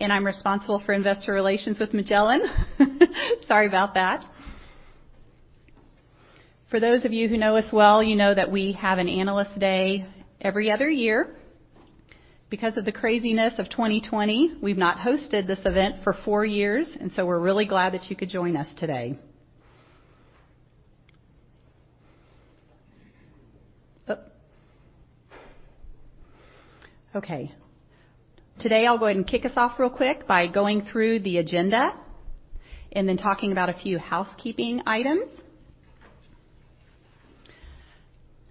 I'm responsible for investor relations with Magellan. Sorry about that. For those of you who know us well, you know that we have an Analyst Day every other year. Because of the craziness of 2020, we've not hosted this event for four years, and so we're really glad that you could join us today. Today, I'll go ahead and kick us off real quick by going through the agenda and then talking about a few housekeeping items.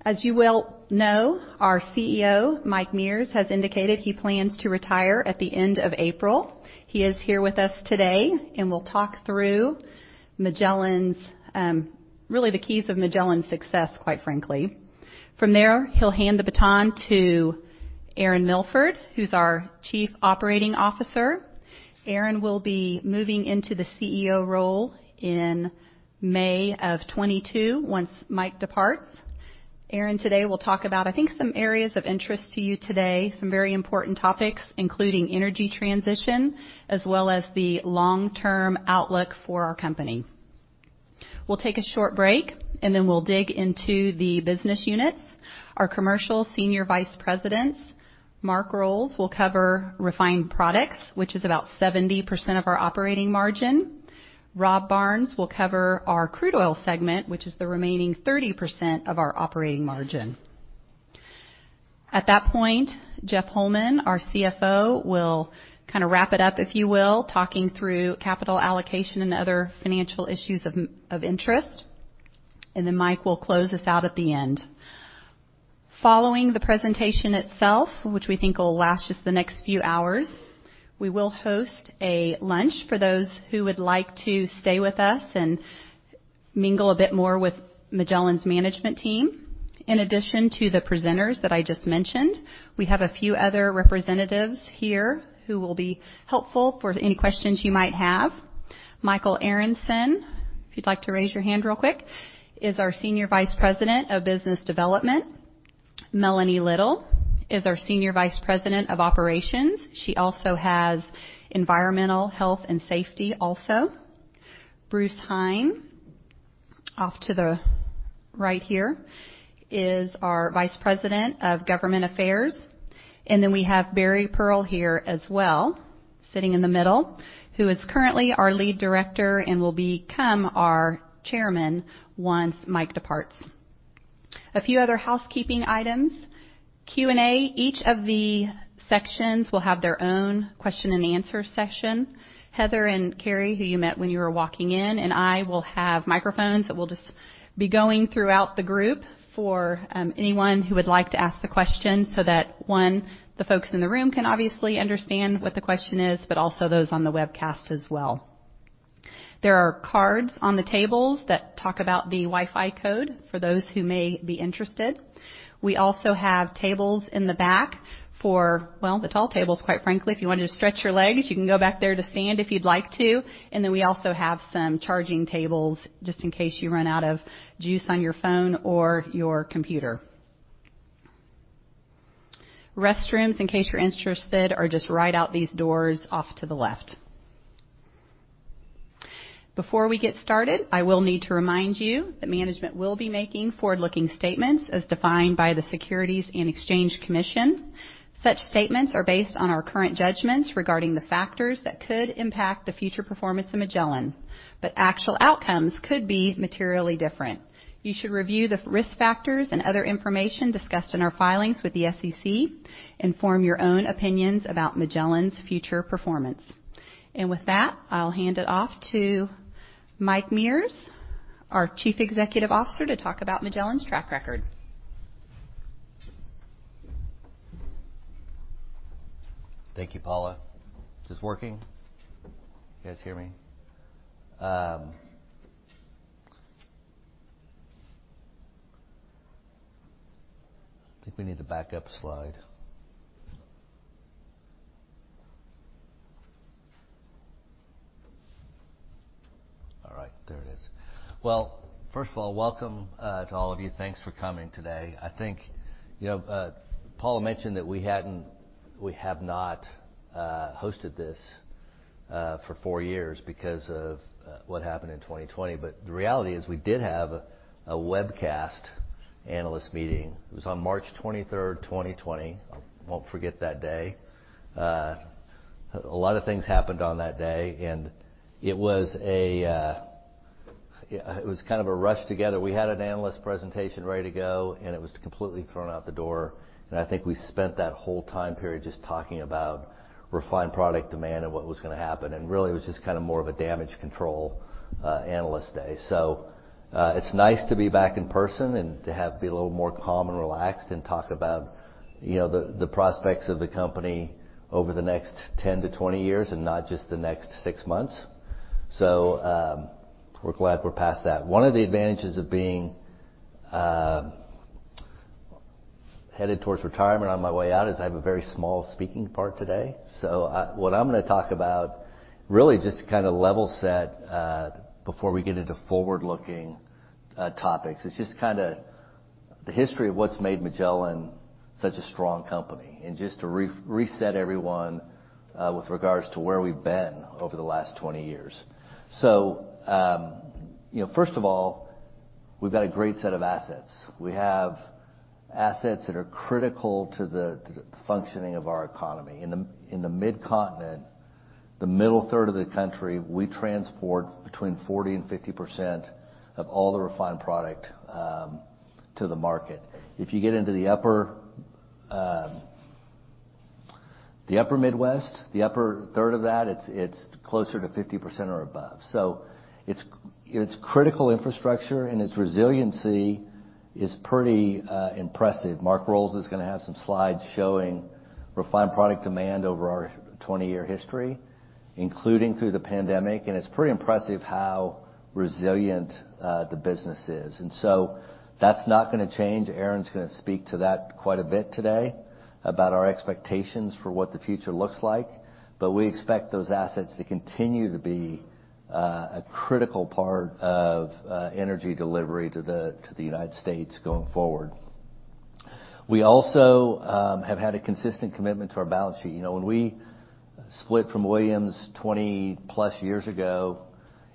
As you well know, our CEO, Mike Mears, has indicated he plans to retire at the end of April. He is here with us today, and will talk through Magellan's, really the keys of Magellan's success, quite frankly. From there, he'll hand the baton to Aaron Milford, who's our Chief Operating Officer. Aaron will be moving into the CEO role in May of 2022 once Mike departs. Aaron today will talk about, I think, some areas of interest to you today, some very important topics, including energy transition, as well as the long-term outlook for our company. We'll take a short break, and then we'll dig into the business units. Our Commercial Senior Vice Presidents, Mark Roles, will cover Refined Products, which is about 70% of our operating margin. Robb Barnes will cover our Crude Oil segment, which is the remaining 30% of our operating margin. At that point, Jeff Holman, our CFO, will kinda wrap it up, if you will, talking through capital allocation and other financial issues of interest. Then Mike will close us out at the end. Following the presentation itself, which we think will last just the next few hours, we will host a lunch for those who would like to stay with us and mingle a bit more with Magellan's management team. In addition to the presenters that I just mentioned, we have a few other representatives here who will be helpful for any questions you might have. Michael Aaronson, if you'd like to raise your hand real quick, is our Senior Vice President of Business Development. Melanie Little is our Senior Vice President of Operations. She also has environmental health and safety also. Bruce Heine, off to the right here, is our Vice President of Government Affairs. And then we have Barry Pearl here as well, sitting in the middle, who is currently our Lead Director and will become our chairman once Mike departs. A few other housekeeping items. Q&A. Each of the sections will have their own question and answer session. Heather and Carrie, who you met when you were walking in, and I will have microphones that we'll just be going throughout the group for anyone who would like to ask the question so that, one, the folks in the room can obviously understand what the question is, but also those on the webcast as well. There are cards on the tables that talk about the Wi-Fi code for those who may be interested. We also have tables in the back for the tall tables, quite frankly. If you wanted to stretch your legs, you can go back there to stand if you'd like to. Then we also have some charging tables just in case you run out of juice on your phone or your computer. Restrooms, in case you're interested, are just right out these doors off to the left. Before we get started, I will need to remind you that management will be making forward-looking statements as defined by the Securities and Exchange Commission. Such statements are based on our current judgments regarding the factors that could impact the future performance of Magellan, but actual outcomes could be materially different. You should review the risk factors and other information discussed in our filings with the SEC and form your own opinions about Magellan's future performance. With that, I'll hand it off to Mike Mears, our Chief Executive Officer, to talk about Magellan's track record. Thank you, Paula. Is this working? You guys hear me? I think we need to back up a slide. All right, there it is. Well, first of all, welcome to all of you. Thanks for coming today. I think, you know, Paula mentioned that we have not hosted this for four years because of what happened in 2020. But the reality is we did have a webcast analyst meeting. It was on March 23th, 2020. I won't forget that day. A lot of things happened on that day, and it was kind of a rushed together. We had an analyst presentation ready to go, and it was completely thrown out the door. I think we spent that whole time period just talking about refined product demand and what was gonna happen. Really, it was just kind of more of a damage control analyst day. It's nice to be back in person and to be a little more calm and relaxed and talk about, you know, the prospects of the company over the next 10 to 20 years and not just the next six months. We're glad we're past that. One of the advantages of being headed towards retirement on my way out is I have a very small speaking part today. What I'm gonna talk about, really just to kinda level set, before we get into forward-looking topics. It's just kinda the history of what's made Magellan such a strong company, and just to reset everyone, with regards to where we've been over the last 20 years. You know, first of all, we've got a great set of assets. We have assets that are critical to the functioning of our economy. In the Mid-Continent, the middle third of the country, we transport between 40%-50% of all the refined product to the market. If you get into the upper Midwest, the upper third of that, it's closer to 50% or above. It's critical infrastructure, and its resiliency is pretty impressive. Mark Roles is gonna have some slides showing refined product demand over our 20-year history, including through the pandemic, and it's pretty impressive how resilient the business is. That's not gonna change. Aaron's gonna speak to that quite a bit today about our expectations for what the future looks like. We expect those assets to continue to be a critical part of energy delivery to the United States going forward. We also have had a consistent commitment to our balance sheet. You know, when we split from Williams 20+ years ago,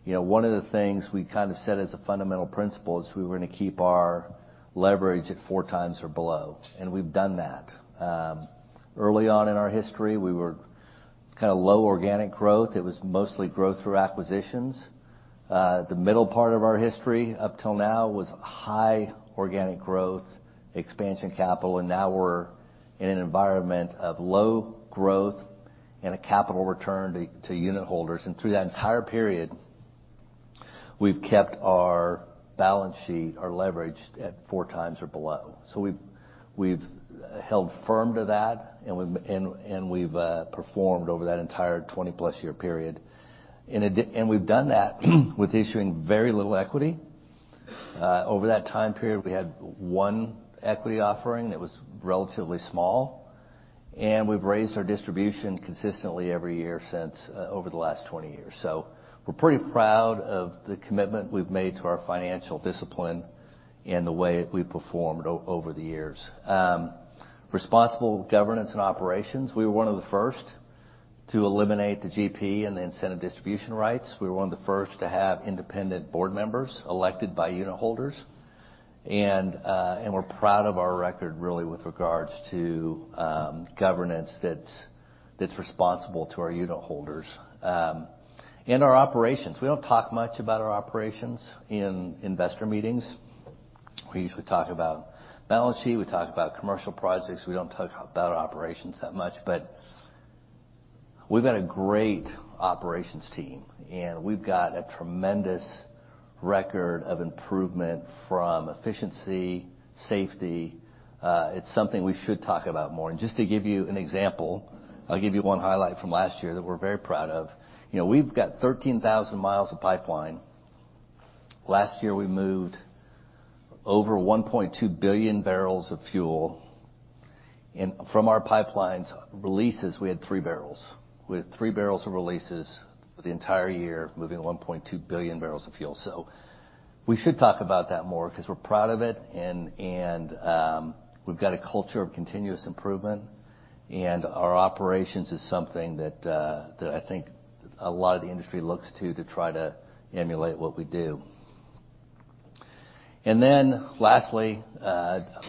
you know, one of the things we kind of set as a fundamental principle is we were gonna keep our leverage at 4x or below, and we've done that. Early on in our history, we were kinda low organic growth. It was mostly growth through acquisitions. The middle part of our history up till now was high organic growth, expansion capital, and now we're in an environment of low growth and a capital return to unitholders. Through that entire period, we've kept our balance sheet or leverage at 4x or below. We've held firm to that, and we've performed over that entire 20+ year period. We've done that with issuing very little equity. Over that time period, we had one equity offering that was relatively small, and we've raised our distribution consistently every year since over the last 20 years. We're pretty proud of the commitment we've made to our financial discipline and the way we've performed over the years. Responsible governance and operations. We were one of the first to eliminate the GP and the incentive distribution rights. We were one of the first to have independent board members elected by unitholders, and we're proud of our record really with regards to governance that's responsible to our unitholders. Our operations. We don't talk much about our operations in investor meetings. We usually talk about balance sheet. We talk about commercial projects. We don't talk about our operations that much. We've got a great operations team, and we've got a tremendous record of improvement from efficiency, safety. It's something we should talk about more. Just to give you an example, I'll give you one highlight from last year that we're very proud of. You know, we've got 13,000 miles of pipeline. Last year, we moved over 1.2 billion barrels of fuel. From our pipeline's releases, we had three barrels. We had three barrels of releases for the entire year of moving 1.2 billion barrels of fuel. We should talk about that more 'cause we're proud of it, and we've got a culture of continuous improvement, and our operations is something that I think a lot of the industry looks to to try to emulate what we do. Lastly,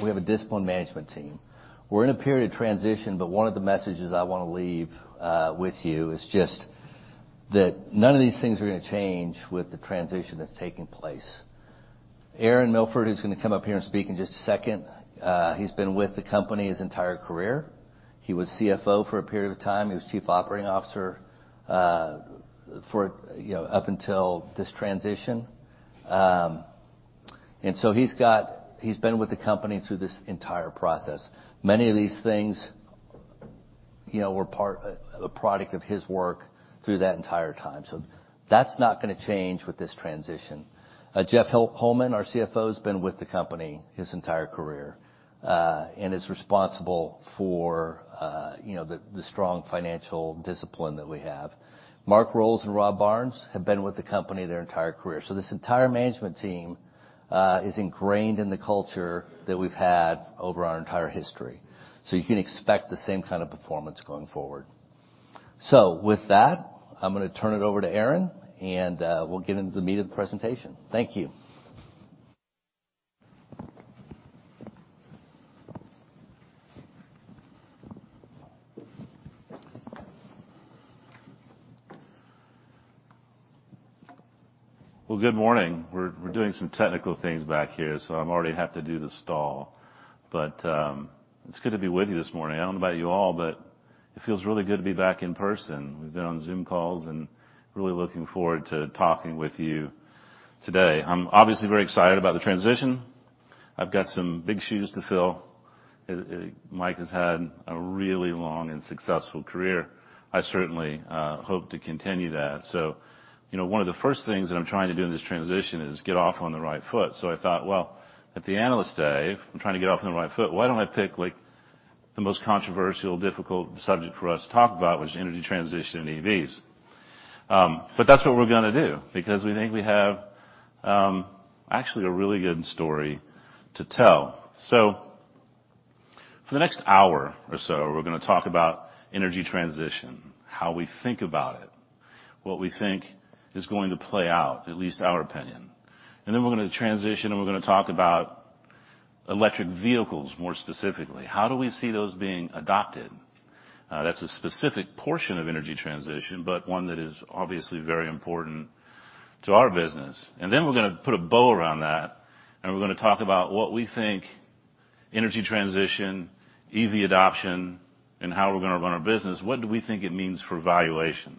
we have a disciplined management team. We're in a period of transition, but one of the messages I wanna leave with you is just that none of these things are gonna change with the transition that's taking place. Aaron Milford, who's gonna come up here and speak in just a second, he's been with the company his entire career. He was CFO for a period of time. He was Chief Operating Officer, you know, up until this transition. He's been with the company through this entire process. Many of these things, you know, were a product of his work through that entire time. That's not gonna change with this transition. Jeff Holman, our CFO, has been with the company his entire career, and is responsible for, you know, the strong financial discipline that we have. Mark Roles and Robb Barnes have been with the company their entire career. This entire management team is ingrained in the culture that we've had over our entire history, so you can expect the same kind of performance going forward. With that, I'm gonna turn it over to Aaron, and we'll get into the meat of the presentation. Thank you. Well, good morning. We're doing some technical things back here, so I already have to do the stall. It's good to be with you this morning. I don't know about you all, but it feels really good to be back in person. We've been on Zoom calls and really looking forward to talking with you today. I'm obviously very excited about the transition. I've got some big shoes to fill. Mike has had a really long and successful career. I certainly hope to continue that. You know, one of the first things that I'm trying to do in this transition is get off on the right foot. I thought, well, at the Analyst Day, if I'm trying to get off on the right foot, why don't I pick, like, the most controversial, difficult subject for us to talk about, which is energy transition and EVs? That's what we're gonna do because we think we have, actually, a really good story to tell. For the next hour or so, we're gonna talk about energy transition, how we think about it, what we think is going to play out, at least our opinion, and then we're gonna transition, and we're gonna talk about electric vehicles more specifically. How do we see those being adopted? That's a specific portion of energy transition, but one that is obviously very important to our business. Then we're gonna put a bow around that, and we're gonna talk about what we think energy transition, EV adoption, and how we're gonna run our business, what do we think it means for valuation.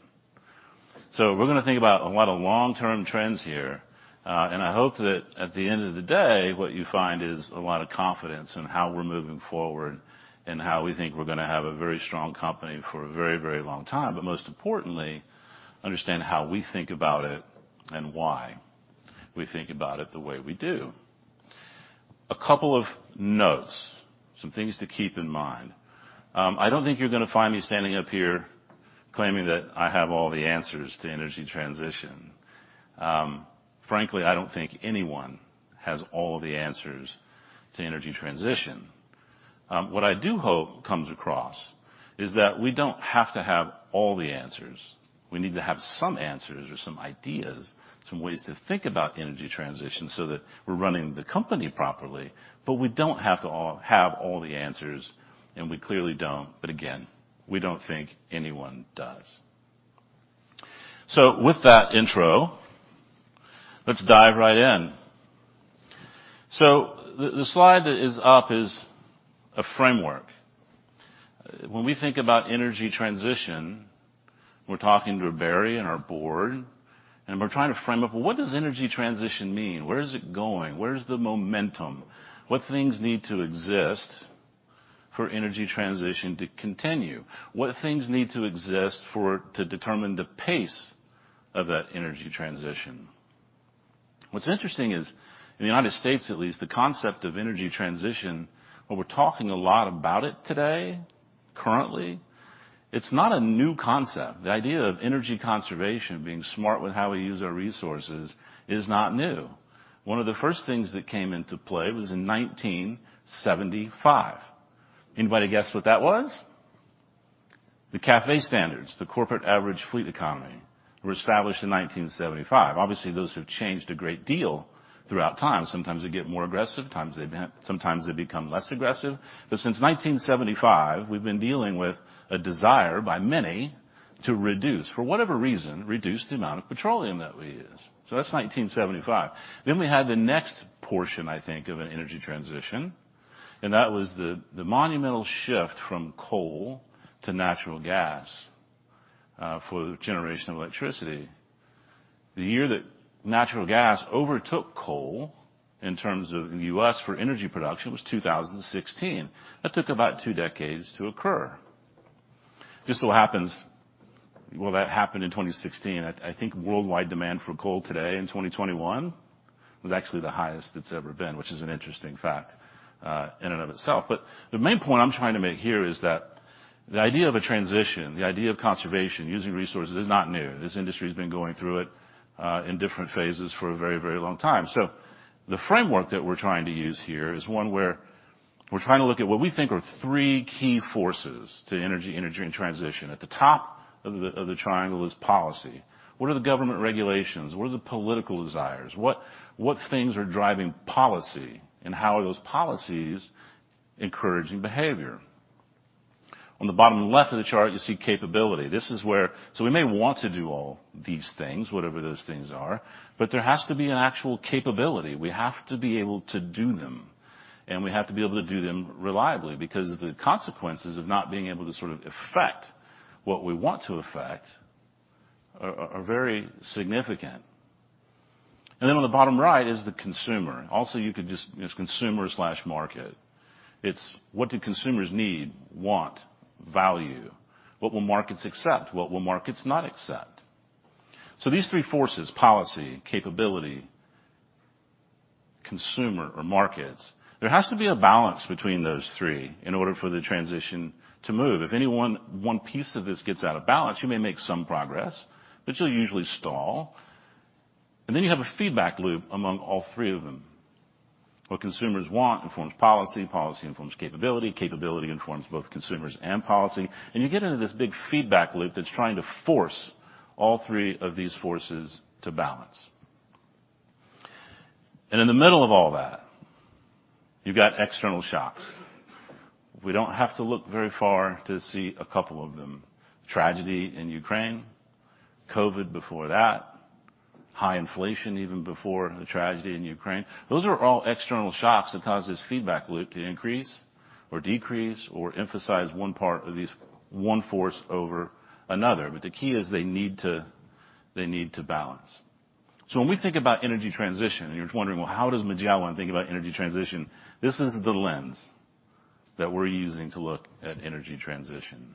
We're gonna think about a lot of long-term trends here. I hope that at the end of the day, what you find is a lot of confidence in how we're moving forward and how we think we're gonna have a very strong company for a very, very long time, but most importantly, understand how we think about it and why we think about it the way we do. A couple of notes, some things to keep in mind. I don't think you're gonna find me standing up here claiming that I have all the answers to energy transition. Frankly, I don't think anyone has all the answers to energy transition. What I do hope comes across is that we don't have to have all the answers. We need to have some answers or some ideas, some ways to think about energy transition so that we're running the company properly, but we don't have to have all the answers, and we clearly don't. Again, we don't think anyone does. With that intro, let's dive right in. The slide that is up is a framework. When we think about energy transition, we're talking to Barry and our board, and we're trying to frame up, well, what does energy transition mean? Where is it going? Where's the momentum? What things need to exist for energy transition to continue? What things need to exist for it to determine the pace of that energy transition? What's interesting is, in the United States at least, the concept of energy transition, while we're talking a lot about it today, currently, it's not a new concept. The idea of energy conservation, being smart with how we use our resources is not new. One of the first things that came into play was in 1975. Anybody guess what that was? The CAFE standards, the Corporate Average Fuel Economy, were established in 1975. Obviously, those have changed a great deal throughout time. Sometimes they get more aggressive, sometimes they become less aggressive. Since 1975, we've been dealing with a desire by many to reduce, for whatever reason, reduce the amount of petroleum that we use. That's 1975. We have the next portion, I think, of an energy transition, and that was the monumental shift from coal to natural gas, for the generation of electricity. The year that natural gas overtook coal in terms of U.S. for energy production was 2016. That took about two decades to occur. Just so happens, well, that happened in 2016. I think worldwide demand for coal today in 2021 was actually the highest it's ever been, which is an interesting fact, in and of itself. But the main point I'm trying to make here is that the idea of a transition, the idea of conservation, using resources is not new. This industry has been going through it, in different phases for a very, very long time. The framework that we're trying to use here is one where we're trying to look at what we think are three key forces to energy in transition. At the top of the triangle is policy. What are the government regulations? What are the political desires? What things are driving policy, and how are those policies encouraging behavior? On the bottom left of the chart, you see capability. This is where we may want to do all these things, whatever those things are, but there has to be an actual capability. We have to be able to do them, and we have to be able to do them reliably because the consequences of not being able to sort of effect what we want to effect are very significant. Then on the bottom right is the consumer. Also, you could just It's consumer slash market. It's what do consumers need, want, value? What will markets accept? What will markets not accept? These three forces, policy, capability, consumer or markets, there has to be a balance between those three in order for the transition to move. If any one piece of this gets out of balance, you may make some progress, but you'll usually stall. Then you have a feedback loop among all three of them. What consumers want informs policy informs capability informs both consumers and policy, and you get into this big feedback loop that's trying to force all three of these forces to balance. In the middle of all that, you've got external shocks. We don't have to look very far to see a couple of them. Tragedy in Ukraine, COVID before that, high inflation even before the tragedy in Ukraine. Those are all external shocks that cause this feedback loop to increase or decrease or emphasize one part of these one force over another, but the key is they need to balance. When we think about energy transition, and you're wondering, "Well, how does Magellan think about energy transition?" This is the lens that we're using to look at energy transition.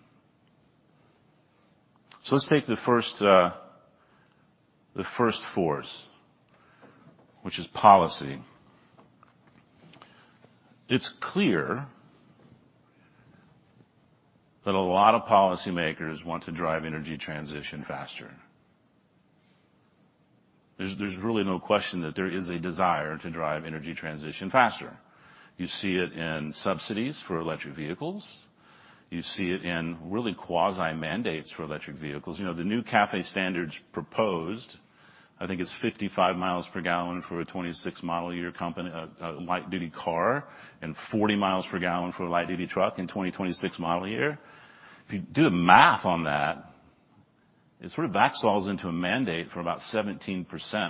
Let's take the first force, which is policy. It's clear that a lot of policymakers want to drive energy transition faster. There's really no question that there is a desire to drive energy transition faster. You see it in subsidies for electric vehicles. You see it in really quasi mandates for electric vehicles. You know, the new CAFE standards proposed, I think it's 55 miles per gallon for a 2026 model year combined light-duty car and 40 miles per gallon for a light-duty truck in 2026 model year. If you do the math on that, it sort of back solves into a mandate for about 17%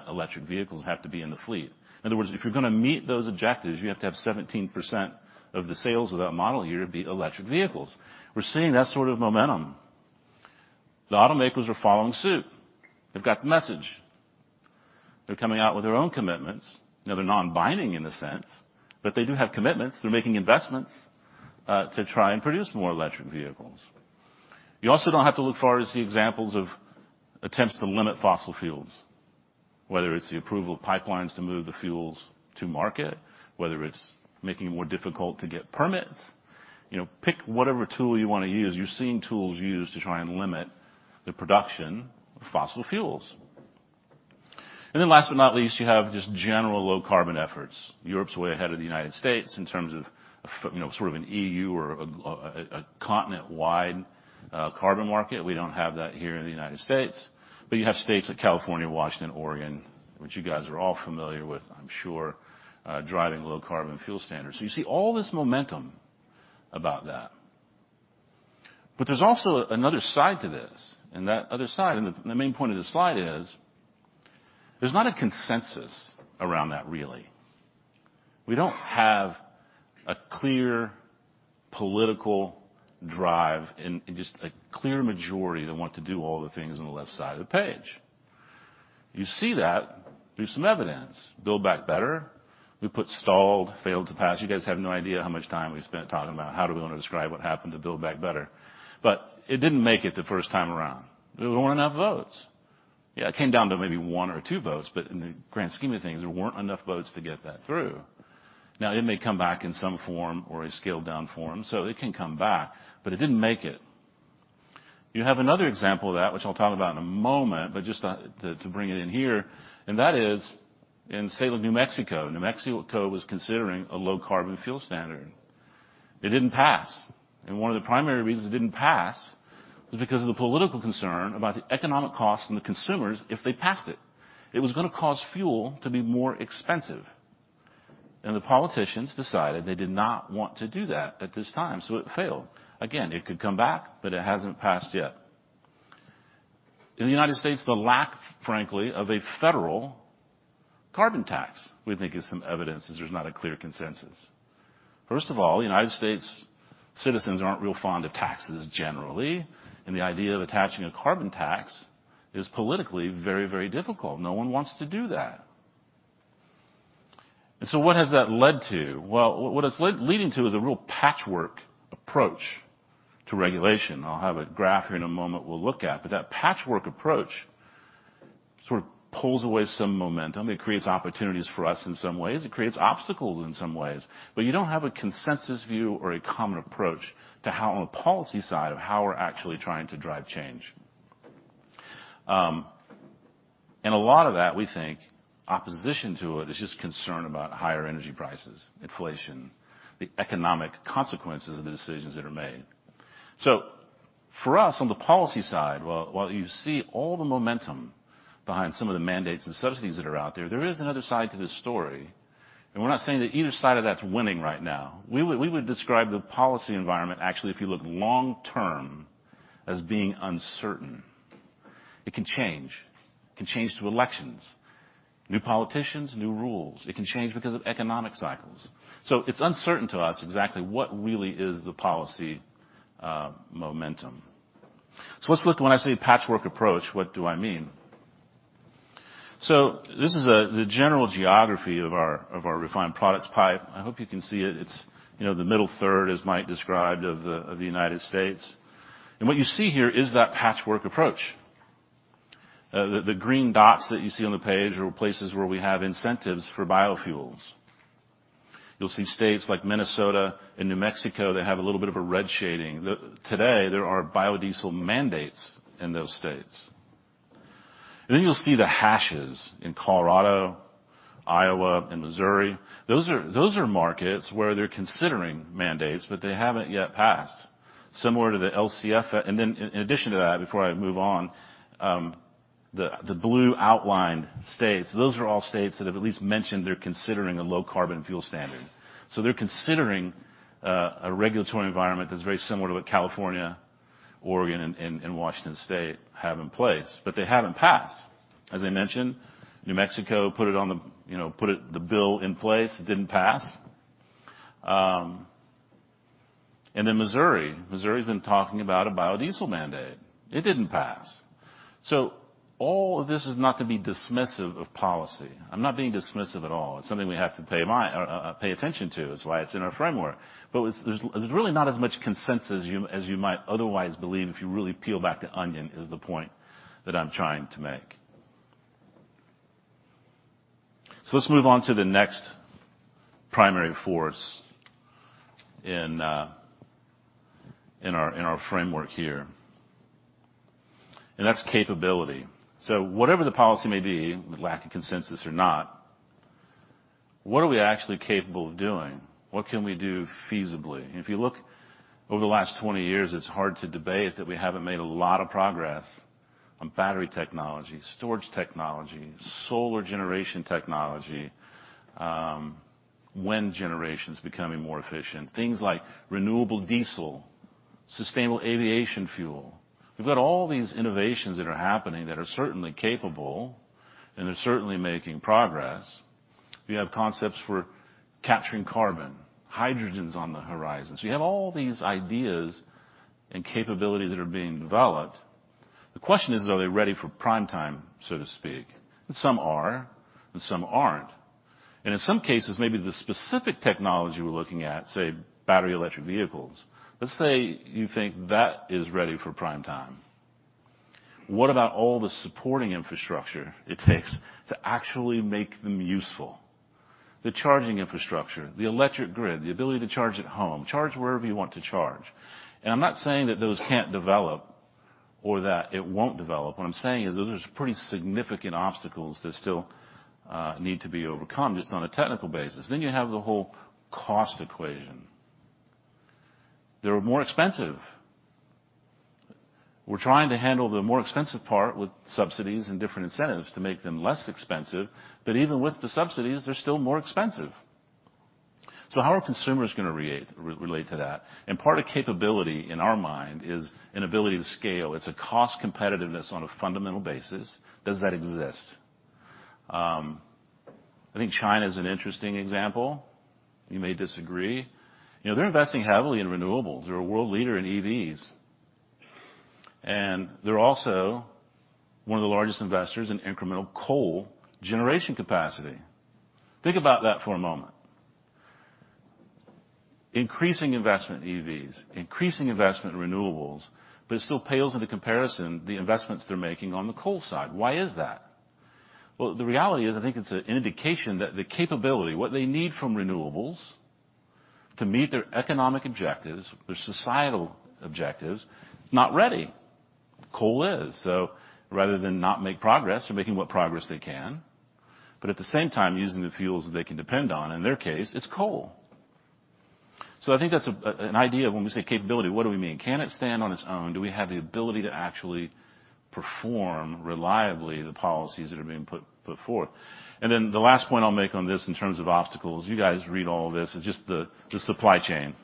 electric vehicles have to be in the fleet. In other words, if you're gonna meet those objectives, you have to have 17% of the sales of that model year be electric vehicles. We're seeing that sort of momentum. The automakers are following suit. They've got the message. They're coming out with their own commitments. Now, they're non-binding in a sense, but they do have commitments. They're making investments to try and produce more electric vehicles. You also don't have to look far to see examples of attempts to limit fossil fuels, whether it's the approval of pipelines to move the fuels to market, whether it's making it more difficult to get permits. You know, pick whatever tool you wanna use. You're seeing tools used to try and limit the production of fossil fuels. Then last but not least, you have just general low carbon efforts. Europe's way ahead of the United States in terms of, you know, sort of an EU or a continent-wide carbon market. We don't have that here in the United States. You have states like California, Washington, Oregon, which you guys are all familiar with, I'm sure, driving low carbon fuel standards. You see all this momentum about that. There's also another side to this, and that other side, and the main point of this slide is there's not a consensus around that, really. We don't have a clear political drive and just a clear majority that want to do all the things on the left side of the page. You see that through some evidence. Build Back Better, we put stalled, failed to pass. You guys have no idea how much time we spent talking about how do we wanna describe what happened to Build Back Better. It didn't make it the first time around. There weren't enough votes. Yeah, it came down to maybe one or two votes, but in the grand scheme of things, there weren't enough votes to get that through. Now, it may come back in some form or a scaled-down form, so it can come back, but it didn't make it. You have another example of that, which I'll talk about in a moment, but just to bring it in here, that is in the state of New Mexico. New Mexico was considering a low carbon fuel standard. It didn't pass, and one of the primary reasons it didn't pass was because of the political concern about the economic costs and the consumers if they passed it. It was gonna cause fuel to be more expensive. The politicians decided they did not want to do that at this time, so it failed. Again, it could come back, but it hasn't passed yet. In the United States, the lack, frankly, of a federal carbon tax, we think, is some evidence that there's not a clear consensus. First of all, United States citizens aren't real fond of taxes generally, and the idea of attaching a carbon tax is politically very, very difficult. No one wants to do that. What has that led to? Well, what it's leading to is a real patchwork approach to regulation. I'll have a graph here in a moment we'll look at. That patchwork approach sort of pulls away some momentum. It creates opportunities for us in some ways. It creates obstacles in some ways. You don't have a consensus view or a common approach to how on the policy side of how we're actually trying to drive change. A lot of that, we think opposition to it is just concern about higher energy prices, inflation, the economic consequences of the decisions that are made. For us on the policy side, while you see all the momentum behind some of the mandates and subsidies that are out there is another side to this story. We're not saying that either side of that's winning right now. We would describe the policy environment actually, if you look long term, as being uncertain. It can change. It can change through elections, new politicians, new rules. It can change because of economic cycles. It's uncertain to us exactly what really is the policy momentum. Let's look, when I say patchwork approach, what do I mean? This is the general geography of our refined products pipe. I hope you can see it. It's, you know, the middle third, as Mike described, of the United States. What you see here is that patchwork approach. The green dots that you see on the page are places where we have incentives for biofuels. You'll see states like Minnesota and New Mexico that have a little bit of a red shading. Today, there are biodiesel mandates in those states. Then you'll see the hashes in Colorado, Iowa, and Missouri. Those are markets where they're considering mandates, but they haven't yet passed, similar to the LCFS. In addition to that, before I move on, the blue outlined states, those are all states that have at least mentioned they're considering a Low Carbon Fuel Standard. They're considering a regulatory environment that's very similar to what California, Oregon, and Washington State have in place, but they haven't passed. As I mentioned, New Mexico put it, you know, the bill in place. It didn't pass. Missouri's been talking about a biodiesel mandate. It didn't pass. All of this is not to be dismissive of policy. I'm not being dismissive at all. It's something we have to pay attention to. That's why it's in our framework. There's really not as much consensus as you might otherwise believe, if you really peel back the onion, is the point that I'm trying to make. Let's move on to the next primary force in our framework here, and that's capability. Whatever the policy may be, lack of consensus or not, what are we actually capable of doing? What can we do feasibly? If you look over the last 20 years, it's hard to debate that we haven't made a lot of progress on battery technology, storage technology, solar generation technology, wind generation's becoming more efficient. Things like renewable diesel, sustainable aviation fuel. We've got all these innovations that are happening that are certainly capable, and they're certainly making progress. We have concepts for capturing carbon. Hydrogen's on the horizon. You have all these ideas and capabilities that are being developed. The question is, are they ready for prime time, so to speak? Some are, and some aren't. In some cases, maybe the specific technology we're looking at, say, battery electric vehicles. Let's say you think that is ready for prime time. What about all the supporting infrastructure it takes to actually make them useful? The charging infrastructure, the electric grid, the ability to charge at home, charge wherever you want to charge. I'm not saying that those can't develop or that it won't develop. What I'm saying is, those are pretty significant obstacles that still need to be overcome, just on a technical basis. You have the whole cost equation. They are more expensive. We're trying to handle the more expensive part with subsidies and different incentives to make them less expensive, but even with the subsidies, they're still more expensive. How are consumers gonna relate to that? Part of capability, in our mind, is an ability to scale. It's a cost competitiveness on a fundamental basis. Does that exist? I think China is an interesting example. You may disagree. You know, they're investing heavily in renewables. They're a world leader in EVs. They're also one of the largest investors in incremental coal generation capacity. Think about that for a moment. Increasing investment in EVs, increasing investment in renewables, but it still pales in comparison the investments they're making on the coal side. Why is that? Well, the reality is, I think it's an indication that the capability, what they need from renewables to meet their economic objectives, their societal objectives, it's not ready. Coal is. Rather than not make progress, they're making what progress they can, but at the same time, using the fuels that they can depend on. In their case, it's coal. I think that's an idea when we say capability, what do we mean? Can it stand on its own? Do we have the ability to actually perform reliably the policies that are being put forth? Then the last point I'll make on this in terms of obstacles, you guys read all this, is just the supply chain.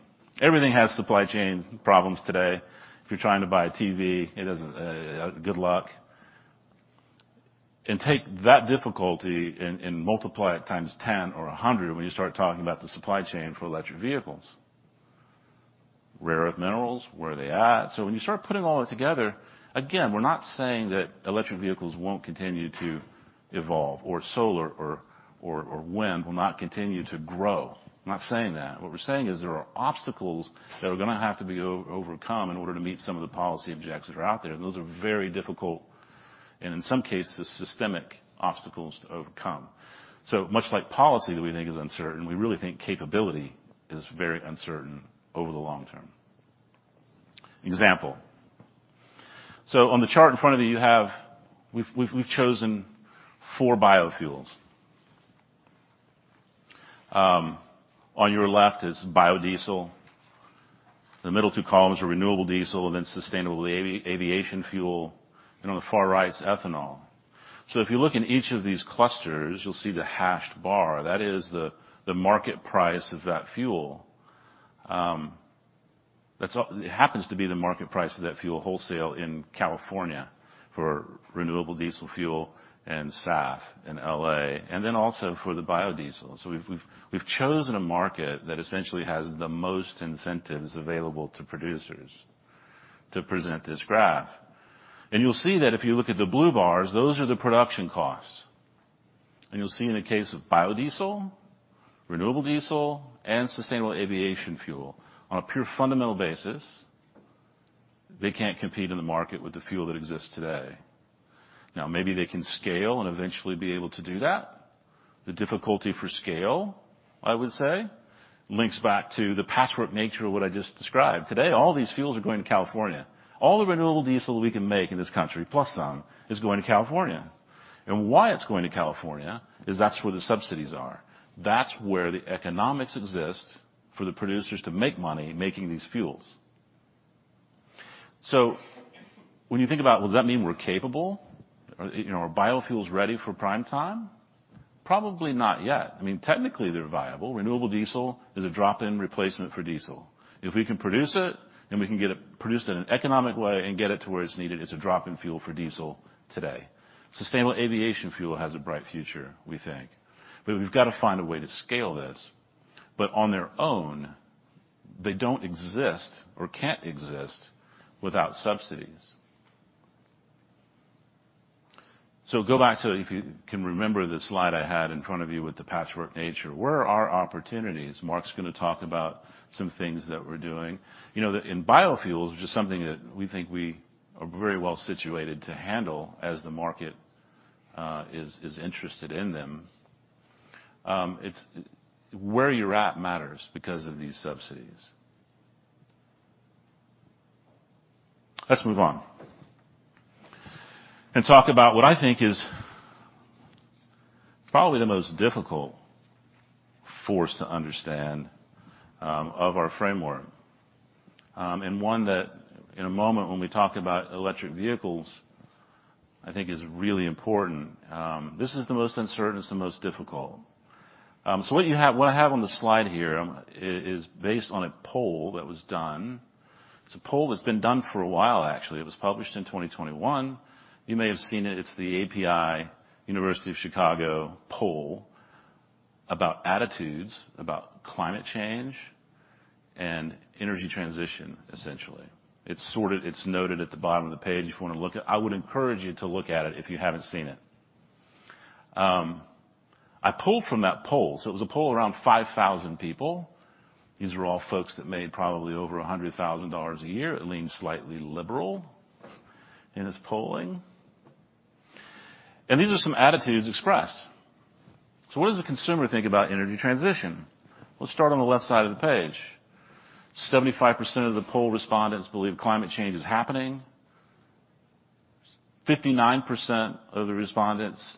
Everything has supply chain problems today. If you're trying to buy a TV, it isn't. Good luck. Take that difficulty and multiply it times 10 or 100 when you start talking about the supply chain for electric vehicles. Rare earth minerals, where are they at? When you start putting all that together, again, we're not saying that electric vehicles won't continue to evolve or solar or wind will not continue to grow. I'm not saying that. What we're saying is there are obstacles that are gonna have to be overcome in order to meet some of the policy objectives that are out there. Those are very difficult, and in some cases, systemic obstacles to overcome. Much like policy that we think is uncertain, we really think capability is very uncertain over the long term. Example. On the chart in front of you have. We've chosen four biofuels. On your left is biodiesel, the middle two columns are renewable diesel, and then sustainable aviation fuel, and on the far right is ethanol. If you look in each of these clusters, you'll see the hashed bar. That is the market price of that fuel. That's all it happens to be the market price of that fuel wholesale in California for renewable diesel fuel and SAF in L.A., and then also for the biodiesel. We've chosen a market that essentially has the most incentives available to producers to present this graph. You'll see that if you look at the blue bars, those are the production costs. You'll see in the case of biodiesel, renewable diesel, and sustainable aviation fuel, on a pure fundamental basis, they can't compete in the market with the fuel that exists today. Now, maybe they can scale and eventually be able to do that. The difficulty for scale, I would say, links back to the patchwork nature of what I just described. Today, all these fuels are going to California. All the renewable diesel we can make in this country, plus some, is going to California. Why it's going to California is that's where the subsidies are. That's where the economics exist for the producers to make money making these fuels. When you think about, well, does that mean we're capable? You know, are biofuels ready for prime time? Probably not yet. I mean, technically, they're viable. Renewable diesel is a drop-in replacement for diesel. If we can produce it, then we can get it produced in an economic way and get it to where it's needed. It's a drop-in fuel for diesel today. Sustainable aviation fuel has a bright future, we think, but we've got to find a way to scale this. On their own, they don't exist or can't exist without subsidies. Go back to, if you can remember the slide I had in front of you with the patchwork nature. Where are our opportunities? Mark's gonna talk about some things that we're doing. You know that in biofuels, which is something that we think we are very well situated to handle as the market is interested in them. It's where you're at matters because of these subsidies. Let's move on and talk about what I think is probably the most difficult force to understand of our framework, and one that in a moment when we talk about electric vehicles, I think is really important. This is the most uncertain, it's the most difficult. What I have on the slide here is based on a poll that was done. It's a poll that's been done for a while, actually. It was published in 2021. You may have seen it. It's the API University of Chicago poll about attitudes about climate change and energy transition, essentially. It's sourced. It's noted at the bottom of the page if you wanna look at it. I would encourage you to look at it if you haven't seen it. I pulled from that poll. It was a poll around 5,000 people. These were all folks that made probably over $100,000 a year. It leaned slightly liberal in its polling. These are some attitudes expressed. What does the consumer think about energy transition? Let's start on the left side of the page. 75% of the poll respondents believe climate change is happening. 59% of the respondents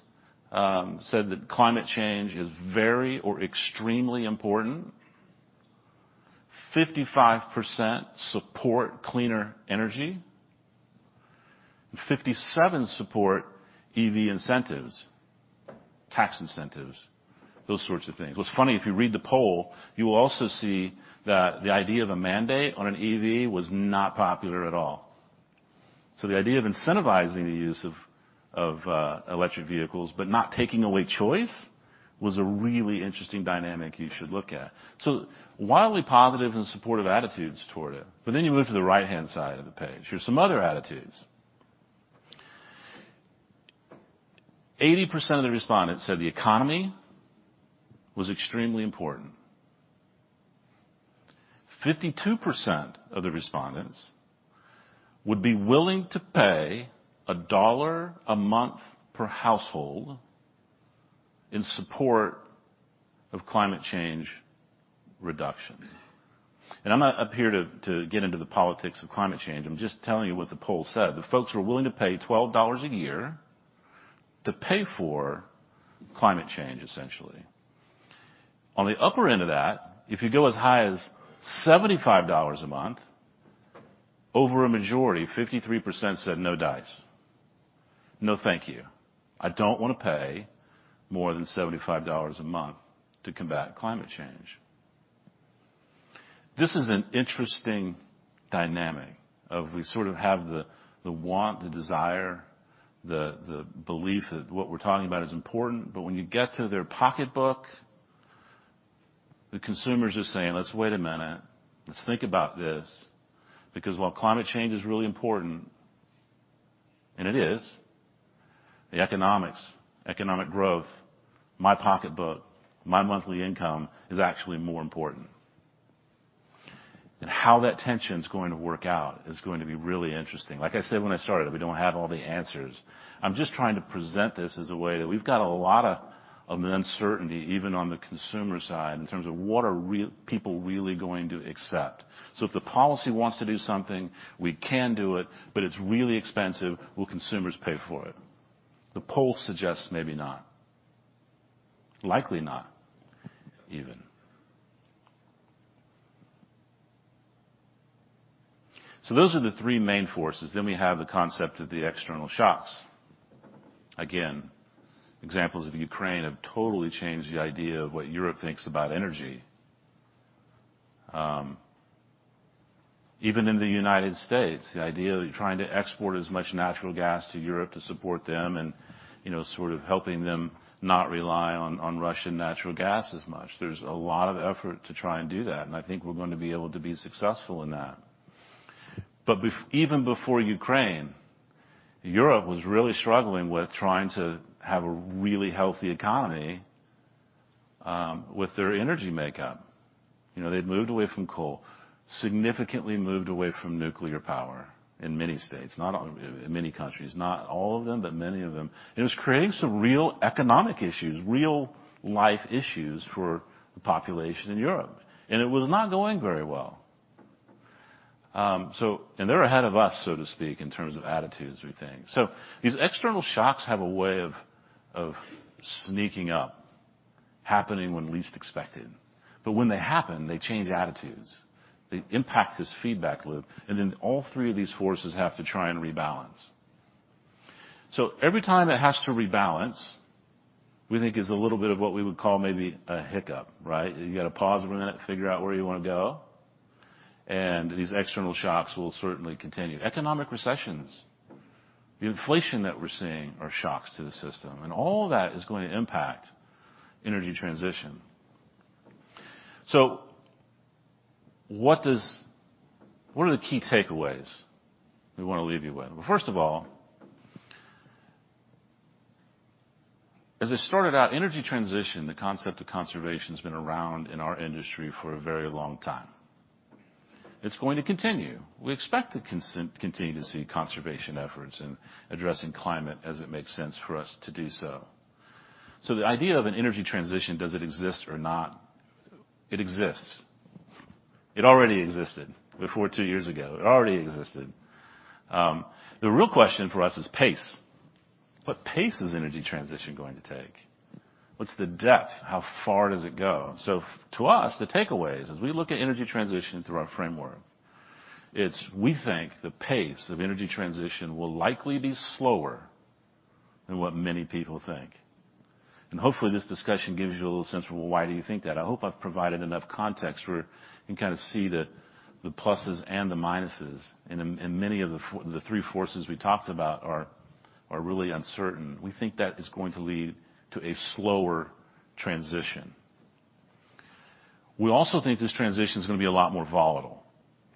said that climate change is very or extremely important. 55% support cleaner energy. 57% support EV incentives, tax incentives, those sorts of things. What's funny, if you read the poll, you will also see that the idea of a mandate on an EV was not popular at all. The idea of incentivizing the use of electric vehicles, but not taking away choice was a really interesting dynamic you should look at. Wildly positive and supportive attitudes toward it, but then you move to the right-hand side of the page. Here's some other attitudes. 80% of the respondents said the economy was extremely important. 52% of the respondents would be willing to pay $1 a month per household in support of climate change reduction. I'm not up here to get into the politics of climate change. I'm just telling you what the poll said, that folks were willing to pay $12 a year to pay for climate change, essentially. On the upper end of that, if you go as high as $75 a month, over a majority, 53% said, "No dice. No, thank you. I don't wanna pay more than $75 a month to combat climate change." This is an interesting dynamic of we sort of have the want, the desire, the belief that what we're talking about is important, but when you get to their pocketbook, the consumer's just saying, "Let's wait a minute. Let's think about this, because while climate change is really important, and it is, the economics, economic growth, my pocketbook, my monthly income is actually more important." How that tension's going to work out is going to be really interesting. Like I said when I started, we don't have all the answers. I'm just trying to present this as a way that we've got a lot of uncertainty even on the consumer side in terms of what are people really going to accept. If the policy wants to do something, we can do it, but it's really expensive. Will consumers pay for it? The poll suggests maybe not. Likely not, even. Those are the three main forces. We have the concept of the external shocks. Again, examples of Ukraine have totally changed the idea of what Europe thinks about energy. Even in the United States, the idea of trying to export as much natural gas to Europe to support them and, you know, sort of helping them not rely on Russian natural gas as much. There's a lot of effort to try and do that, and I think we're going to be able to be successful in that. Even before Ukraine, Europe was really struggling with trying to have a really healthy economy with their energy makeup. You know, they'd moved away from coal, significantly moved away from nuclear power in many states. Not all, in many countries. Not all of them, but many of them. It was creating some real economic issues, real life issues for the population in Europe, and it was not going very well. They're ahead of us, so to speak, in terms of attitudes or things. These external shocks have a way of sneaking up, happening when least expected. When they happen, they change attitudes. They impact this feedback loop, and then all three of these forces have to try and rebalance. Every time it has to rebalance, we think is a little bit of what we would call maybe a hiccup, right? You gotta pause for a minute, figure out where you wanna go, and these external shocks will certainly continue. Economic recessions, the inflation that we're seeing are shocks to the system, and all that is going to impact energy transition. What are the key takeaways we wanna leave you with? Well, first of all, as I started out, energy transition, the concept of conservation has been around in our industry for a very long time. It's going to continue. We expect to continue to see conservation efforts in addressing climate as it makes sense for us to do so. The idea of an energy transition, does it exist or not? It exists. It already existed before two years ago. It already existed. The real question for us is pace. What pace is energy transition going to take? What's the depth? How far does it go? To us, the takeaway is, as we look at energy transition through our framework, it's we think the pace of energy transition will likely be slower than what many people think. Hopefully this discussion gives you a little sense of, "Well, why do you think that?" I hope I've provided enough context where you can kinda see the pluses and the minuses, and many of the three forces we talked about are really uncertain. We think that is going to lead to a slower transition. We also think this transition is gonna be a lot more volatile.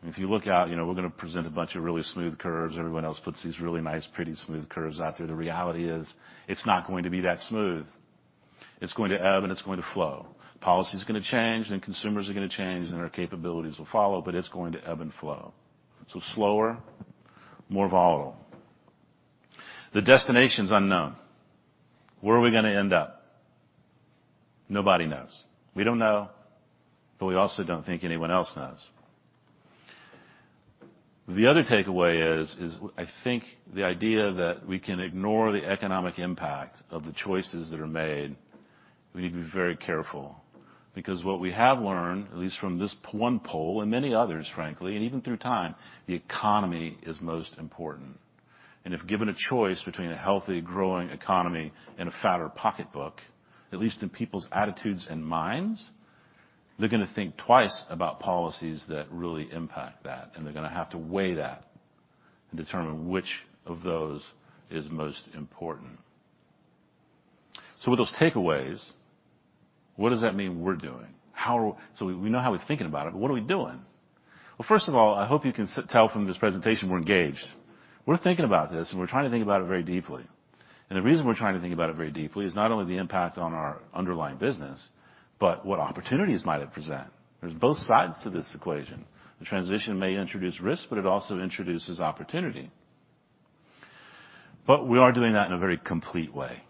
If you look out, you know, we're gonna present a bunch of really smooth curves. Everyone else puts these really nice, pretty smooth curves out there. The reality is, it's not going to be that smooth. It's going to ebb, and it's going to flow. Policy's gonna change, and consumers are gonna change, and our capabilities will follow, but it's going to ebb and flow. Slower, more volatile. The destination's unknown. Where are we gonna end up? Nobody knows. We don't know, but we also don't think anyone else knows. The other takeaway is I think the idea that we can ignore the economic impact of the choices that are made, we need to be very careful because what we have learned, at least from this one poll and many others, frankly, and even through time, the economy is most important. If given a choice between a healthy, growing economy and a fatter pocketbook, at least in people's attitudes and minds, they're gonna think twice about policies that really impact that, and they're gonna have to weigh that and determine which of those is most important. With those takeaways, what does that mean we're doing? We know how we're thinking about it, but what are we doing? Well, first of all, I hope you can tell from this presentation we're engaged. We're thinking about this, and we're trying to think about it very deeply. The reason we're trying to think about it very deeply is not only the impact on our underlying business, but what opportunities might it present. There's both sides to this equation. The transition may introduce risk, but it also introduces opportunity. We are doing that in a very complete way.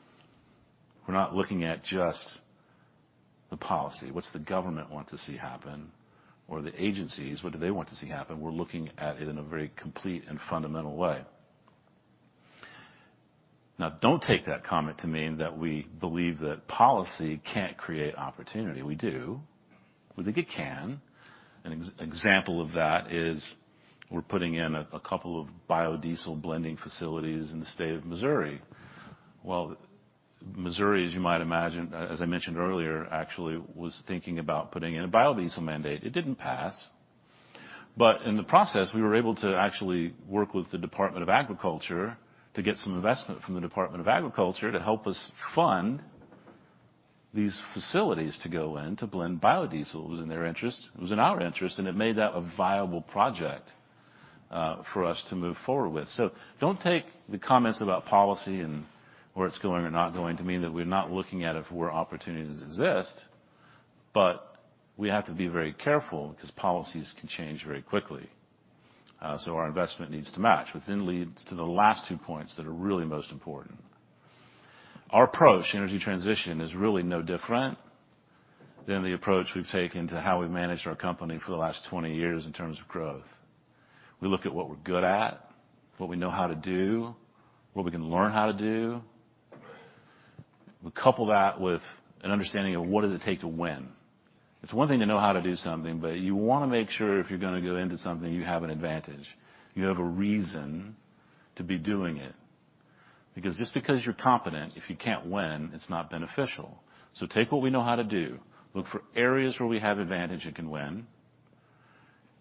We're not looking at just the policy, what's the government want to see happen, or the agencies, what do they want to see happen? We're looking at it in a very complete and fundamental way. Now don't take that comment to mean that we believe that policy can't create opportunity. We do. We think it can. An example of that is we're putting in a couple of biodiesel blending facilities in the state of Missouri. Well, Missouri, as you might imagine, as I mentioned earlier, actually was thinking about putting in a biodiesel mandate. It didn't pass. In the process, we were able to actually work with the Department of Agriculture to get some investment from the Department of Agriculture to help us fund these facilities to go in to blend biodiesel. It was in their interest, it was in our interest, and it made that a viable project for us to move forward with. Don't take the comments about policy and where it's going or not going to mean that we're not looking at it where opportunities exist, but we have to be very careful 'cause policies can change very quickly. Our investment needs to match, which then leads to the last two points that are really most important. Our approach to energy transition is really no different than the approach we've taken to how we've managed our company for the last 20 years in terms of growth. We look at what we're good at, what we know how to do, what we can learn how to do. We couple that with an understanding of what does it take to win. It's one thing to know how to do something, but you wanna make sure if you're gonna go into something, you have an advantage, you have a reason to be doing it. Because just because you're competent, if you can't win, it's not beneficial. Take what we know how to do. Look for areas where we have advantage and can win.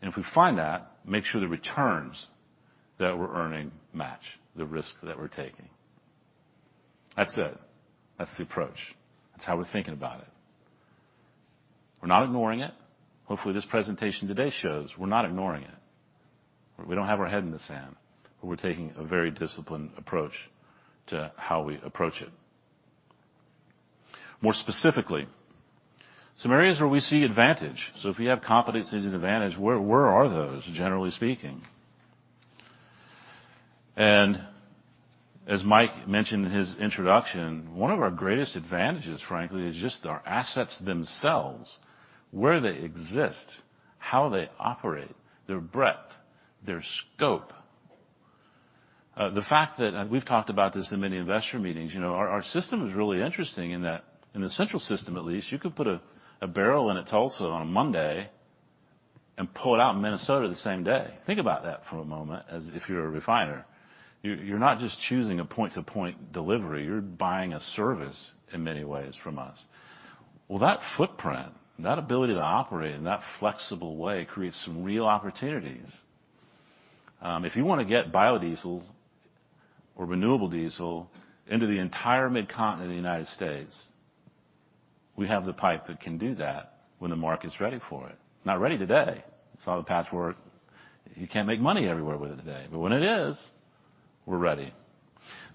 If we find that, make sure the returns that we're earning match the risk that we're taking. That's it. That's the approach. That's how we're thinking about it. We're not ignoring it. Hopefully, this presentation today shows we're not ignoring it. We don't have our head in the sand. We're taking a very disciplined approach to how we approach it. More specifically, some areas where we see advantage. If you have competencies and advantage, where are those, generally speaking? As Mike mentioned in his introduction, one of our greatest advantages, frankly, is just our assets themselves, where they exist, how they operate, their breadth, their scope. We've talked about this in many investor meetings. You know, our system is really interesting in that in the central system at least, you could put a barrel in at Tulsa on a Monday and pull it out in Minnesota the same day. Think about that for a moment as if you're a refiner. You're not just choosing a point-to-point delivery, you're buying a service in many ways from us. Well, that footprint, that ability to operate in that flexible way creates some real opportunities. If you wanna get biodiesels or renewable diesel into the entire mid-continent of the United States. We have the pipe that can do that when the market's ready for it. Not ready today. Saw the patchwork. You can't make money everywhere with it today. When it is, we're ready.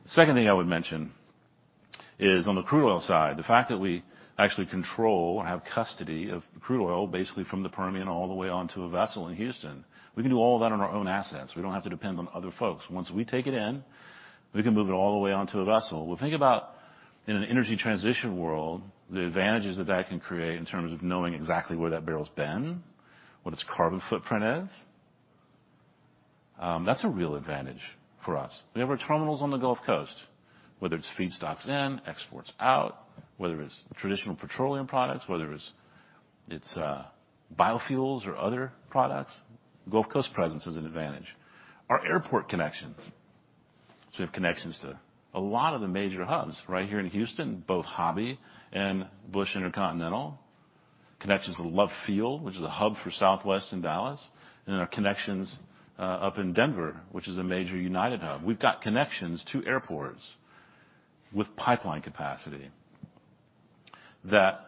Second thing I would mention is on the crude oil side, the fact that we actually control and have custody of crude oil basically from the Permian all the way onto a vessel in Houston. We can do all of that on our own assets. We don't have to depend on other folks. Once we take it in, we can move it all the way onto a vessel. Well, think about in an energy transition world, the advantages that that can create in terms of knowing exactly where that barrel's been, what its carbon footprint is. That's a real advantage for us. We have our terminals on the Gulf Coast, whether it's feedstocks in, exports out, whether it's traditional petroleum products, whether it's biofuels or other products, Gulf Coast presence is an advantage. Our airport connections. We have connections to a lot of the major hubs right here in Houston, both Hobby and Bush Intercontinental. Connections to Love Field, which is a hub for Southwest and Dallas, and our connections up in Denver, which is a major United hub. We've got connections to airports with pipeline capacity that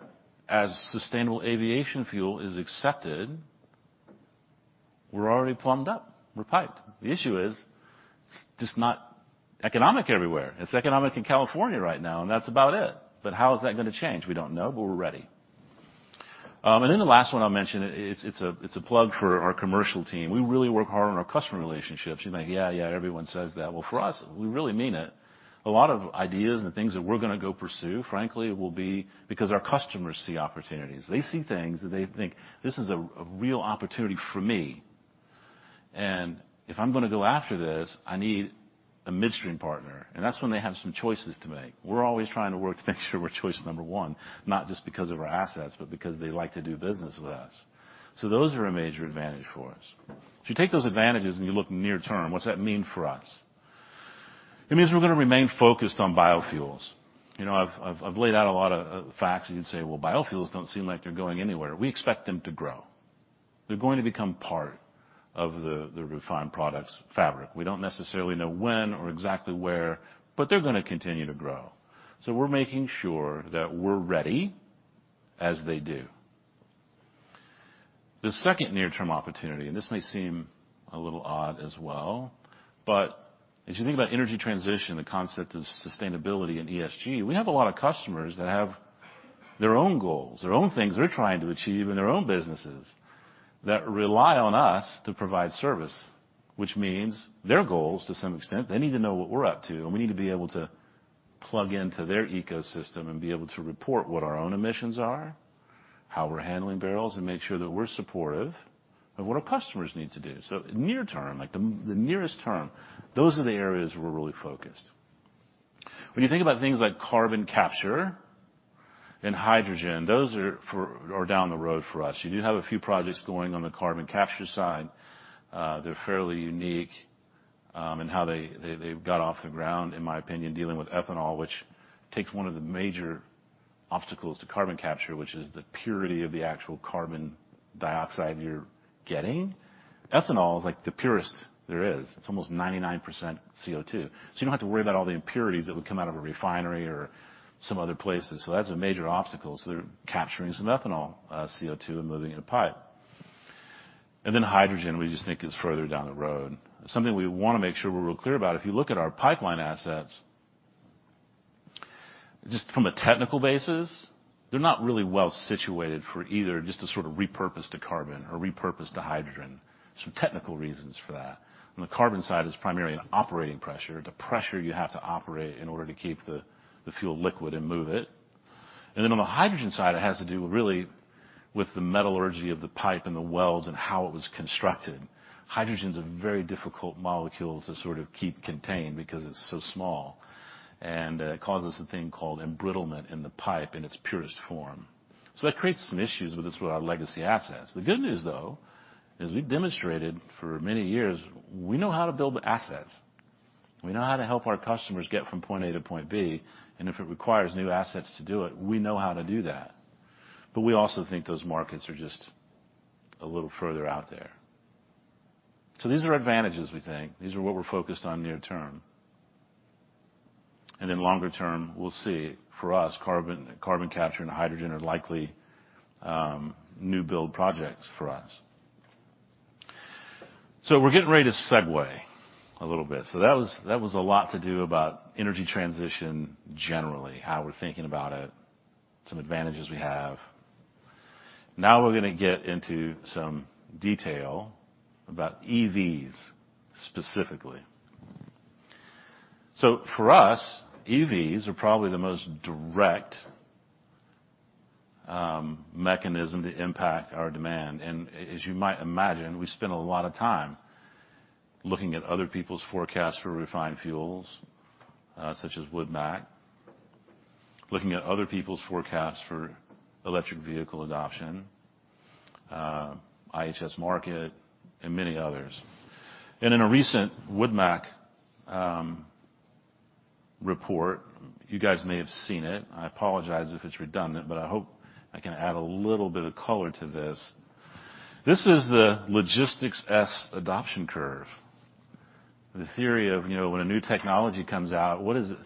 as sustainable aviation fuel is accepted, we're already plumbed up. We're piped. The issue is it's just not economic everywhere. It's economic in California right now, and that's about it. How is that gonna change? We don't know, but we're ready. The last one I'll mention, it's a plug for our commercial team. We really work hard on our customer relationships. You're like, "Yeah, yeah, everyone says that." Well, for us, we really mean it. A lot of ideas and things that we're gonna go pursue, frankly, will be because our customers see opportunities. They see things that they think, "This is a real opportunity for me. And if I'm gonna go after this, I need a midstream partner." That's when they have some choices to make. We're always trying to work to make sure we're choice number one, not just because of our assets, but because they like to do business with us. Those are a major advantage for us. If you take those advantages and you look near term, what's that mean for us? It means we're gonna remain focused on biofuels. You know, I've laid out a lot of facts, and you'd say, "Well, biofuels don't seem like they're going anywhere." We expect them to grow. They're going to become part of the refined products fabric. We don't necessarily know when or exactly where, but they're gonna continue to grow. We're making sure that we're ready as they do. The second near-term opportunity, and this may seem a little odd as well, but as you think about energy transition, the concept of sustainability and ESG, we have a lot of customers that have their own goals, their own things they're trying to achieve in their own businesses that rely on us to provide service, which means their goals, to some extent, they need to know what we're up to, and we need to be able to plug into their ecosystem and be able to report what our own emissions are, how we're handling barrels, and make sure that we're supportive of what our customers need to do. Near term, like the nearest term, those are the areas we're really focused. When you think about things like carbon capture and hydrogen, those are down the road for us. You do have a few projects going on the carbon capture side. They're fairly unique in how they've got off the ground, in my opinion, dealing with ethanol, which takes one of the major obstacles to carbon capture, which is the purity of the actual carbon dioxide you're getting. Ethanol is like the purest there is. It's almost 99% CO2. So you don't have to worry about all the impurities that would come out of a refinery or some other places. So that's a major obstacle. So they're capturing some ethanol CO2 and moving it in a pipe. Hydrogen, we just think is further down the road. Something we wanna make sure we're real clear about, if you look at our pipeline assets, just from a technical basis, they're not really well-situated for either just to sort of repurpose to carbon or repurpose to hydrogen. Some technical reasons for that. On the carbon side, it's primarily an operating pressure, the pressure you have to operate in order to keep the fuel liquid and move it. Then on the hydrogen side, it has to do really with the metallurgy of the pipe and the welds and how it was constructed. Hydrogen's a very difficult molecule to sort of keep contained because it's so small, and it causes a thing called embrittlement in the pipe in its purest form. That creates some issues with this, with our legacy assets. The good news though, is we've demonstrated for many years, we know how to build the assets. We know how to help our customers get from point A to point B, and if it requires new assets to do it, we know how to do that. We also think those markets are just a little further out there. These are advantages we think. These are what we're focused on near term. Longer term, we'll see. For us, carbon capture and hydrogen are likely new build projects for us. We're getting ready to segue a little bit. That was a lot to do about energy transition generally, how we're thinking about it, some advantages we have. Now we're gonna get into some detail about EVs specifically. For us, EVs are probably the most direct mechanism to impact our demand. As you might imagine, we spend a lot of time looking at other people's forecasts for refined fuels, such as WoodMac. Looking at other people's forecasts for electric vehicle adoption, IHS Markit, and many others. In a recent WoodMac report, you guys may have seen it, and I apologize if it's redundant, but I hope I can add a little bit of color to this. This is the logistic S adoption curve. The theory of, you know, when a new technology comes out, what is it?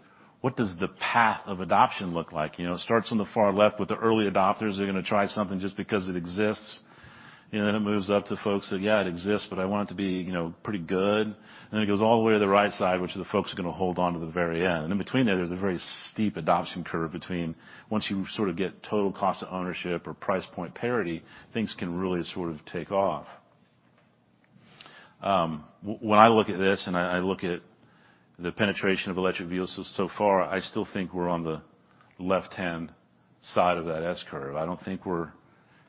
What does the path of adoption look like? You know, it starts on the far left with the early adopters who are gonna try something just because it exists. It moves up to folks that, "Yeah, it exists, but I want it to be, you know, pretty good." It goes all the way to the right side, which are the folks who are gonna hold on to the very end. In between there's a very steep adoption curve between once you sort of get total cost of ownership or price point parity, things can really sort of take off. When I look at this, and I look at the penetration of electric vehicles so far, I still think we're on the left-hand side of that S-curve. I don't think we're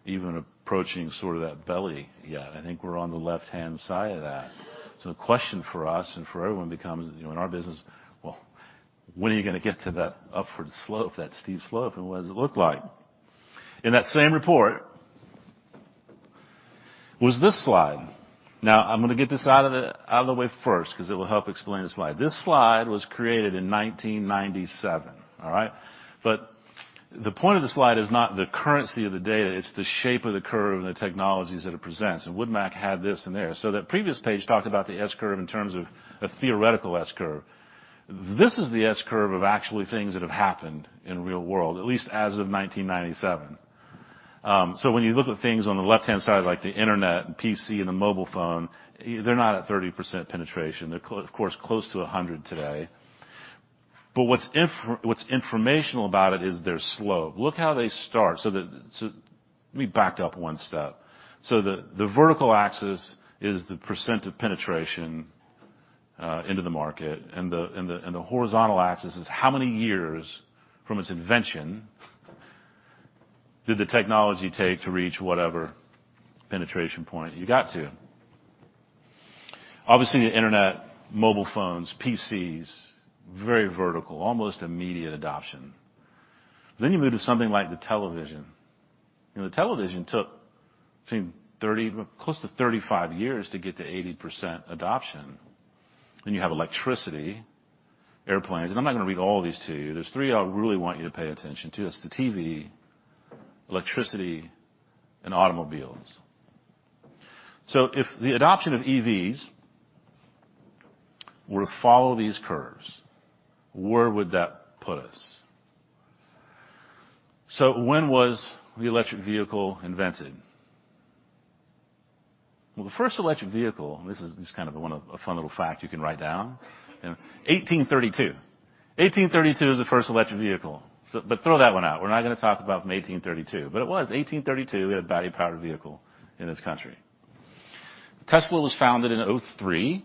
even approaching sort of that belly yet. I think we're on the left-hand side of that. The question for us and for everyone becomes, you know, in our business, well, when are you gonna get to that upward slope, that steep slope, and what does it look like? In that same report was this slide. Now I'm gonna get this out of the way first 'cause it will help explain the slide. This slide was created in 1997, all right? The point of the slide is not the currency of the data, it's the shape of the curve and the technologies that it presents. Wood Mackenzie had this in there. That previous page talked about the S-curve in terms of a theoretical S-curve. This is the S-curve of actually things that have happened in the real world, at least as of 1997. When you look at things on the left-hand side like the internet and PC and the mobile phone, they're not at 30% penetration. They're of course, close to 100% today. But what's informational about it is their slope. Look how they start. Let me back up one step. The vertical axis is the percent of penetration into the market, and the horizontal axis is how many years from its invention did the technology take to reach whatever penetration point you got to. Obviously, the internet, mobile phones, PCs, very vertical. Almost immediate adoption. Then you move to something like the television, and the television took between 30, close to 35 years to get to 80% adoption. Then you have electricity, airplanes, and I'm not gonna read all these to you. There's three I really want you to pay attention to. It's the TV, electricity, and automobiles. If the adoption of EVs were to follow these curves, where would that put us? When was the electric vehicle invented? Well, the first electric vehicle, this is kind of one of a fun little fact you can write down, 1832. 1832 is the first electric vehicle. But throw that one out. We're not gonna talk about from 1832, but it was. 1832, we had a battery-powered vehicle in this country. Tesla was founded in 2003.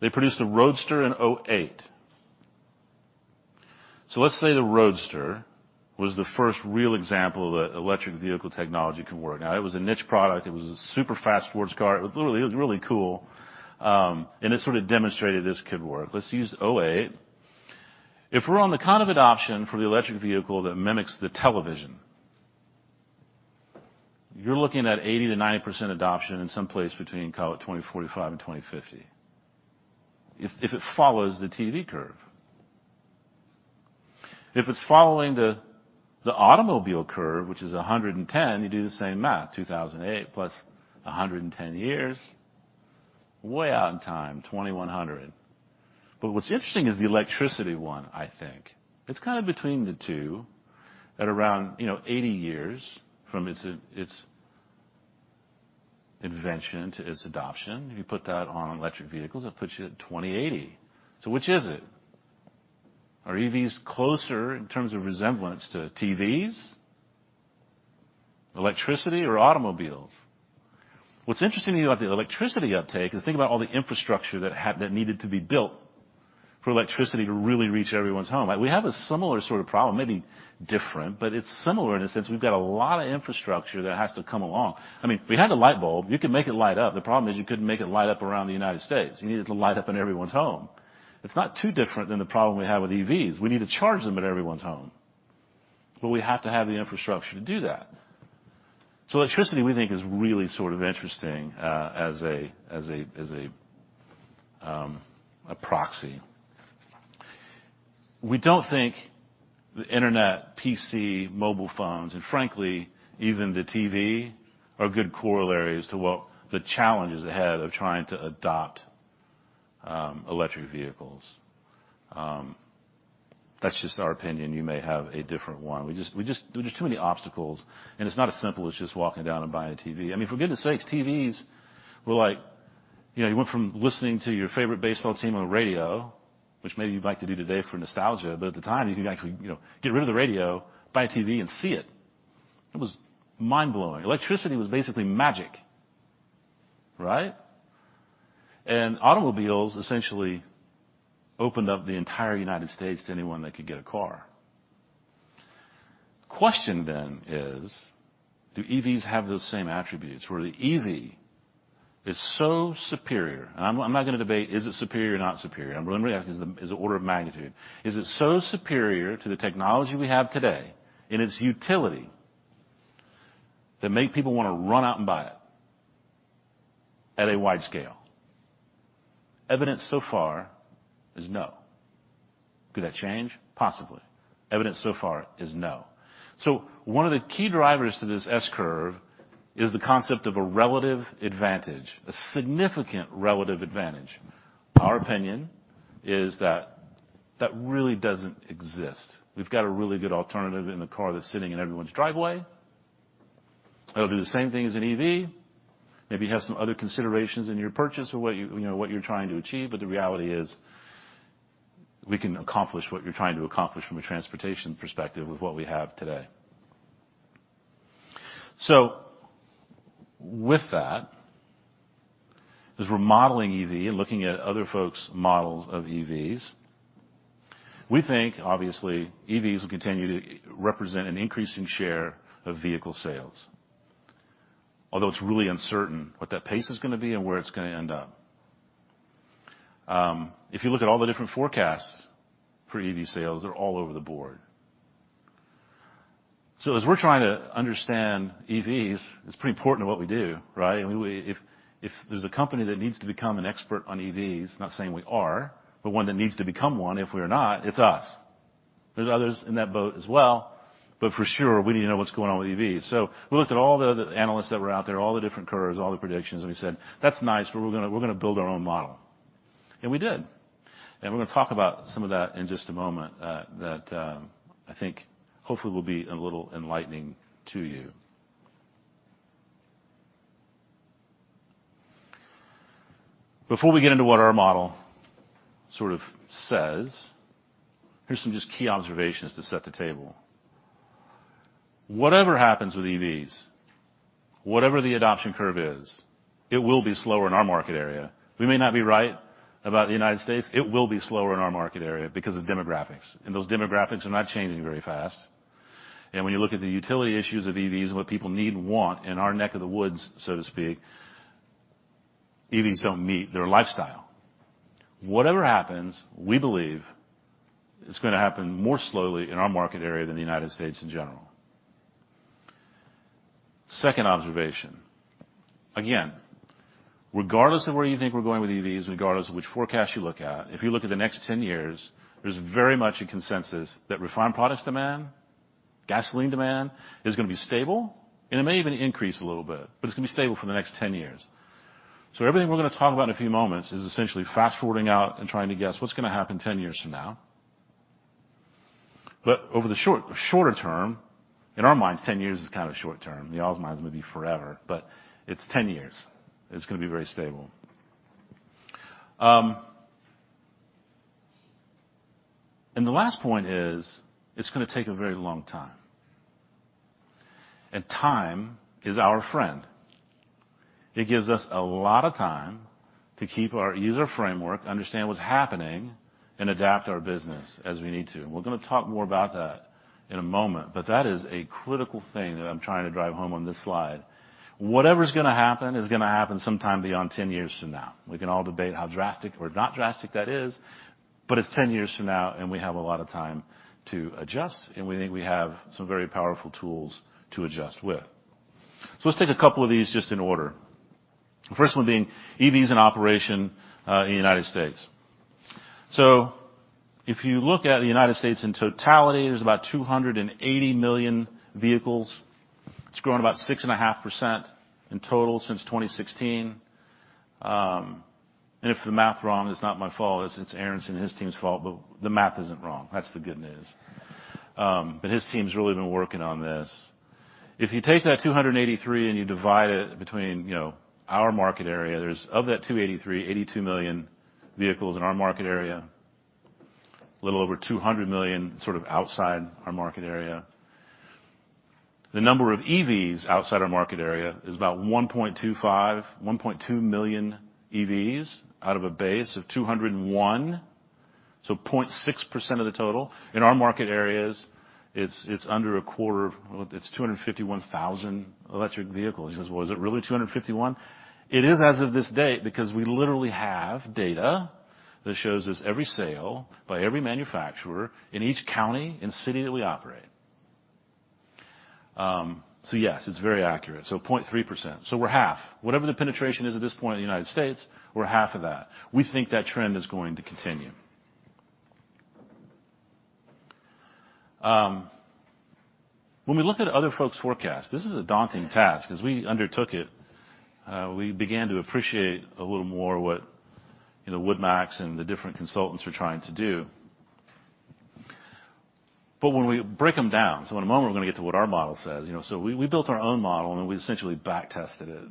They produced a Roadster in 2008. Let's say the Roadster was the first real example that electric vehicle technology can work. Now it was a niche product. It was a super fast sports car. It was really cool. It sort of demonstrated this could work. Let's use 2008. If we're on the kind of adoption for the electric vehicle that mimics the television, you're looking at 80%-90% adoption in some place between, call it 2045 and 2050 if it follows the TV curve. If it's following the automobile curve, which is 110, you do the same math, 2008 +110 years. Way out in time, 2100. What's interesting is the electricity one, I think. It's kind of between the two at around, you know, 80 years from its invention to its adoption. If you put that on electric vehicles, that puts you at 2080. Which is it? Are EVs closer in terms of resemblance to TVs, electricity or automobiles? What's interesting about the electricity uptake is think about all the infrastructure that needed to be built for electricity to really reach everyone's home. We have a similar sort of problem, maybe different, but it's similar in a sense. We've got a lot of infrastructure that has to come along. I mean, we had a light bulb. You could make it light up. The problem is you couldn't make it light up around the United States. You need it to light up in everyone's home. It's not too different than the problem we have with EVs. We need to charge them at everyone's home, but we have to have the infrastructure to do that. Electricity, we think, is really sort of interesting as a proxy. We don't think the internet, PC, mobile phones, and frankly, even the TV are good corollaries to what the challenges ahead of trying to adopt electric vehicles. That's just our opinion. You may have a different one. There are just too many obstacles, and it's not as simple as just walking down and buying a TV. I mean, for goodness sakes, TVs were like, you know, you went from listening to your favorite baseball team on the radio, which maybe you'd like to do today for nostalgia, but at the time, you could actually, you know, get rid of the radio, buy a TV, and see it. It was mind-blowing. Electricity was basically magic, right? Automobiles essentially opened up the entire United States to anyone that could get a car. question then is, do EVs have those same attributes where the EV is so superior? I'm not gonna debate, is it superior or not superior? I'm really asking, is the order of magnitude. Is it so superior to the technology we have today in its utility that make people wanna run out and buy it at a wide scale? Evidence so far is no. Could that change? Possibly. Evidence so far is no. One of the key drivers to this S-curve is the concept of a relative advantage, a significant relative advantage. Our opinion is that that really doesn't exist. We've got a really good alternative in the car that's sitting in everyone's driveway. It'll do the same thing as an EV. Maybe you have some other considerations in your purchase or what you know what you're trying to achieve, but the reality is we can accomplish what you're trying to accomplish from a transportation perspective with what we have today. With that, as we're modeling EV and looking at other folks' models of EVs, we think, obviously, EVs will continue to represent an increasing share of vehicle sales. Although it's really uncertain what that pace is gonna be and where it's gonna end up. If you look at all the different forecasts for EV sales, they're all over the board. As we're trying to understand EVs, it's pretty important to what we do, right? I mean, if there's a company that needs to become an expert on EVs, not saying we are, but one that needs to become one, if we're not, it's us. There's others in that boat as well. For sure, we need to know what's going on with EVs. We looked at all the other analysts that were out there, all the different curves, all the predictions, and we said, "That's nice, but we're gonna build our own model." We did. We're gonna talk about some of that in just a moment, that I think hopefully will be a little enlightening to you. Before we get into what our model sort of says, here's some just key observations to set the table. Whatever happens with EVs, whatever the adoption curve is, it will be slower in our market area. We may not be right about the United States. It will be slower in our market area because of demographics, and those demographics are not changing very fast. When you look at the utility issues of EVs and what people need and want in our neck of the woods, so to speak, EVs don't meet their lifestyle. Whatever happens, we believe it's gonna happen more slowly in our market area than the United States in general. Second observation. Again, regardless of where you think we're going with EVs, regardless of which forecast you look at, if you look at the next 10 years, there's very much a consensus that refined products demand, gasoline demand is gonna be stable, and it may even increase a little bit, but it's gonna be stable for the next 10 years. Everything we're gonna talk about in a few moments is essentially fast-forwarding out and trying to guess what's gonna happen 10 years from now. Over the shorter term, in our minds, 10 years is kinda short term. In y'all's minds, it may be forever, but it's 10 years. It's gonna be very stable. The last point is, it's gonna take a very long time, and time is our friend. It gives us a lot of time to use our framework, understand what's happening, and adapt our business as we need to. We're gonna talk more about that in a moment, but that is a critical thing that I'm trying to drive home on this slide. Whatever's gonna happen is gonna happen sometime beyond 10 years from now. We can all debate how drastic or not drastic that is, but it's 10 years from now, and we have a lot of time to adjust, and we think we have some very powerful tools to adjust with. Let's take a couple of these just in order. The first one being EVs in operation in the United States. If you look at the United States in totality, there's about 280 million vehicles. It's grown about 6.5% in total since 2016. And if the math's wrong, it's not my fault. It's Aaron's and his team's fault, but the math isn't wrong. That's the good news. But his team's really been working on this. If you take that 283 and you divide it between, you know, our market area, there's, of that 283, 82 million vehicles in our market area. A little over 200 million sort of outside our market area. The number of EVs outside our market area is about 1.25, 1.2 million EVs out of a base of 201. 0.6% of the total. In our market areas, it's under a quarter of. It's 251,000 electric vehicles. You say, "Well, is it really 251?" It is as of this date because we literally have data that shows us every sale by every manufacturer in each county and city that we operate. Yes, it's very accurate. 0.3%. We're half. Whatever the penetration is at this point in the United States, we're half of that. We think that trend is going to continue. When we look at other folks' forecasts, this is a daunting task. As we undertook it, we began to appreciate a little more what, you know, Wood Mackenzie's and the different consultants are trying to do. When we break them down. In a moment, we're gonna get to what our model says. You know, we built our own model, and then we essentially back tested it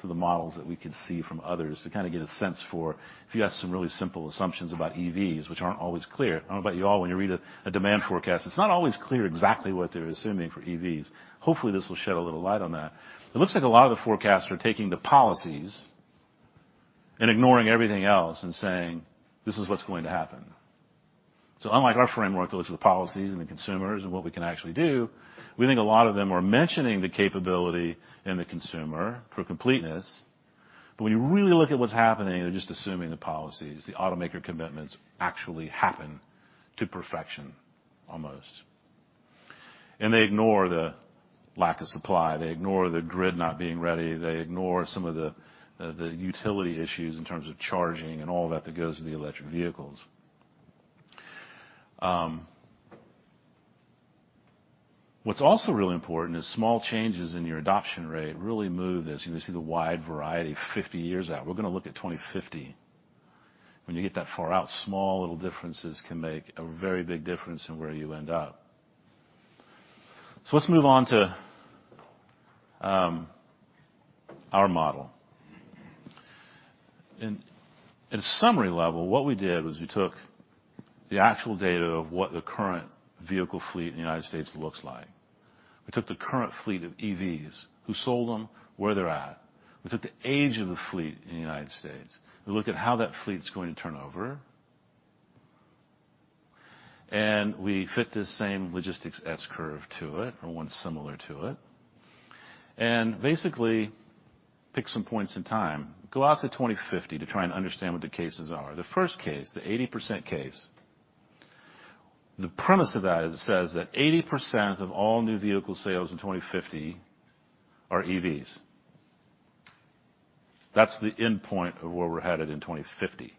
to the models that we could see from others to kinda get a sense for if you ask some really simple assumptions about EVs, which aren't always clear. I don't know about you all, when you read a demand forecast, it's not always clear exactly what they're assuming for EVs. Hopefully, this will shed a little light on that. It looks like a lot of the forecasts are taking the policies and ignoring everything else and saying, "This is what's going to happen." Unlike our framework that looks at the policies and the consumers and what we can actually do, we think a lot of them are mentioning the capability in the consumer for completeness. When you really look at what's happening, they're just assuming the policies, the automaker commitments actually happen to perfection almost. They ignore the lack of supply, they ignore the grid not being ready, they ignore some of the the utility issues in terms of charging and all that that goes with the electric vehicles. What's also really important is small changes in your adoption rate really move this. You can see the wide variety 50 years out. We're gonna look at 2050. When you get that far out, small little differences can make a very big difference in where you end up. Let's move on to our model. In summary level, what we did was we took the actual data of what the current vehicle fleet in the United States looks like. We took the current fleet of EVs, who sold them, where they're at. We took the age of the fleet in the United States. We looked at how that fleet's going to turn over. We fit the same logistics S curve to it, or one similar to it, and basically pick some points in time. Go out to 2050 to try and understand what the cases are. The first case, the 80% case, the premise of that is it says that 80% of all new vehicle sales in 2050 are EVs. That's the end point of where we're headed in 2050,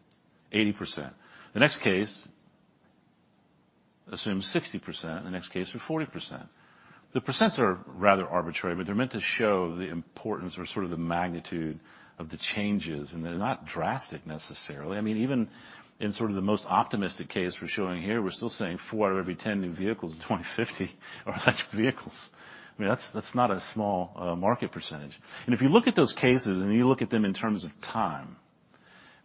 80%. The next case assumes 60%, and the next case would be 40%. The percents are rather arbitrary, but they're meant to show the importance or sort of the magnitude of the changes. They're not drastic necessarily. I mean, even in sort of the most optimistic case we're showing here, we're still saying four out of every 10 new vehicles in 2050 are electric vehicles. I mean, that's not a small market percentage. If you look at those cases, and you look at them in terms of time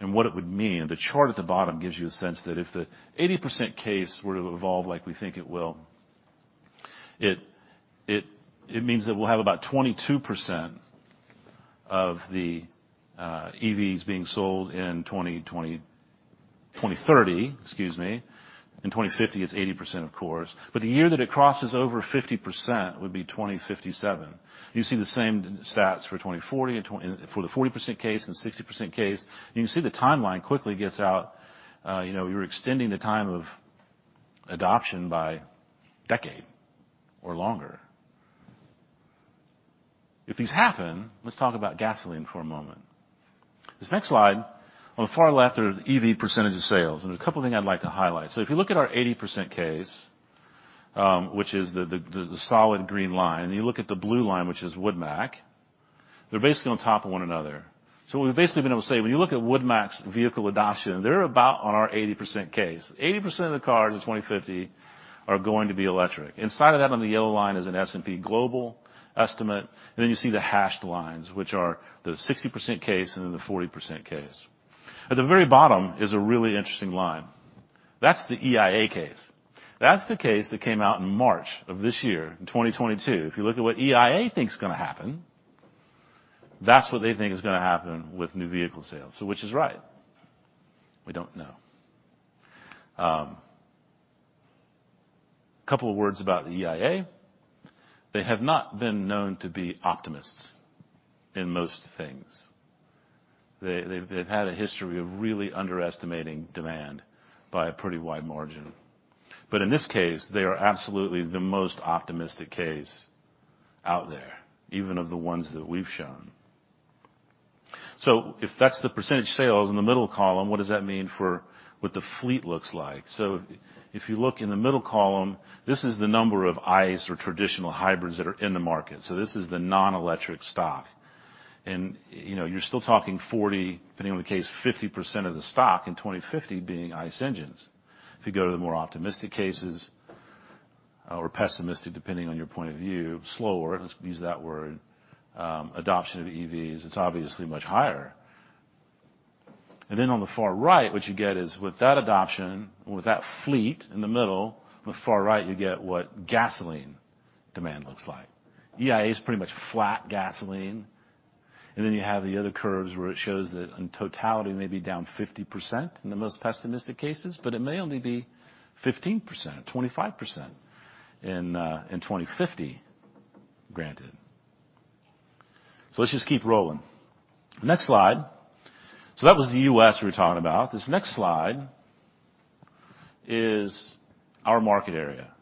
and what it would mean, the chart at the bottom gives you a sense that if the 80% case were to evolve like we think it will, it means that we'll have about 22% of the EVs being sold in 2030, excuse me. In 2050, it's 80%, of course. The year that it crosses over 50% would be 2057. You see the same stats for 2040 and for the 40% case and the 60% case. You can see the timeline quickly gets out. You know, you're extending the time of adoption by decade or longer. If these happen, let's talk about gasoline for a moment. This next slide, on the far left are EV percentage of sales, and there are a couple of things I'd like to highlight. If you look at our 80% case, which is the solid green line, and you look at the blue line, which is WoodMac, they're basically on top of one another. What we've basically been able to say, when you look at WoodMac's vehicle adoption, they're about on our 80% case. 80% of the cars in 2050 are going to be electric. Inside of that on the yellow line is an S&P Global estimate. You see the dashed lines, which are the 60% case and then the 40% case. At the very bottom is a really interesting line. That's the EIA case. That's the case that came out in March of this year, in 2022. If you look at what EIA thinks gonna happen, that's what they think is gonna happen with new vehicle sales. Which is right? We don't know. Couple of words about the EIA. They have not been known to be optimists in most things. They've had a history of really underestimating demand by a pretty wide margin. In this case, they are absolutely the most optimistic case out there, even of the ones that we've shown. If that's the percentage sales in the middle column, what does that mean for what the fleet looks like? If you look in the middle column, this is the number of ICE or traditional hybrids that are in the market. This is the non-electric stock. You know, you're still talking 40, depending on the case, 50% of the stock in 2050 being ICE engines. If you go to the more optimistic cases or pessimistic, depending on your point of view, slower, let's use that word, adoption of EVs, it's obviously much higher. On the far right, what you get is with that adoption and with that fleet in the middle, on the far right, you get what gasoline demand looks like. EIA is pretty much flat gasoline. You have the other curves where it shows that in totality, maybe down 50% in the most pessimistic cases, but it may only be 15% or 25% in 2050, granted. Let's just keep rolling. The next slide. That was the U.S. we were talking about. This next slide is our market area.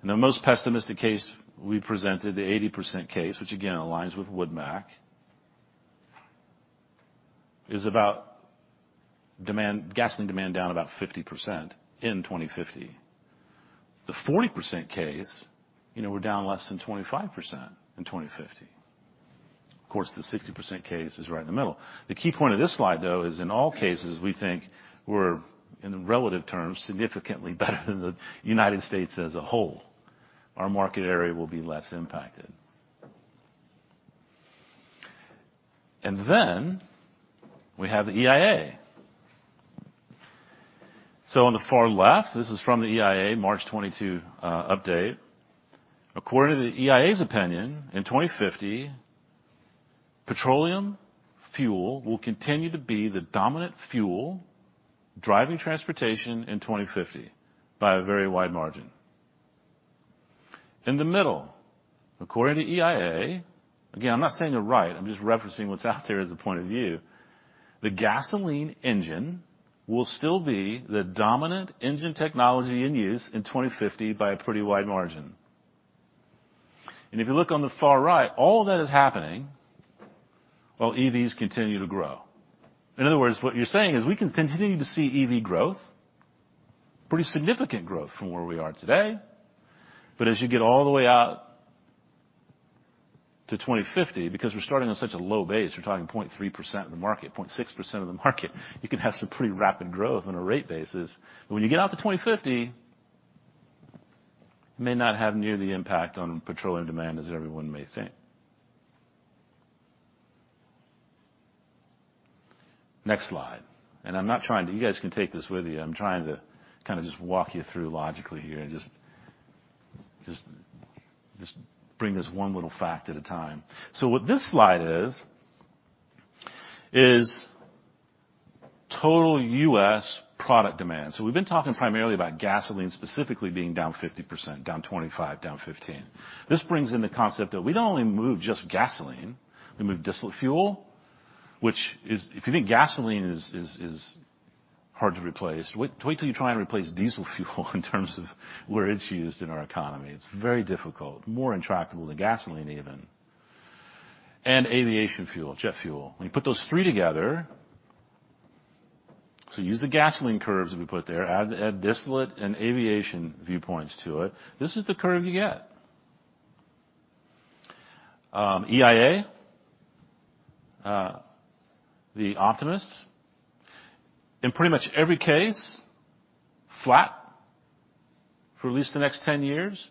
In the most pessimistic case we presented, the 80% case, which again aligns with WoodMac, is about demand, gasoline demand down about 50% in 2050. The 40% case, you know, we're down less than 25% in 2050. Of course, the 60% case is right in the middle. The key point of this slide, though, is in all cases, we think we're in relative terms significantly better than the United States as a whole. Our market area will be less impacted. Then we have the EIA. On the far left, this is from the EIA March 2022 update. According to the EIA's opinion, in 2050, petroleum fuel will continue to be the dominant fuel driving transportation in 2050 by a very wide margin. In the middle, according to EIA, again, I'm not saying they're right, I'm just referencing what's out there as a point of view. The gasoline engine will still be the dominant engine technology in use in 2050 by a pretty wide margin. If you look on the far right, all that is happening while EVs continue to grow. In other words, what you're saying is we can continue to see EV growth, pretty significant growth from where we are today. as you get all the way out to 2050, because we're starting on such a low base, we're talking 0.3% of the market, 0.6% of the market you can have some pretty rapid growth on a rate basis. When you get out to 2050, may not have near the impact on petroleum demand as everyone may think. Next slide. I'm not trying to. You guys can take this with you. I'm trying to kind of just walk you through logically here and just bring this one little fact at a time. What this slide is total U.S. product demand. We've been talking primarily about gasoline, specifically being down 50%, down 25%, down 15%. This brings in the concept that we don't only move just gasoline, we move distillate fuel, which is, if you think gasoline is hard to replace, wait till you try and replace diesel fuel in terms of where it's used in our economy. It's very difficult. More intractable than gasoline even. Aviation fuel, jet fuel. When you put those three together. Use the gasoline curves that we put there, add distillate and aviation viewpoints to it. This is the curve you get. EIA, the optimists, in pretty much every case, flat for at least the next 10 years,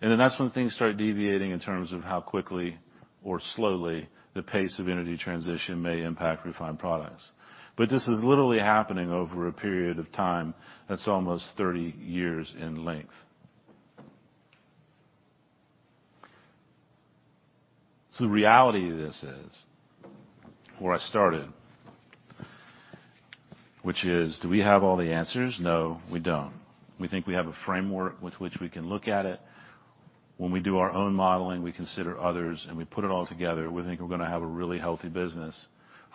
and then that's when things start deviating in terms of how quickly or slowly the pace of energy transition may impact refined products. This is literally happening over a period of time that's almost 30 years in length. The reality of this is where I started, which is, do we have all the answers? No, we don't. We think we have a framework with which we can look at it. When we do our own modeling, we consider others, and we put it all together, we think we're gonna have a really healthy business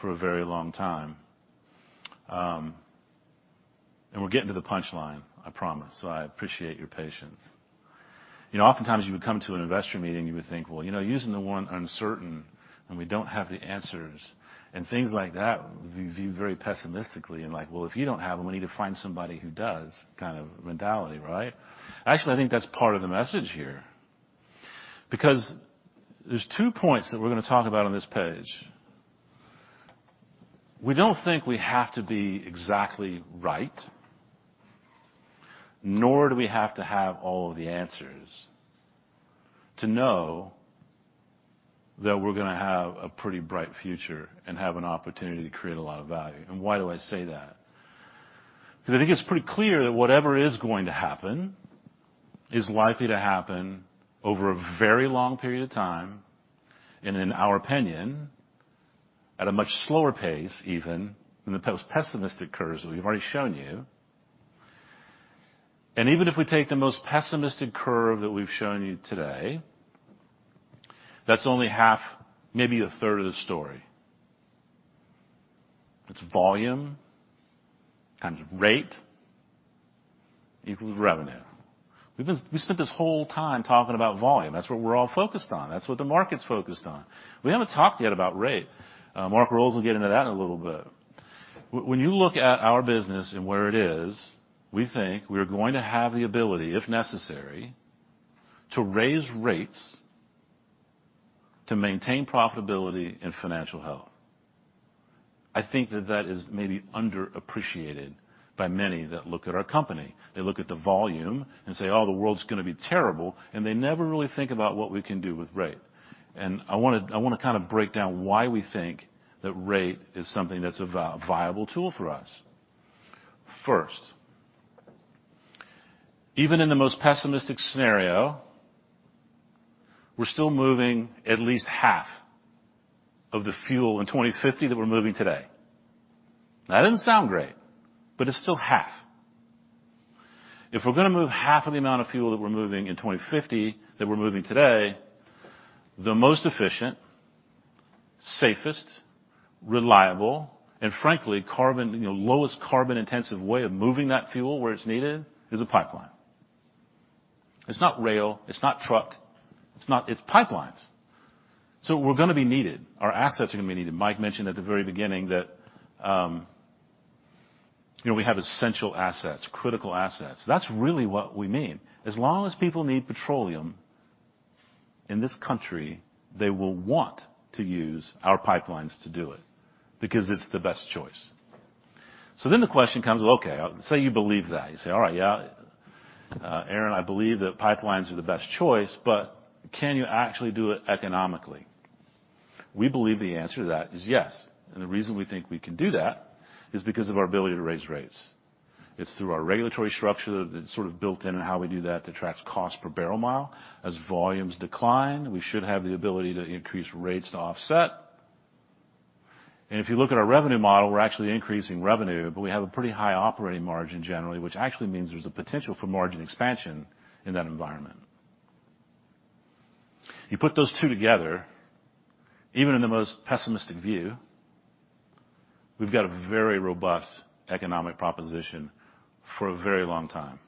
for a very long time. We're getting to the punch line, I promise, so I appreciate your patience. You know, oftentimes you would come to an investor meeting, you would think, well, you know, viewing uncertainty, and we don't have the answers and things like that, we view very pessimistically and like, well, if you don't have them, we need to find somebody who does kind of mentality, right? Actually, I think that's part of the message here because there's two points that we're gonna talk about on this page. We don't think we have to be exactly right, nor do we have to have all of the answers to know that we're gonna have a pretty bright future and have an opportunity to create a lot of value. Why do I say that? Because I think it's pretty clear that whatever is going to happen is likely to happen over a very long period of time and in our opinion, at a much slower pace even than the post-pessimistic curves we've already shown you. Even if we take the most pessimistic curve that we've shown you today, that's only half, maybe a third of the story. It's volume times rate equals revenue. We spent this whole time talking about volume. That's what we're all focused on. That's what the market's focused on. We haven't talked yet about rate. Mark Roles will get into that in a little bit. When you look at our business and where it is, we think we're going to have the ability, if necessary, to raise rates to maintain profitability and financial health. I think that is maybe underappreciated by many that look at our company. They look at the volume and say, "Oh, the world's gonna be terrible," and they never really think about what we can do with rate. I wanna kinda break down why we think that rate is something that's a viable tool for us. First, even in the most pessimistic scenario, we're still moving at least half of the fuel in 2050 that we're moving today. That doesn't sound great, but it's still half. If we're gonna move half of the amount of fuel that we're moving in 2050 that we're moving today, the most efficient, safest, reliable, and frankly, carbon, you know, lowest carbon-intensive way of moving that fuel where it's needed is a pipeline. It's not rail, it's not truck, it's not. It's pipelines. We're gonna be needed. Our assets are gonna be needed. Mike mentioned at the very beginning that, you know, we have essential assets, critical assets. That's really what we mean. As long as people need petroleum in this country, they will want to use our pipelines to do it because it's the best choice. The question becomes, okay, say you believe that. You say, "All right. Yeah, Aaron, I believe that pipelines are the best choice, but can you actually do it economically?" We believe the answer to that is yes, and the reason we think we can do that is because of our ability to raise rates. It's through our regulatory structure that's sort of built in and how we do that to track cost per barrel mile. As volumes decline, we should have the ability to increase rates to offset. If you look at our revenue model, we're actually increasing revenue, but we have a pretty high operating margin generally, which actually means there's a potential for margin expansion in that environment. You put those two together, even in the most pessimistic view, we've got a very robust economic proposition for a very long time.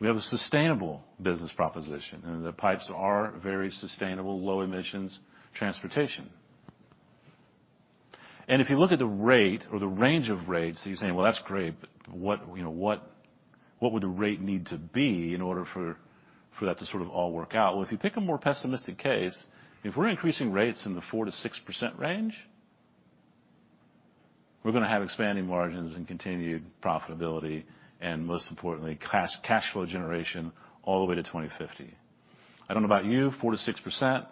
We have a sustainable business proposition, and the pipes are very sustainable, low emissions transportation. If you look at the rate or the range of rates, you're saying, "Well, that's great, but what, you know, what would the rate need to be in order for that to sort of all work out?" Well, if you pick a more pessimistic case, if we're increasing rates in the 4%-6% range, we're gonna have expanding margins and continued profitability, and most importantly, cash flow generation all the way to 2050. I don't know about you, 4%-6%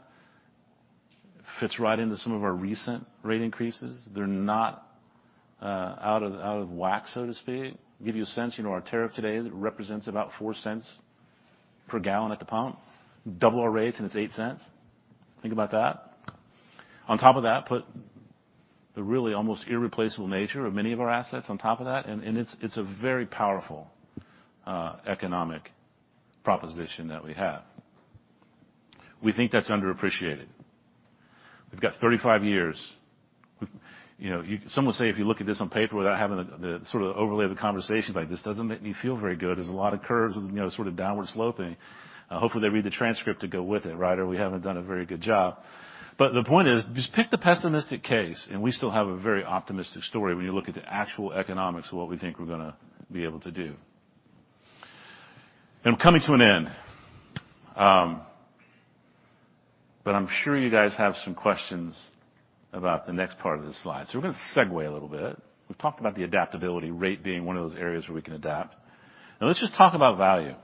fits right into some of our recent rate increases. They're not out of whack, so to speak. Give you a sense, you know, our tariff today represents about $0.04 per gallon at the pump. Double our rates, and it's $0.08. Think about that. On top of that, put the really almost irreplaceable nature of many of our assets on top of that, and it's a very powerful economic proposition that we have. We think that's underappreciated. We've got 35 years. You know, some will say if you look at this on paper without having the sort of overlay of the conversation like, "This doesn't make me feel very good. There's a lot of curves and, you know, sort of downward sloping." Hopefully, they read the transcript to go with it, right? Or we haven't done a very good job. The point is, just pick the pessimistic case, and we still have a very optimistic story when you look at the actual economics of what we think we're gonna be able to do. I'm coming to an end. I'm sure you guys have some questions about the next part of the slide. We're gonna segue a little bit. We've talked about the adaptability rate being one of those areas where we can adapt. Now let's just talk about value.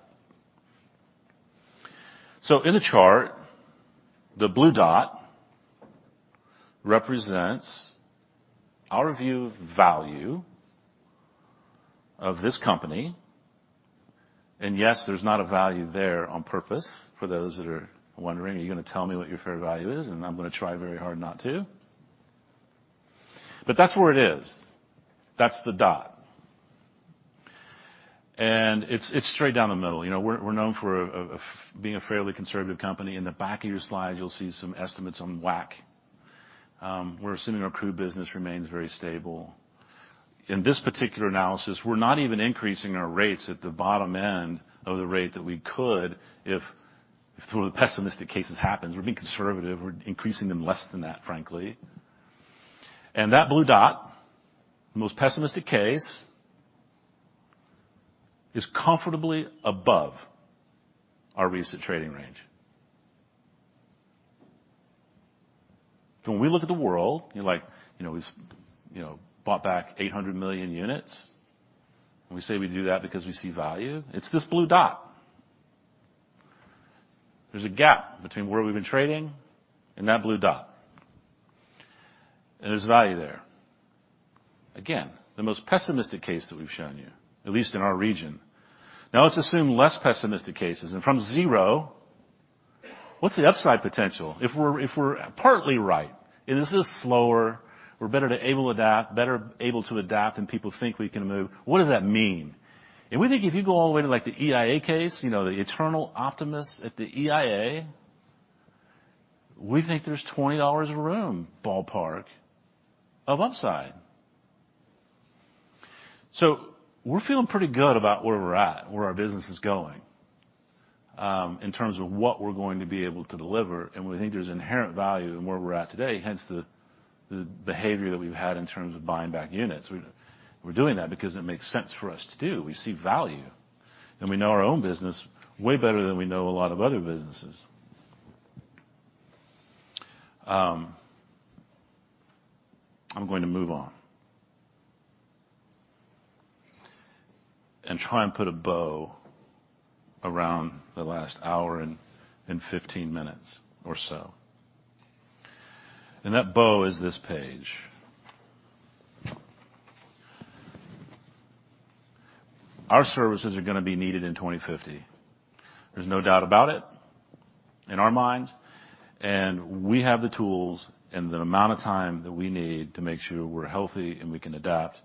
In the chart, the blue dot represents our view of value of this company. Yes, there's not a value there on purpose for those that are wondering, "Are you gonna tell me what your fair value is?" I'm gonna try very hard not to. That's where it is. That's the dot. It's straight down the middle. You know, we're known for being a fairly conservative company. In the back of your slide, you'll see some estimates on WACC. We're assuming our crude business remains very stable. In this particular analysis, we're not even increasing our rates at the bottom end of the rate that we could if one of the pessimistic cases happens. We're being conservative. We're increasing them less than that, frankly. That blue dot, the most pessimistic case, is comfortably above our recent trading range. When we look at the world, you're like, you know, we've, you know, bought back 800 million units, and we say we do that because we see value. It's this blue dot. There's a gap between where we've been trading and that blue dot. There's value there. Again, the most pessimistic case that we've shown you, at least in our region. Now let's assume less pessimistic cases. From zero, what's the upside potential? If we're partly right, and this is slower, we're better able to adapt, and people think we can move, what does that mean? We think if you go all the way to, like, the EIA case, you know, the eternal optimists at the EIA, we think there's $20 a barrel, ballpark, of upside. We're feeling pretty good about where we're at, where our business is going, in terms of what we're going to be able to deliver. We think there's inherent value in where we're at today, hence the behavior that we've had in terms of buying back units. We're doing that because it makes sense for us to do. We see value, and we know our own business way better than we know a lot of other businesses. I'm going to move on and try and put a bow around the last hour and 15 minutes or so. That bow is this page. Our services are gonna be needed in 2050. There's no doubt about it in our minds, and we have the tools and the amount of time that we need to make sure we're healthy and we can adapt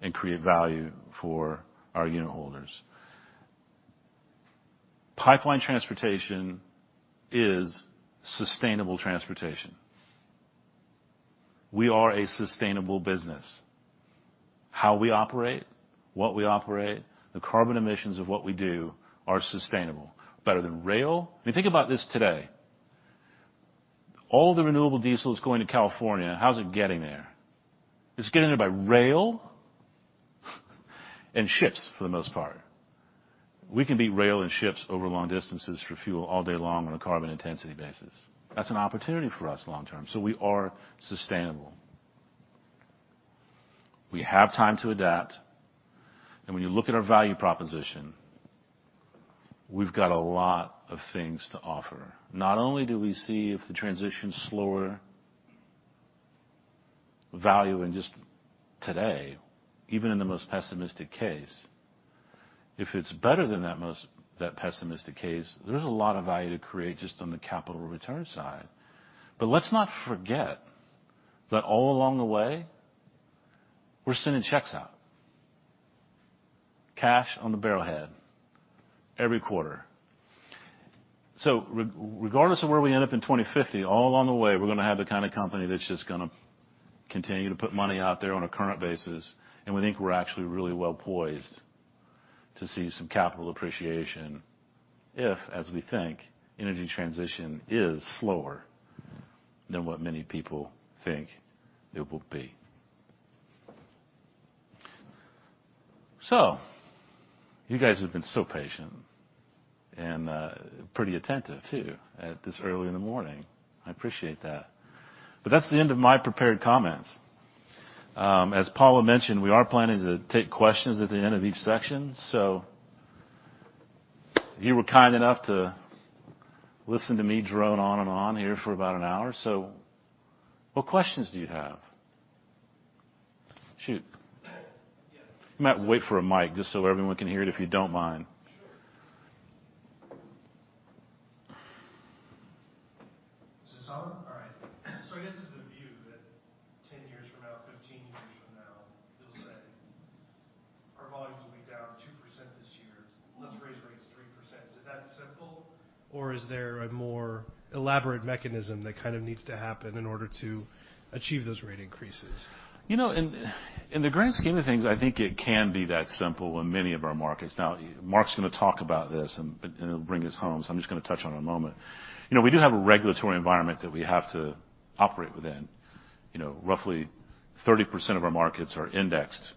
and create value for our unit holders. Pipeline transportation is sustainable transportation. We are a sustainable business. How we operate, what we operate, the carbon emissions of what we do are sustainable, better than rail. If you think about this today, all the renewable diesel is going to California. How's it getting there? It's getting there by rail and ships, for the most part. We can beat rail and ships over long distances for fuel all day long on a carbon intensity basis. That's an opportunity for us long term. We are sustainable. We have time to adapt. When you look at our value proposition, we've got a lot of things to offer. Not only do we see value if the transition's slower than just today, even in the most pessimistic case. If it's better than that pessimistic case, there's a lot of value to create just on the capital return side. Let's not forget that all along the way, we're sending checks out. Cash on the barrel head every quarter. Regardless of where we end up in 2050, all along the way, we're gonna have the kind of company that's just gonna continue to put money out there on a current basis, and we think we're actually really well poised to see some capital appreciation if, as we think, energy transition is slower than what many people think it will be. You guys have been so patient and pretty attentive too at this early in the morning. I appreciate that. That's the end of my prepared comments. As Paula mentioned, we are planning to take questions at the end of each section. You were kind enough to listen to me drone on and on here for about an hour. What questions do you have? Shoot. You might wait for a mic just so everyone can hear it, if you don't mind. Sure. Is this on? All right. I guess it's the view that 10 years from now, 15 years from now, you'll say our volumes will be down 2% this year, let's raise rates 3%. Is it that simple, or is there a more elaborate mechanism that kind of needs to happen in order to achieve those rate increases? You know, in the grand scheme of things, I think it can be that simple in many of our markets. Now, Mark's gonna talk about this and it'll bring us home, so I'm just gonna touch on a moment. You know, we do have a regulatory environment that we have to operate within. You know, roughly 30% of our markets are indexed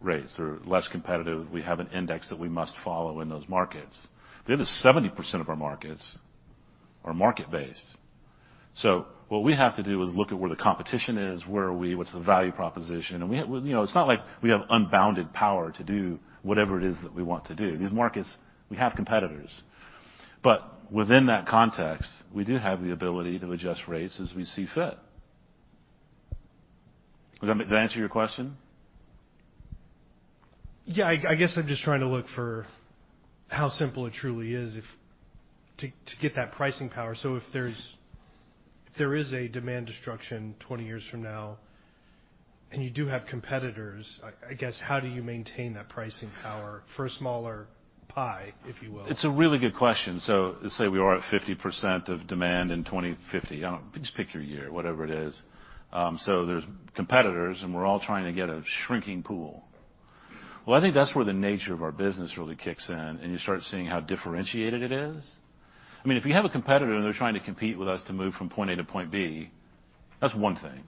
rates. They're less competitive. We have an index that we must follow in those markets. The other 70% of our markets are market-based. So what we have to do is look at where the competition is, where are we, what's the value proposition. We, you know, it's not like we have unbounded power to do whatever it is that we want to do. These markets, we have competitors. Within that context, we do have the ability to adjust rates as we see fit. Does that answer your question? Yeah, I guess I'm just trying to look for how simple it truly is to get that pricing power. So if there is a demand destruction 20 years from now, and you do have competitors, I guess how do you maintain that pricing power for a smaller pie, if you will? It's a really good question. Let's say we are at 50% of demand in 2050. Just pick your year, whatever it is. There's competitors, and we're all trying to get a shrinking pool. Well, I think that's where the nature of our business really kicks in, and you start seeing how differentiated it is. I mean, if you have a competitor, and they're trying to compete with us to move from point A to point B, that's one thing.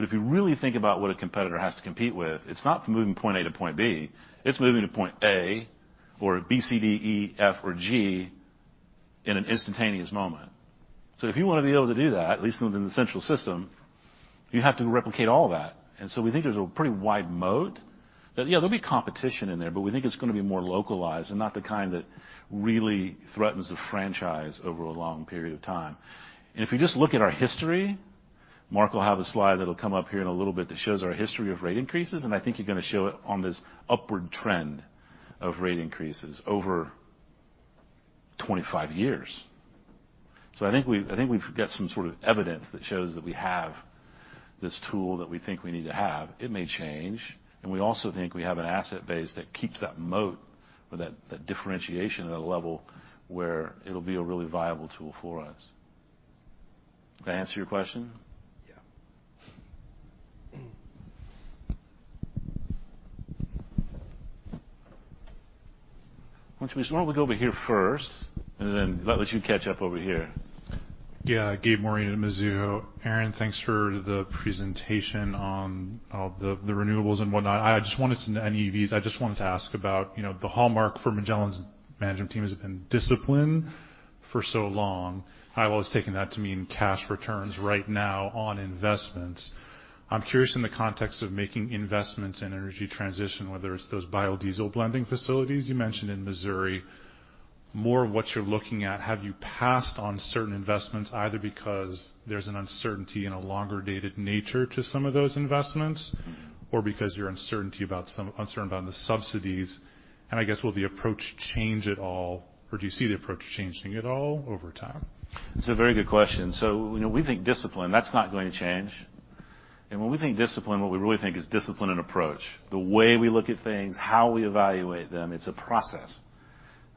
If you really think about what a competitor has to compete with, it's not from moving point A to point B, it's moving to point A or B, C, D, E, F or G in an instantaneous moment. If you wanna be able to do that, at least within the central system, you have to replicate all that. We think there's a pretty wide moat that, yeah, there'll be competition in there, but we think it's gonna be more localized and not the kind that really threatens the franchise over a long period of time. If you just look at our history, Mark will have a slide that'll come up here in a little bit that shows our history of rate increases, and I think you're gonna show it on this upward trend of rate increases over 25 years. I think we've got some sort of evidence that shows that we have this tool that we think we need to have. It may change, and we also think we have an asset base that keeps that moat or that differentiation at a level where it'll be a really viable tool for us. Did I answer your question? Yeah. Why don't we start? We'll go over here first and then that lets you catch up over here. Gabe Moreen at Mizuho. Aaron, thanks for the presentation on the renewables and whatnot and EVs. I just wanted to ask about, you know, the hallmark for Magellan's management team has been discipline for so long. I've always taken that to mean cash returns right now on investments. I'm curious in the context of making investments in energy transition, whether it's those biodiesel blending facilities you mentioned in Missouri, more of what you're looking at. Have you passed on certain investments either because there's an uncertainty and a longer-dated nature to some of those investments or because you're uncertain about the subsidies? I guess will the approach change at all, or do you see the approach changing at all over time? It's a very good question. You know, we think discipline, that's not going to change. When we think discipline, what we really think is discipline and approach. The way we look at things, how we evaluate them, it's a process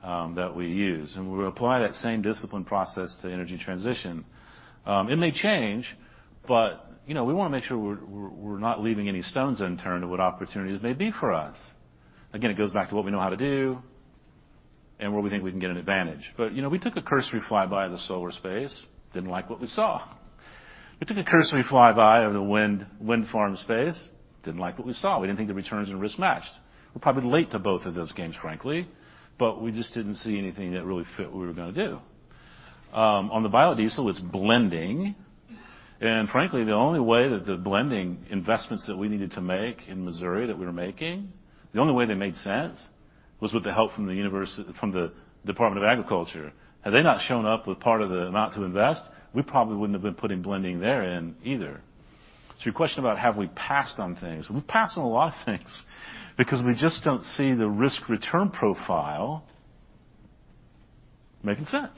that we use, and we apply that same discipline process to energy transition. It may change, you know, we wanna make sure we're not leaving any stones unturned to what opportunities may be for us. Again, it goes back to what we know how to do and where we think we can get an advantage. You know, we took a cursory flyby of the solar space, didn't like what we saw. We took a cursory flyby of the wind farm space, didn't like what we saw. We didn't think the returns and risk matched. We're probably late to both of those games, frankly, but we just didn't see anything that really fit what we were gonna do. On the biodiesel, it's blending. Frankly, the only way that the blending investments that we needed to make in Missouri that we were making, the only way they made sense was with the help from the Department of Agriculture. Had they not shown up with part of the amount to invest, we probably wouldn't have been putting blending there in either. Your question about have we passed on things, we've passed on a lot of things because we just don't see the risk-return profile making sense.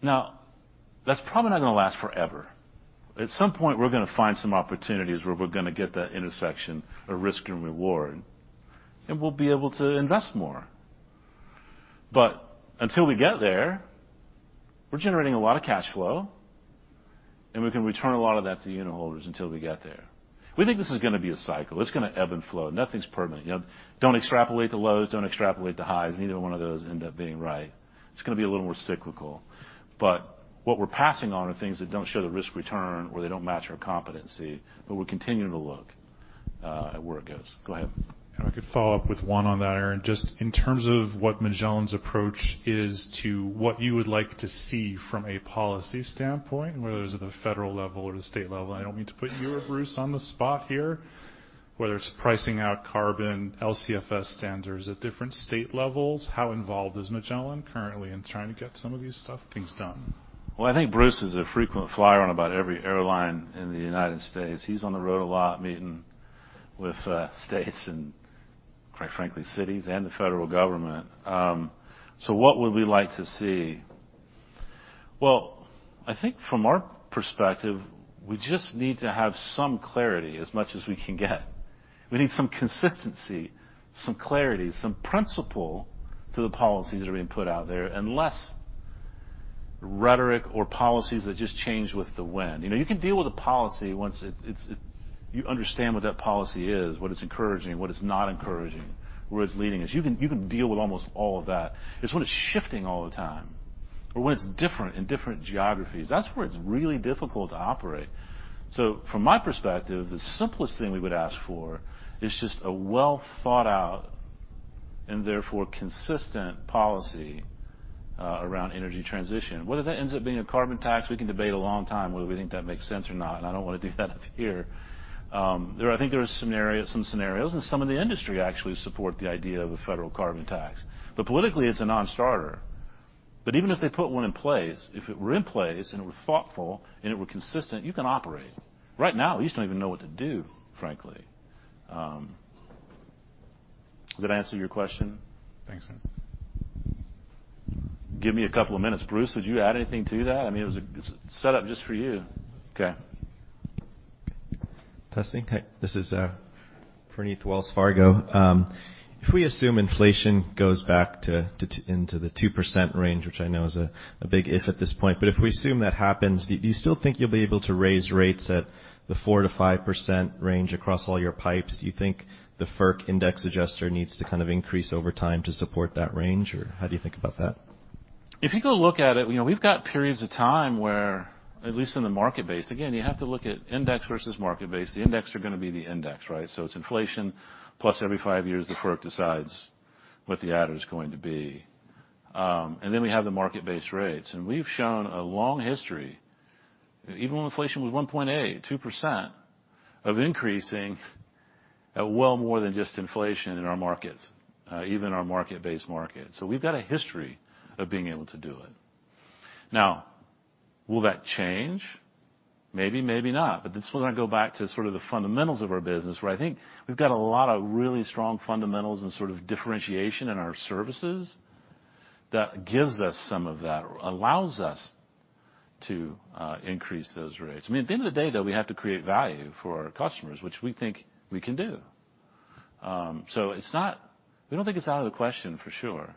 Now, that's probably not gonna last forever. At some point, we're gonna find some opportunities where we're gonna get that intersection of risk and reward, and we'll be able to invest more. Until we get there, we're generating a lot of cash flow, and we can return a lot of that to unitholders until we get there. We think this is gonna be a cycle. It's gonna ebb and flow. Nothing's permanent. You know, don't extrapolate the lows, don't extrapolate the highs. Neither one of those end up being right. It's gonna be a little more cyclical. What we're passing on are things that don't show the risk return or they don't match our competency, but we're continuing to look at where it goes. Go ahead. If I could follow up with one on that, Aaron. Just in terms of what Magellan's approach is to what you would like to see from a policy standpoint, whether it's at the federal level or the state level, I don't mean to put you or Bruce on the spot here. Whether it's pricing out carbon LCFS standards at different state levels, how involved is Magellan currently in trying to get some of these things done? Well, I think Bruce is a frequent flyer on about every airline in the United States. He's on the road a lot meeting with states and, quite frankly, cities and the federal government. What would we like to see? Well, I think from our perspective, we just need to have some clarity as much as we can get. We need some consistency, some clarity, some principle to the policies that are being put out there, and less rhetoric or policies that just change with the wind. You know, you can deal with a policy once it you understand what that policy is, what it's encouraging, what it's not encouraging, where it's leading us. You can deal with almost all of that. It's when it's shifting all the time or when it's different in different geographies, that's where it's really difficult to operate. From my perspective, the simplest thing we would ask for is just a well-thought-out, and therefore consistent policy, around energy transition. Whether that ends up being a carbon tax, we can debate a long time whether we think that makes sense or not, and I don't wanna do that up here. I think there are some scenarios, and some in the industry actually support the idea of a federal carbon tax. Politically, it's a non-starter. Even if they put one in place, if it were in place and it were thoughtful and it were consistent, you can operate. Right now, we just don't even know what to do, frankly. Did that answer your question? Thanks, man. Give me a couple of minutes. Bruce, would you add anything to that? I mean, it's set up just for you. Okay. Testing. Hi, this is Praneeth, Wells Fargo. If we assume inflation goes back into the 2% range, which I know is a big if at this point, but if we assume that happens, do you still think you'll be able to raise rates at the 4%-5% range across all your pipes? Do you think the FERC index adjuster needs to kind of increase over time to support that range, or how do you think about that? If you go look at it, you know, we've got periods of time where at least in the market-based. Again, you have to look at indexed versus market-based. The indexed are gonna be the indexed, right? So it's inflation plus every five years, the FERC decides what the adder is going to be. And then we have the market-based rates. And we've shown a long history, even when inflation was 1.8%-2%, of increasing at well more than just inflation in our markets, even our market-based market. So we've got a history of being able to do it. Now, will that change? Maybe, maybe not. this is when I go back to sort of the fundamentals of our business, where I think we've got a lot of really strong fundamentals and sort of differentiation in our services that gives us some of that or allows us to increase those rates. I mean, at the end of the day, though, we have to create value for our customers, which we think we can do. We don't think it's out of the question for sure.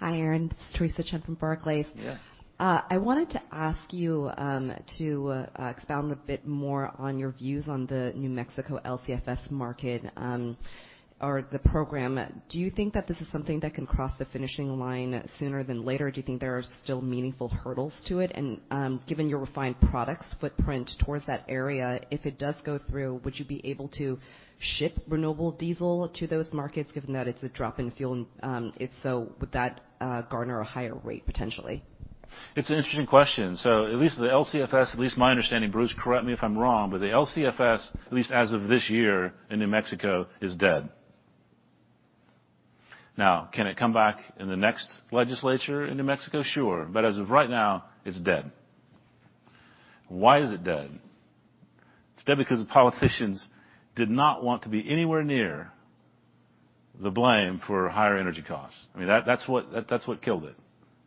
Hi, Aaron. This is Theresa Chen from Barclays. Yes. I wanted to ask you to expound a bit more on your views on the New Mexico LCFS market or the program. Do you think that this is something that can cross the finishing line sooner than later, or do you think there are still meaningful hurdles to it? Given your refined products footprint towards that area, if it does go through, would you be able to ship renewable diesel to those markets, given that it's a drop-in fuel? If so, would that garner a higher rate potentially? It's an interesting question. At least the LCFS, at least my understanding, Bruce, correct me if I'm wrong, but the LCFS, at least as of this year in New Mexico, is dead. Now, can it come back in the next legislature in New Mexico? Sure. As of right now, it's dead. Why is it dead? It's dead because the politicians did not want to be anywhere near the blame for higher energy costs. I mean, that's what killed it.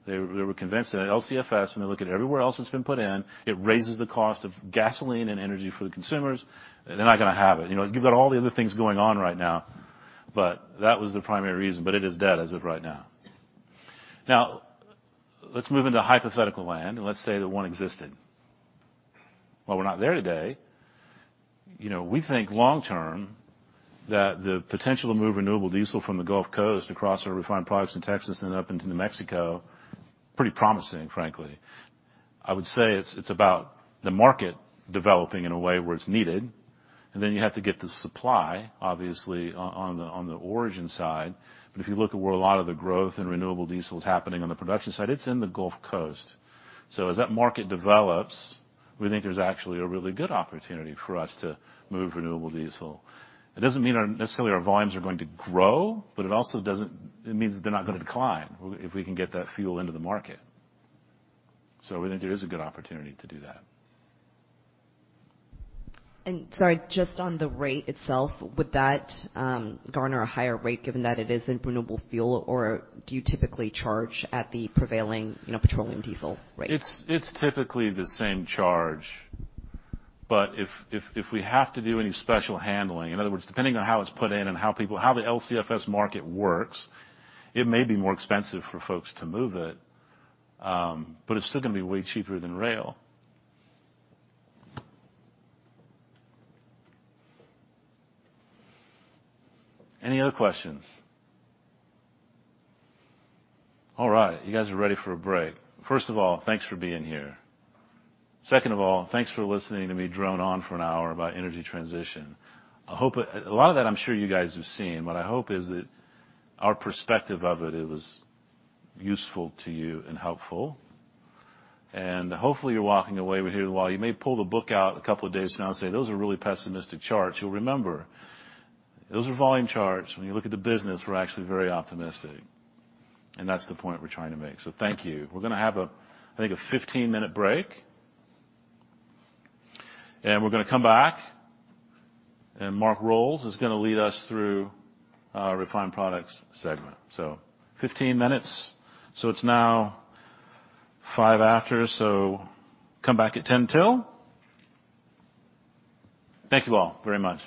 They were convinced that LCFS, when they look at everywhere else it's been put in, it raises the cost of gasoline and energy for the consumers. They're not gonna have it. You know, you've got all the other things going on right now, but that was the primary reason. It is dead as of right now. Now, let's move into hypothetical land, and let's say that one existed. While we're not there today, you know, we think long term that the potential to move renewable diesel from the Gulf Coast across our refined products in Texas and then up into New Mexico, pretty promising, frankly. I would say it's about the market developing in a way where it's needed, and then you have to get the supply, obviously, on the origin side. But if you look at where a lot of the growth in renewable diesel is happening on the production side, it's in the Gulf Coast. As that market develops, we think there's actually a really good opportunity for us to move renewable diesel. It doesn't mean necessarily our volumes are going to grow, but it also doesn't, it means they're not gonna decline if we can get that fuel into the market. We think there is a good opportunity to do that. Sorry, just on the rate itself, would that garner a higher rate given that it isn't renewable fuel? Or do you typically charge at the prevailing, you know, petroleum diesel rate? It's typically the same charge. But if we have to do any special handling, in other words, depending on how it's put in and how the LCFS market works, it may be more expensive for folks to move it. But it's still gonna be way cheaper than rail. Any other questions? All right. You guys are ready for a break. First of all, thanks for being here. Second of all, thanks for listening to me drone on for an hour about energy transition. A lot of that I'm sure you guys have seen. What I hope is that our perspective of it was useful to you and helpful. Hopefully you're walking away with here while you may pull the book out a couple of days from now and say, "Those are really pessimistic charts." You'll remember those are volume charts. When you look at the business, we're actually very optimistic, and that's the point we're trying to make. Thank you. We're gonna have a, I think, a 15-minute break. We're gonna come back, and Mark Roles is gonna lead us through our Refined Products segment. 15 minutes. It's now five after, so come back at 10 till. Thank you all very much.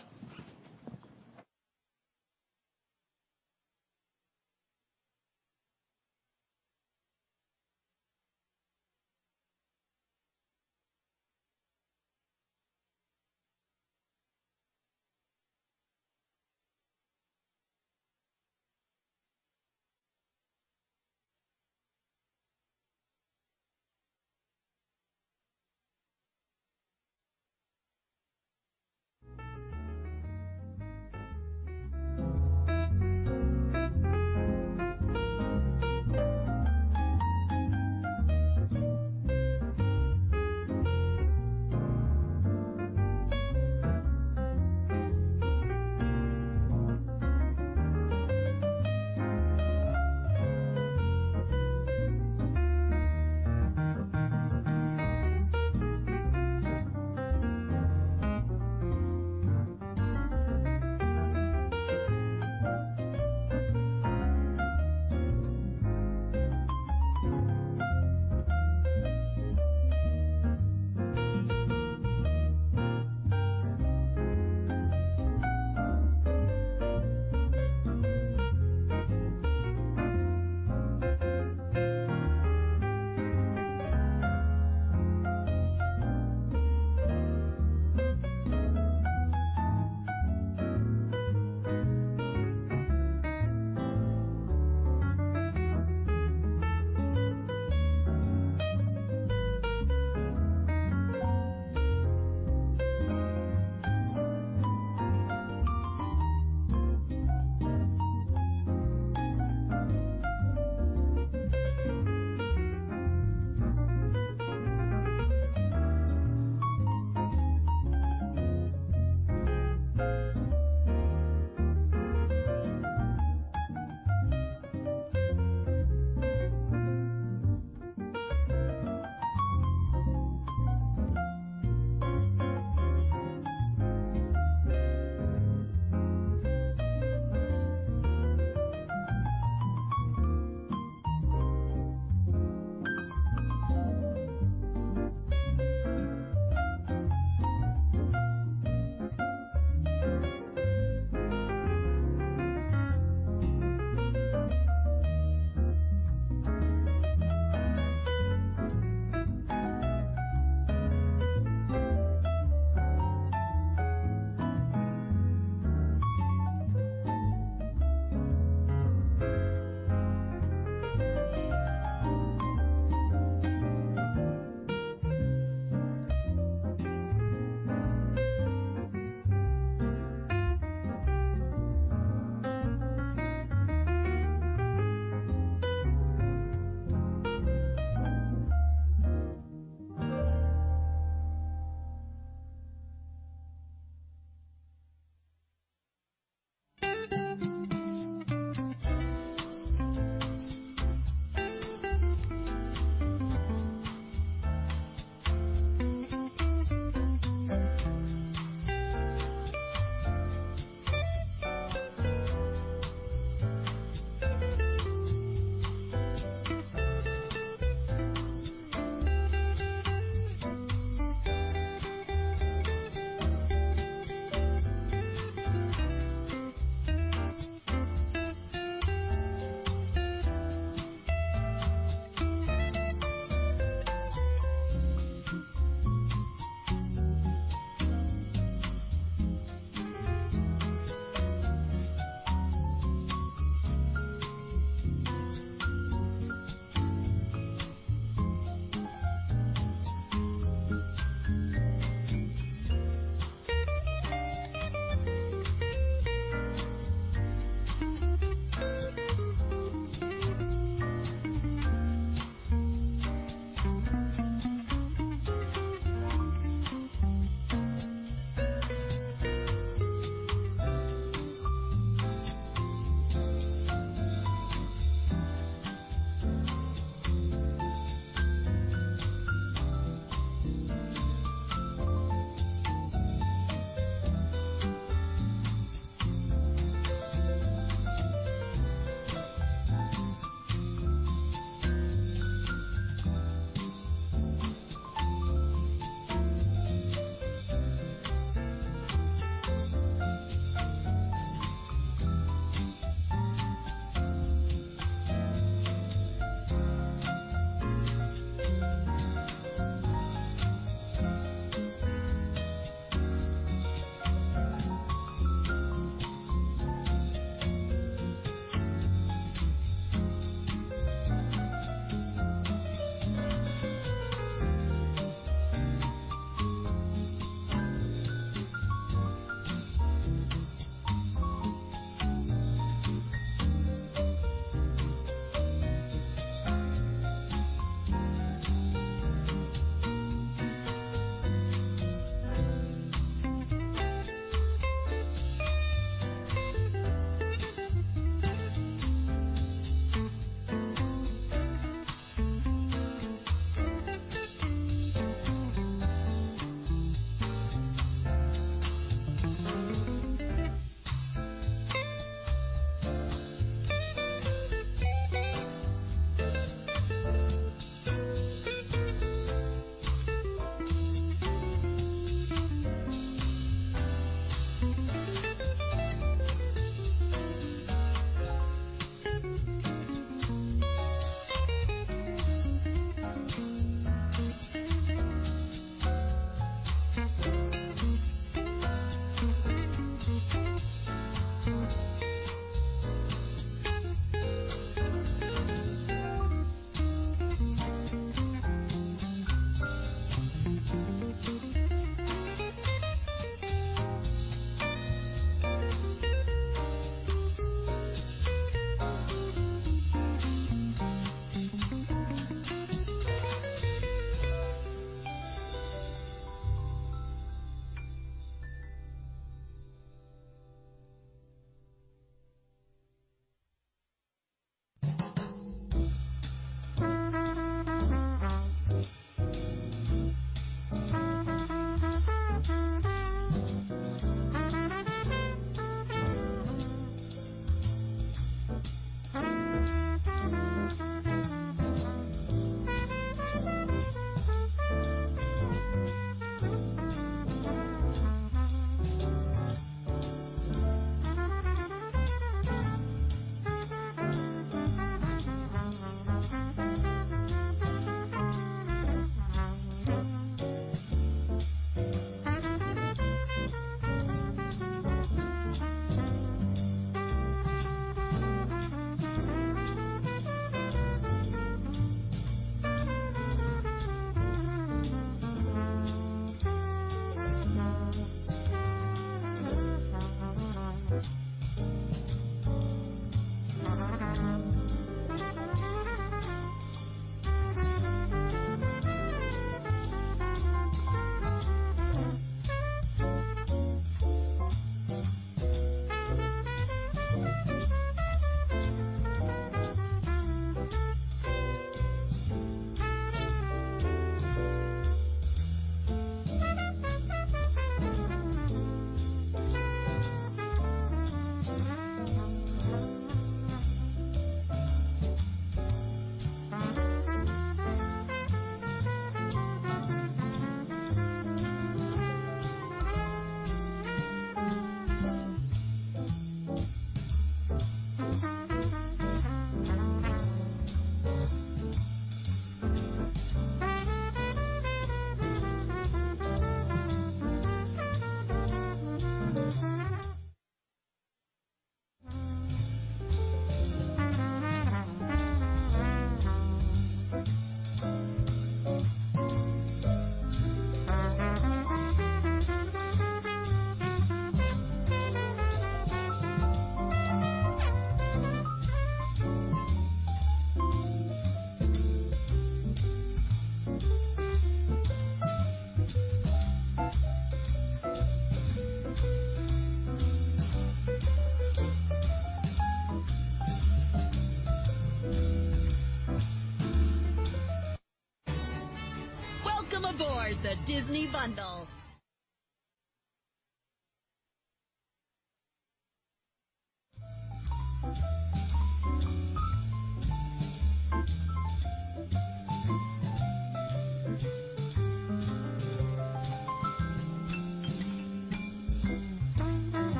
Welcome aboard the Disney Bundle.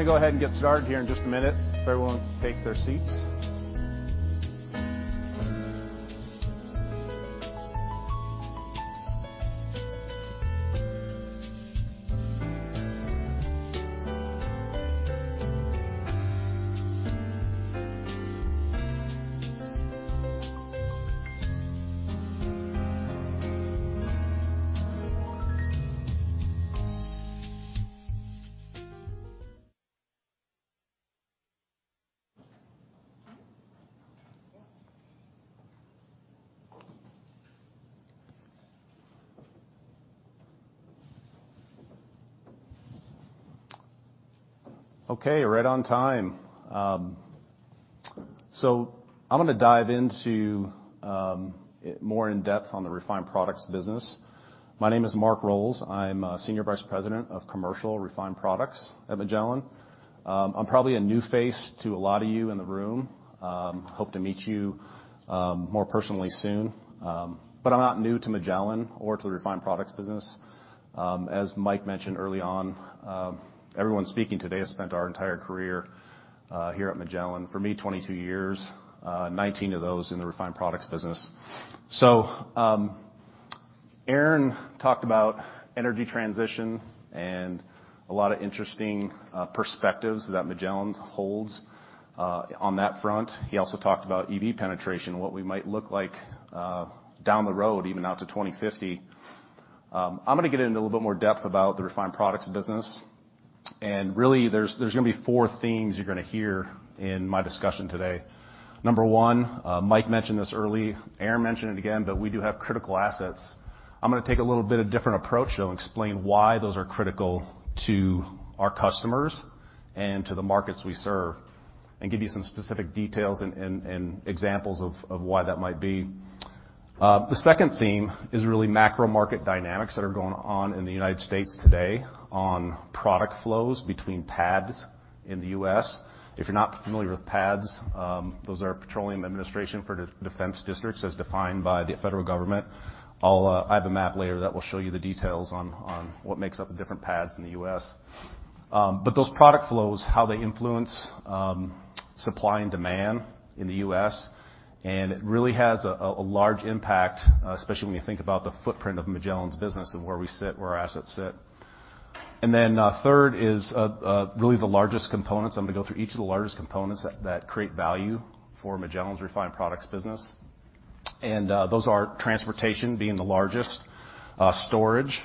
We're gonna go ahead and get started here in just a minute. If everyone take their seats. Okay, right on time. I'm gonna dive into more in depth on the refined products business. My name is Mark Roles. I'm Senior Vice President of Commercial Refined Products at Magellan. I'm probably a new face to a lot of you in the room. Hope to meet you more personally soon. But I'm not new to Magellan or to the refined products business. As Mike mentioned early on, everyone speaking today has spent our entire career here at Magellan. For me, 22 years, 19 of those in the refined products business. Aaron talked about energy transition and a lot of interesting perspectives that Magellan holds on that front. He also talked about EV penetration, what we might look like down the road, even out to 2050. I'm gonna get into a little bit more depth about the refined products business, and really, there's gonna be four themes you're gonna hear in my discussion today. Number one, Mike mentioned this early, Aaron mentioned it again, but we do have critical assets. I'm gonna take a little bit of different approach, though, and explain why those are critical to our customers and to the markets we serve, and give you some specific details and examples of why that might be. The second theme is really macro market dynamics that are going on in the United States today on product flows between PADDs in the U.S. If you're not familiar with PADDs, those are Petroleum Administration for Defense Districts as defined by the federal government. I have a map later that will show you the details on what makes up the different PADDs in the U.S. Those product flows, how they influence supply and demand in the U.S., and it really has a large impact, especially when you think about the footprint of Magellan's business and where we sit, where our assets sit. Third is really the largest components. I'm gonna go through each of the largest components that create value for Magellan's refined products business. Those are transportation being the largest, storage,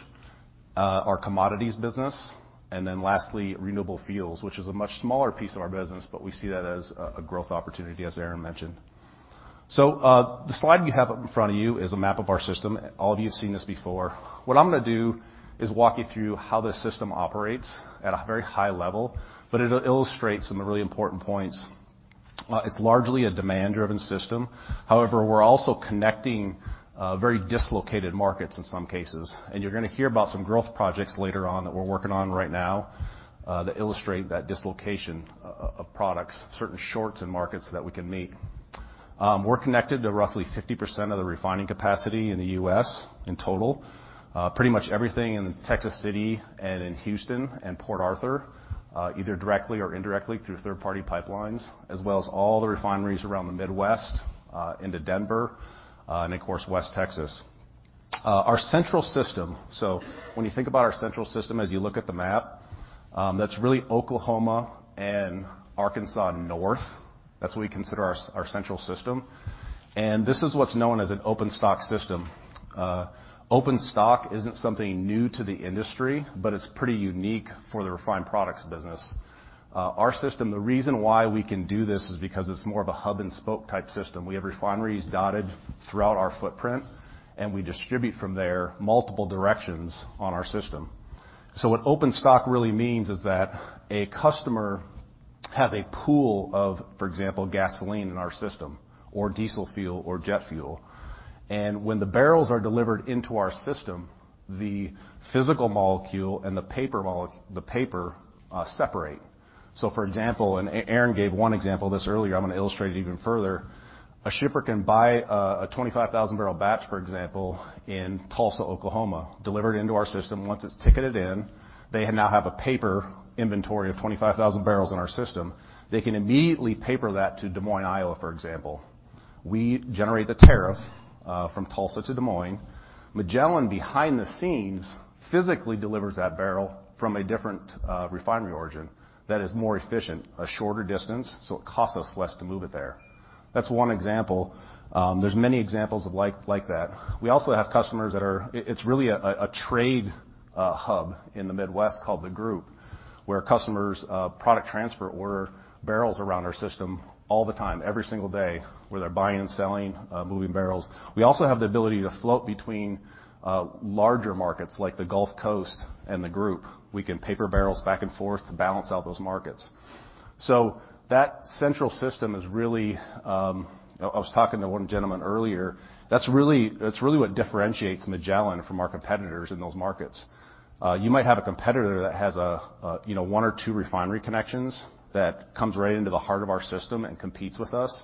our commodities business, and then lastly, renewable fuels, which is a much smaller piece of our business, but we see that as a growth opportunity, as Aaron mentioned. The slide you have up in front of you is a map of our system. All of you have seen this before. What I'm gonna do is walk you through how this system operates at a very high level, but it illustrates some of the really important points. It's largely a demand-driven system. However, we're also connecting very dislocated markets in some cases, and you're gonna hear about some growth projects later on that we're working on right now, that illustrate that dislocation of products, certain shorts in markets that we can meet. We're connected to roughly 50% of the refining capacity in the U.S. in total. Pretty much everything in Texas City and in Houston and Port Arthur, either directly or indirectly through third-party pipelines, as well as all the refineries around the Midwest, into Denver, and of course, West Texas. Our central system. When you think about our central system as you look at the map, that's really Oklahoma and Arkansas North. That's what we consider our central system, and this is what's known as an open stock system. Open stock isn't something new to the industry, but it's pretty unique for the refined products business. Our system, the reason why we can do this is because it's more of a hub and spoke type system. We have refineries dotted throughout our footprint, and we distribute from there multiple directions on our system. What open stock really means is that a customer has a pool of, for example, gasoline in our system or diesel fuel or jet fuel. When the barrels are delivered into our system, the physical molecule and the paper molecule, the paper separate. For example, Aaron gave one example of this earlier, I'm gonna illustrate it even further. A shipper can buy a 25,000-barrel batch, for example, in Tulsa, Oklahoma, deliver it into our system. Once it's ticketed in, they now have a paper inventory of 25,000 barrels in our system. They can immediately paper that to Des Moines, Iowa, for example. We generate the tariff from Tulsa to Des Moines. Magellan, behind the scenes, physically delivers that barrel from a different refinery origin that is more efficient, a shorter distance, so it costs us less to move it there. That's one example. There's many examples of like that. We also have customers. It's really a trade hub in the Midwest called Group Three, where customers product transfer or barrels around our system all the time, every single day, where they're buying and selling, moving barrels. We also have the ability to float between larger markets like the Gulf Coast and Group Three. We can paper barrels back and forth to balance out those markets. That central system is really. I was talking to one gentleman earlier. That's really what differentiates Magellan from our competitors in those markets. You might have a competitor that has a you know, one or two refinery connections that comes right into the heart of our system and competes with us,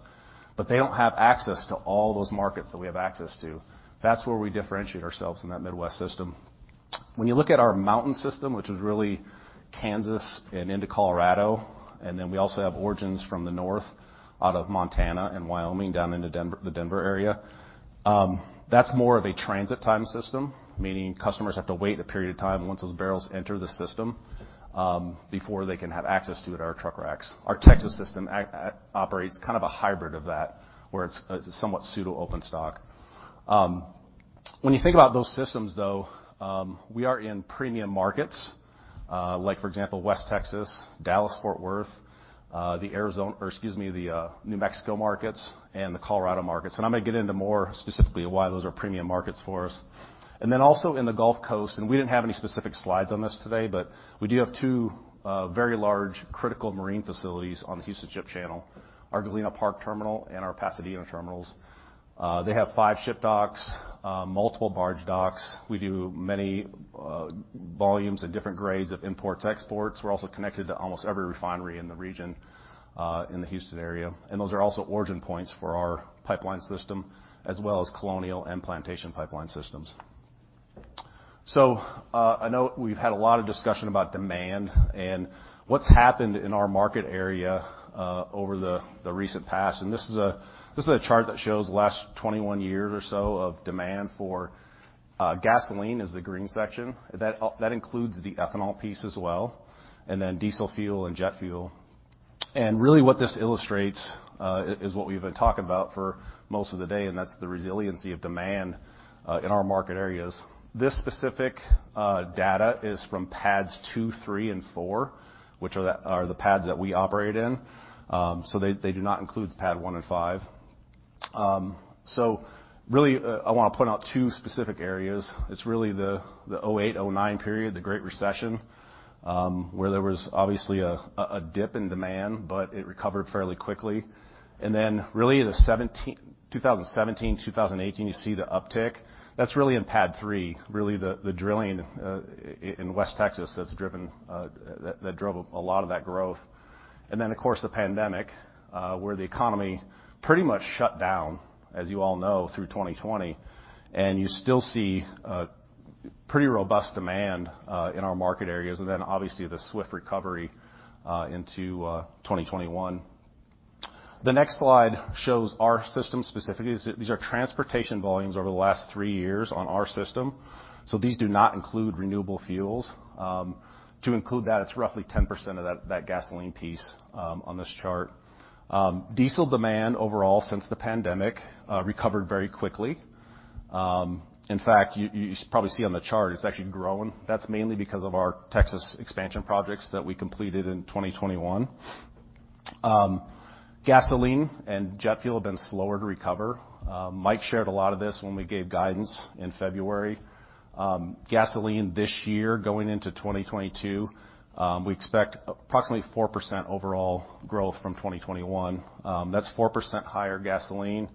but they don't have access to all those markets that we have access to. That's where we differentiate ourselves in that Midwest system. When you look at our mountain system, which is really Kansas and into Colorado, and then we also have origins from the north out of Montana and Wyoming down into the Denver area, that's more of a transit time system, meaning customers have to wait a period of time once those barrels enter the system before they can have access to it at our truck racks. Our Texas system operates kind of a hybrid of that, where it's somewhat pseudo-open stock. When you think about those systems, though, we are in premium markets. Like for example, West Texas, Dallas-Fort Worth, the New Mexico markets and the Colorado markets. I'm gonna get into more specifically why those are premium markets for us. Then also in the Gulf Coast, and we didn't have any specific slides on this today, but we do have two very large, critical marine facilities on the Houston Ship Channel, our Galena Park terminal and our Pasadena terminals. They have five ship docks, multiple barge docks. We do many volumes and different grades of imports, exports. We're also connected to almost every refinery in the region, in the Houston area. Those are also origin points for our pipeline system, as well as Colonial Pipeline and Plantation Pipeline systems. I know we've had a lot of discussion about demand and what's happened in our market area over the recent past. This is a chart that shows the last 21 years or so of demand for gasoline as the green section. That includes the ethanol piece as well, and then diesel fuel and jet fuel. Really what this illustrates is what we've been talking about for most of the day, and that's the resiliency of demand in our market areas. This specific data is from PADDs 2, 3, and 4, which are the PADDs that we operate in. They do not include PADD 1 and 5. I wanna point out two specific areas. It's really the 2008, 2009 period, the great recession, where there was obviously a dip in demand, but it recovered fairly quickly. Really 2017, 2018, you see the uptick. That's really in PADD 3, really the drilling in West Texas that's driven that drove a lot of that growth. Of course, the pandemic, where the economy pretty much shut down, as you all know, through 2020, and you still see pretty robust demand in our market areas, and then obviously the swift recovery into 2021. The next slide shows our system specific. These are transportation volumes over the last three years on our system, so these do not include renewable fuels. To include that, it's roughly 10% of that gasoline piece on this chart. Diesel demand overall since the pandemic recovered very quickly. In fact, you probably see on the chart it's actually grown. That's mainly because of our Texas expansion projects that we completed in 2021. Gasoline and jet fuel have been slower to recover. Mike shared a lot of this when we gave guidance in February. Gasoline this year going into 2022, we expect approximately 4% overall growth from 2021. That's 4% higher gasoline,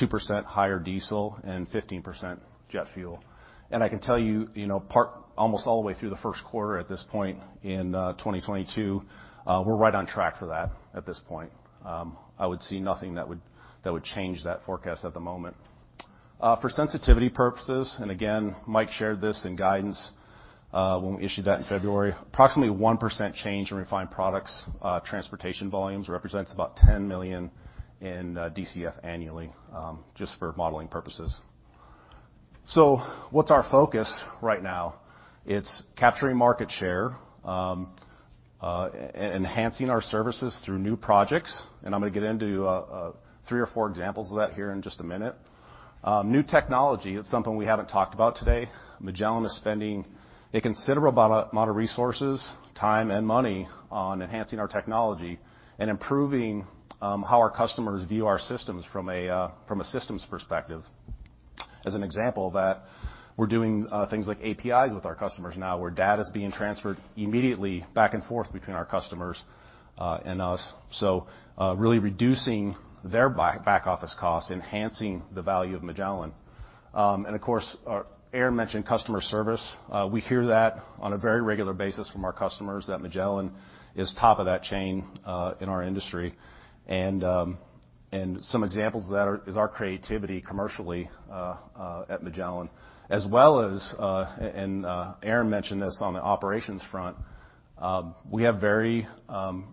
2% higher diesel, and 15% jet fuel. I can tell you know, part almost all the way through the first quarter at this point in 2022, we're right on track for that at this point. I would see nothing that would change that forecast at the moment. For sensitivity purposes, and again, Mike shared this in guidance, when we issued that in February. Approximately 1% change in refined products transportation volumes represents about $10 million in DCF annually, just for modeling purposes. What's our focus right now? It's capturing market share, enhancing our services through new projects, and I'm gonna get into three or four examples of that here in just a minute. New technology is something we haven't talked about today. Magellan is spending a considerable amount of resources, time, and money on enhancing our technology and improving how our customers view our systems from a systems perspective. As an example of that, we're doing things like APIs with our customers now where data is being transferred immediately back and forth between our customers and us. Really reducing their back office costs, enhancing the value of Magellan. Of course, Aaron mentioned customer service. We hear that on a very regular basis from our customers that Magellan is top of that chain in our industry. Some examples of that are our creativity commercially at Magellan, as well as Aaron mentioned this on the operations front. We have very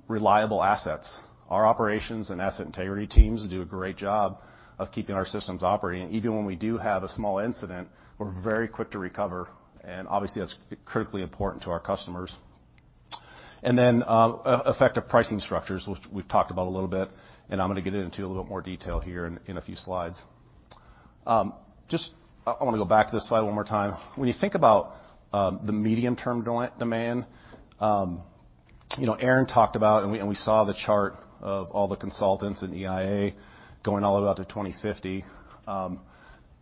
reliable assets. Our operations and asset integrity teams do a great job of keeping our systems operating. Even when we do have a small incident, we're very quick to recover, and obviously that's critically important to our customers. Effective pricing structures, which we've talked about a little bit, and I'm gonna get into a little bit more detail here in a few slides. Just, I wanna go back to this slide one more time. When you think about the medium-term demand, you know, Aaron talked about, and we saw the chart of all the consultants in EIA going all the way out to 2050.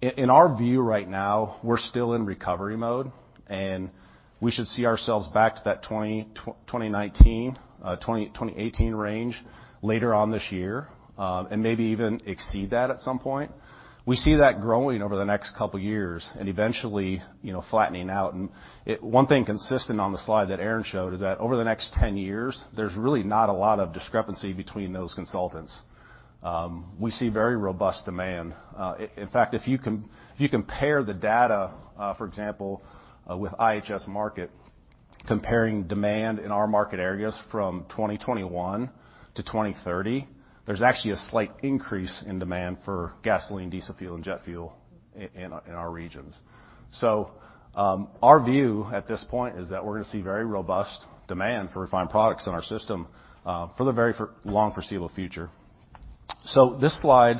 In our view right now, we're still in recovery mode, and we should see ourselves back to that 2019, 2018 range later on this year, and maybe even exceed that at some point. We see that growing over the next couple years and eventually, you know, flattening out. One thing consistent on the slide that Aaron showed is that over the next 10 years, there's really not a lot of discrepancy between those consultants. We see very robust demand. In fact, if you can compare the data, for example, with IHS Markit, comparing demand in our market areas from 2021-2030, there's actually a slight increase in demand for gasoline, diesel fuel, and jet fuel in our regions. Our view at this point is that we're gonna see very robust demand for refined products in our system, for the very long foreseeable future. This slide,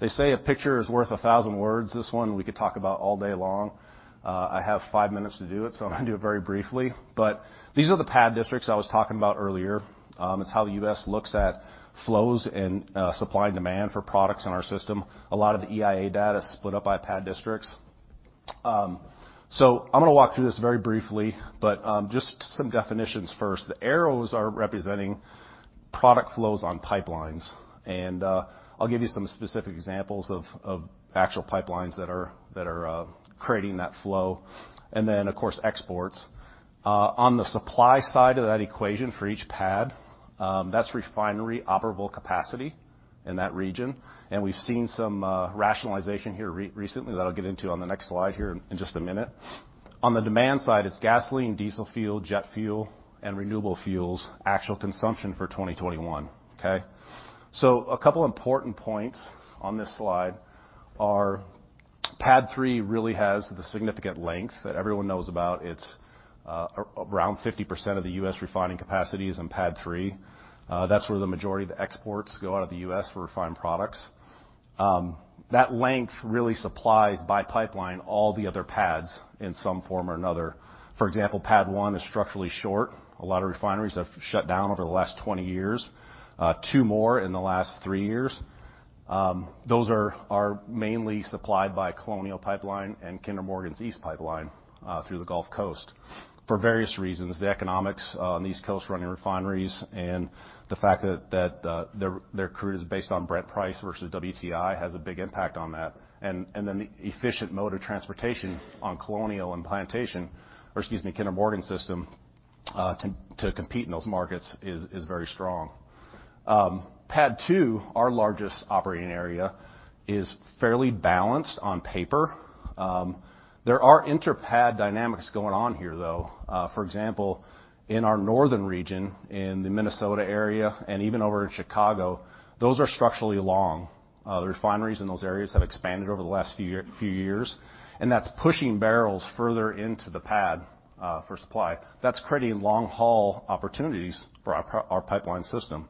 they say a picture is worth 1,000 words. This one we could talk about all day long. I have five minutes to do it, so I'm gonna do it very briefly. These are the PADDs districts I was talking about earlier. It's how the U.S. looks at flows and supply and demand for products in our system. A lot of the EIA data is split up by PADDs districts. I'm gonna walk through this very briefly, but just some definitions first. The arrows are representing product flows on pipelines, and I'll give you some specific examples of actual pipelines that are creating that flow, and then, of course, exports. On the supply side of that equation for each PADDs, that's refinery operable capacity in that region, and we've seen some rationalization here recently that I'll get into on the next slide here in just a minute. On the demand side, it's gasoline, diesel fuel, jet fuel, and renewable fuels, actual consumption for 2021, okay? A couple important points on this slide are PADD 3 really has the significant length that everyone knows about. It's around 50% of the U.S. refining capacity is in PADD 3. That's where the majority of the exports go out of the U.S. for refined products. That length really supplies by pipeline all the other PADDs in some form or another. For example, PADD 1 is structurally short. A lot of refineries have shut down over the last 20 years. two more in the last three years. Those are mainly supplied by Colonial Pipeline and Kinder Morgan's East Pipeline through the Gulf Coast. For various reasons, the economics on the East Coast running refineries and the fact that their crude is based on Brent price versus WTI has a big impact on that. The efficient mode of transportation on Colonial and Plantation, or excuse me, Kinder Morgan system, to compete in those markets is very strong. PADD 2, our largest operating area, is fairly balanced on paper. There are inter-PADD dynamics going on here, though. For example, in our northern region, in the Minnesota area and even over in Chicago, those are structurally long. The refineries in those areas have expanded over the last few years, and that's pushing barrels further into the PADD, for supply. That's creating long-haul opportunities for our pipeline system.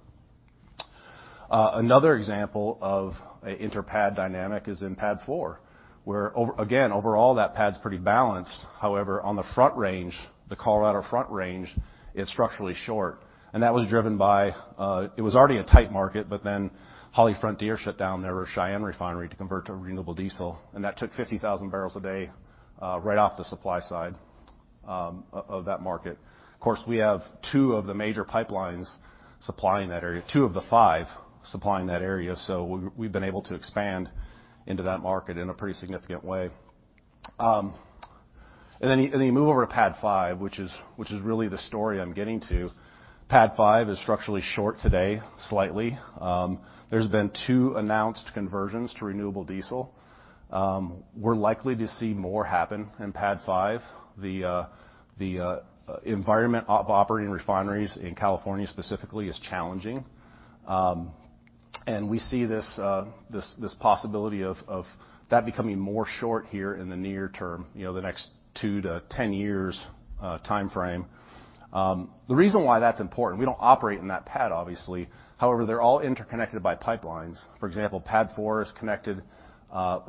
Another example of an inter-PADD dynamic is in PADD 4, where again, overall that PADD's pretty balanced. However, on the Front Range, the Colorado Front Range, it's structurally short, and that was driven by, it was already a tight market, but then HollyFrontier shut down their Cheyenne refinery to convert to renewable diesel, and that took 50,000 barrels a day, right off the supply side, of that market. Of course, we have two of the major pipelines supplying that area, two of the five supplying that area, so we've been able to expand into that market in a pretty significant way. You move over to PADD 5, which is really the story I'm getting to. PADD 5 is structurally short today, slightly. There's been two announced conversions to renewable diesel. We're likely to see more happen in PADD 5. The environment for operating refineries in California specifically is challenging. We see this possibility of that becoming more short here in the near term, you know, the next 2-10 years timeframe. The reason why that's important, we don't operate in that PADD, obviously. However, they're all interconnected by pipelines. For example, PADD 4 is connected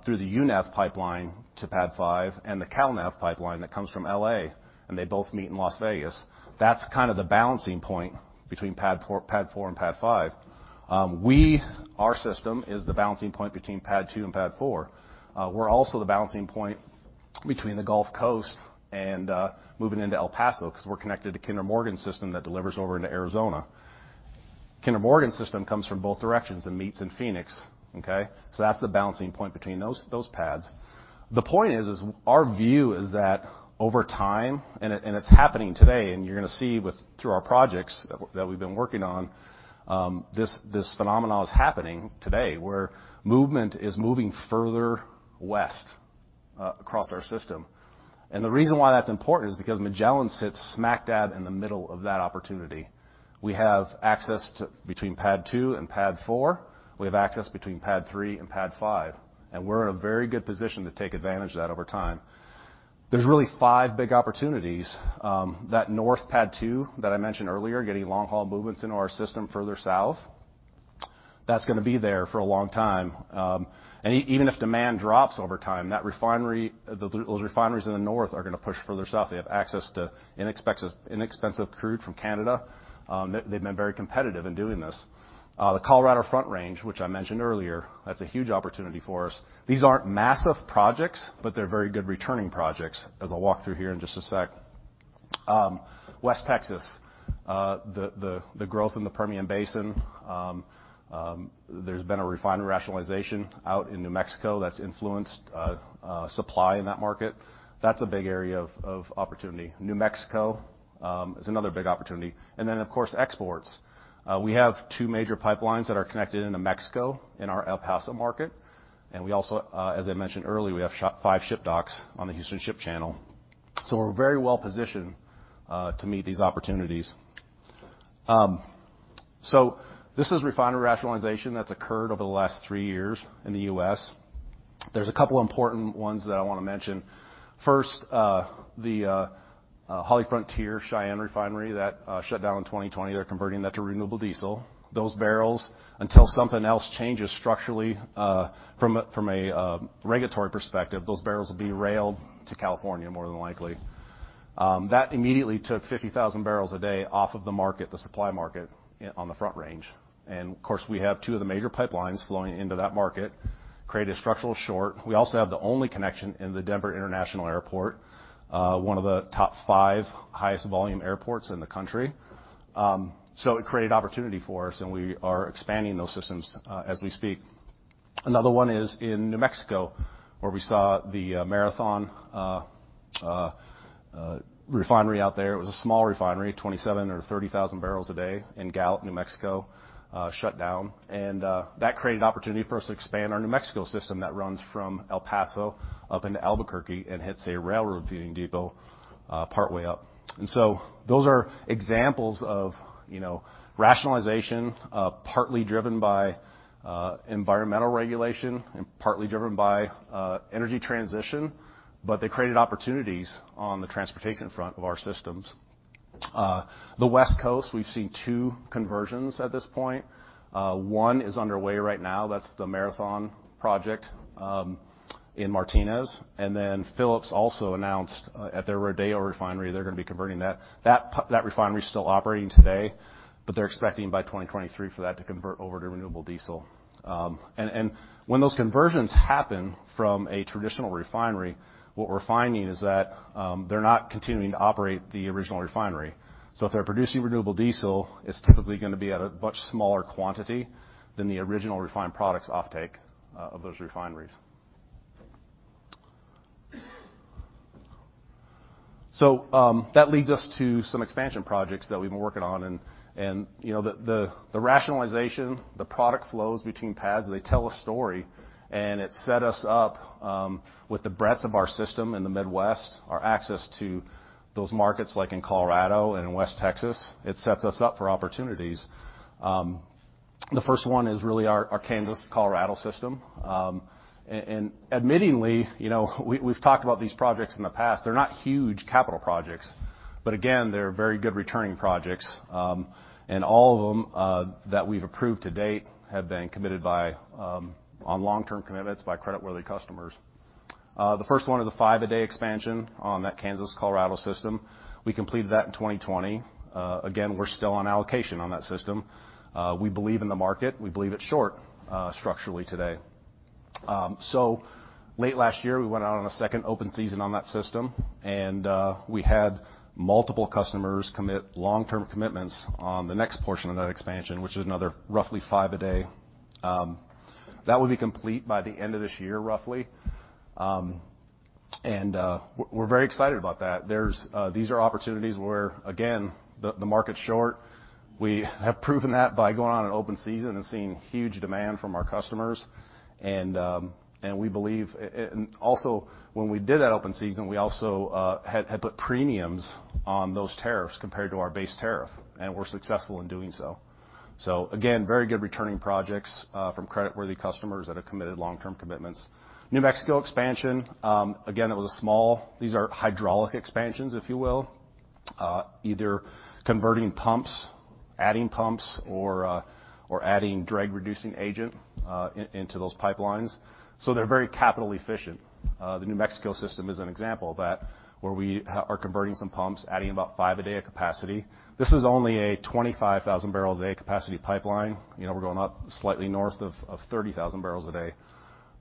through the UNEV pipeline to PADD 5 and the CALNEV pipeline that comes from L.A., and they both meet in Las Vegas. That's kind of the balancing point between PADD 4 and PADD 5. Our system is the balancing point between PADD 2 and PADD 4. We're also the balancing point between the Gulf Coast and moving into El Paso because we're connected to Kinder Morgan's system that delivers over into Arizona. Kinder Morgan's system comes from both directions and meets in Phoenix. That's the balancing point between those PADDs. The point is our view is that over time, and it's happening today, and you're gonna see with our projects that we've been working on, this phenomenon is happening today, where movement is moving further west across our system. The reason why that's important is because Magellan sits smack dab in the middle of that opportunity. We have access between PADD 2 and PADD 4. We have access between PADD 3 and PADD 5, and we're in a very good position to take advantage of that over time. There's really 5 big opportunities. That north PADD 2 that I mentioned earlier, getting long-haul movements into our system further south, that's gonna be there for a long time. Even if demand drops over time, that refinery, those refineries in the north are gonna push further south. They have access to inexpensive crude from Canada. They've been very competitive in doing this. The Colorado Front Range, which I mentioned earlier, that's a huge opportunity for us. These aren't massive projects, but they're very good returning projects, as I'll walk through here in just a sec. West Texas, the growth in the Permian Basin, there's been a refinery rationalization out in New Mexico that's influenced supply in that market. That's a big area of opportunity. New Mexico is another big opportunity. Of course, exports. We have two major pipelines that are connected into Mexico in our El Paso market. We also, as I mentioned earlier, we have five ship docks on the Houston Ship Channel. We're very well positioned to meet these opportunities. This is refinery rationalization that's occurred over the last 3 years in the U.S. There's a couple important ones that I wanna mention. First, the HollyFrontier Cheyenne Refinery that shut down in 2020. They're converting that to renewable diesel. Those barrels, until something else changes structurally, from a regulatory perspective, those barrels will be railed to California more than likely. That immediately took 50,000 barrels a day off of the market, the supply market on the Front Range. Of course, we have two of the major pipelines flowing into that market, created a structural short. We also have the only connection in the Denver International Airport, one of the top five highest volume airports in the country. It created opportunity for us, and we are expanding those systems as we speak. Another one is in New Mexico, where we saw the Marathon refinery out there. It was a small refinery, 27,000 or 30,000 barrels a day in Gallup, New Mexico, shut down. That created opportunity for us to expand our New Mexico system that runs from El Paso up into Albuquerque and hits a railroad feeding depot partway up. Those are examples of, you know, rationalization, partly driven by environmental regulation and partly driven by energy transition, but they created opportunities on the transportation front of our systems. The West Coast, we've seen two conversions at this point. One is underway right now. That's the Marathon project in Martinez. Phillips 66 also announced at their Rodeo refinery, they're gonna be converting that. That refinery is still operating today, but they're expecting by 2023 for that to convert over to renewable diesel. When those conversions happen from a traditional refinery, what we're finding is that they're not continuing to operate the original refinery. That leads us to some expansion projects that we've been working on. You know, the rationalization, the product flows between PADDs, they tell a story, and it set us up with the breadth of our system in the Midwest, our access to those markets, like in Colorado and West Texas, it sets us up for opportunities. The first one is really our Kansas-Colorado system. And admittedly, you know, we've talked about these projects in the past. They're not huge capital projects, but again, they're very good returning projects. And all of them that we've approved to date have been committed on long-term commitments by creditworthy customers. The first one is a 5,000 b/d expansion on that Kansas-Colorado system. We completed that in 2020. Again, we're still on allocation on that system. We believe in the market. We believe it's short structurally today. Late last year, we went out on a second open season on that system, and we had multiple customers commit long-term commitments on the next portion of that expansion, which is another roughly five a day. That would be complete by the end of this year, roughly. We're very excited about that. These are opportunities where, again, the market's short. We have proven that by going on an open season and seeing huge demand from our customers. Also, when we did that open season, we also had put premiums on those tariffs compared to our base tariff, and were successful in doing so. Again, very good returning projects from creditworthy customers that have committed long-term commitments. New Mexico expansion, again, it was a small. These are hydraulic expansions, if you will, either converting pumps, adding pumps, or adding drag-reducing agent into those pipelines. They're very capital efficient. The New Mexico system is an example of that, where we are converting some pumps, adding about five b/d of capacity. This is only a 25,000 b/d capacity pipeline. You know, we're going up slightly north of 30,000 b/d,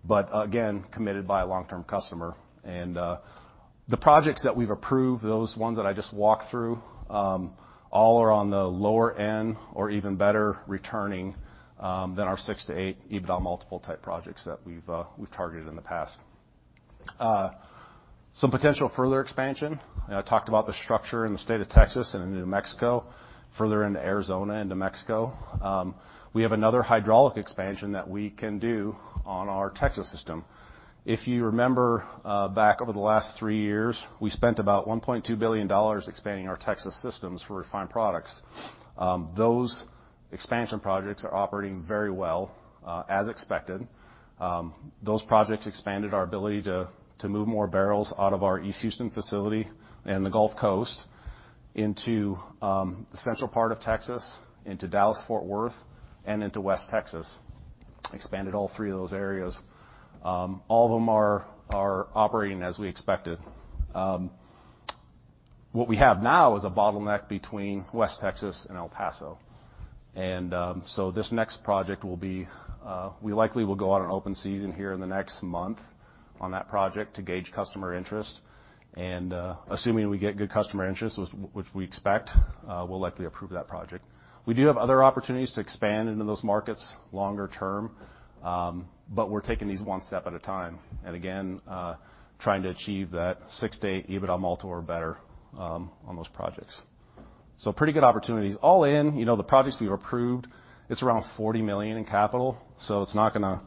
but again, committed by a long-term customer. The projects that we've approved, those ones that I just walked through, all are on the lower end or even better returning than our six to eight EBITDA multiple type projects that we've targeted in the past. Some potential further expansion. I talked about the structure in the state of Texas and in New Mexico, further into Arizona and New Mexico. We have another hydraulic expansion that we can do on our Texas system. If you remember, back over the last three years, we spent about $1.2 billion expanding our Texas systems for refined products. Those expansion projects are operating very well, as expected. Those projects expanded our ability to move more barrels out of our East Houston facility and the Gulf Coast into the central part of Texas, into Dallas-Fort Worth, and into West Texas. Expanded all three of those areas. All of them are operating as we expected. What we have now is a bottleneck between West Texas and El Paso. This next project will be, we likely will go out on open season here in the next month on that project to gauge customer interest. Assuming we get good customer interest, which we expect, we'll likely approve that project. We do have other opportunities to expand into those markets longer term, but we're taking these one step at a time, and again, trying to achieve that six to eight EBITDA multiple or better, on those projects. Pretty good opportunities. All in, you know, the projects we've approved, it's around $40 million in capital, so it's not gonna,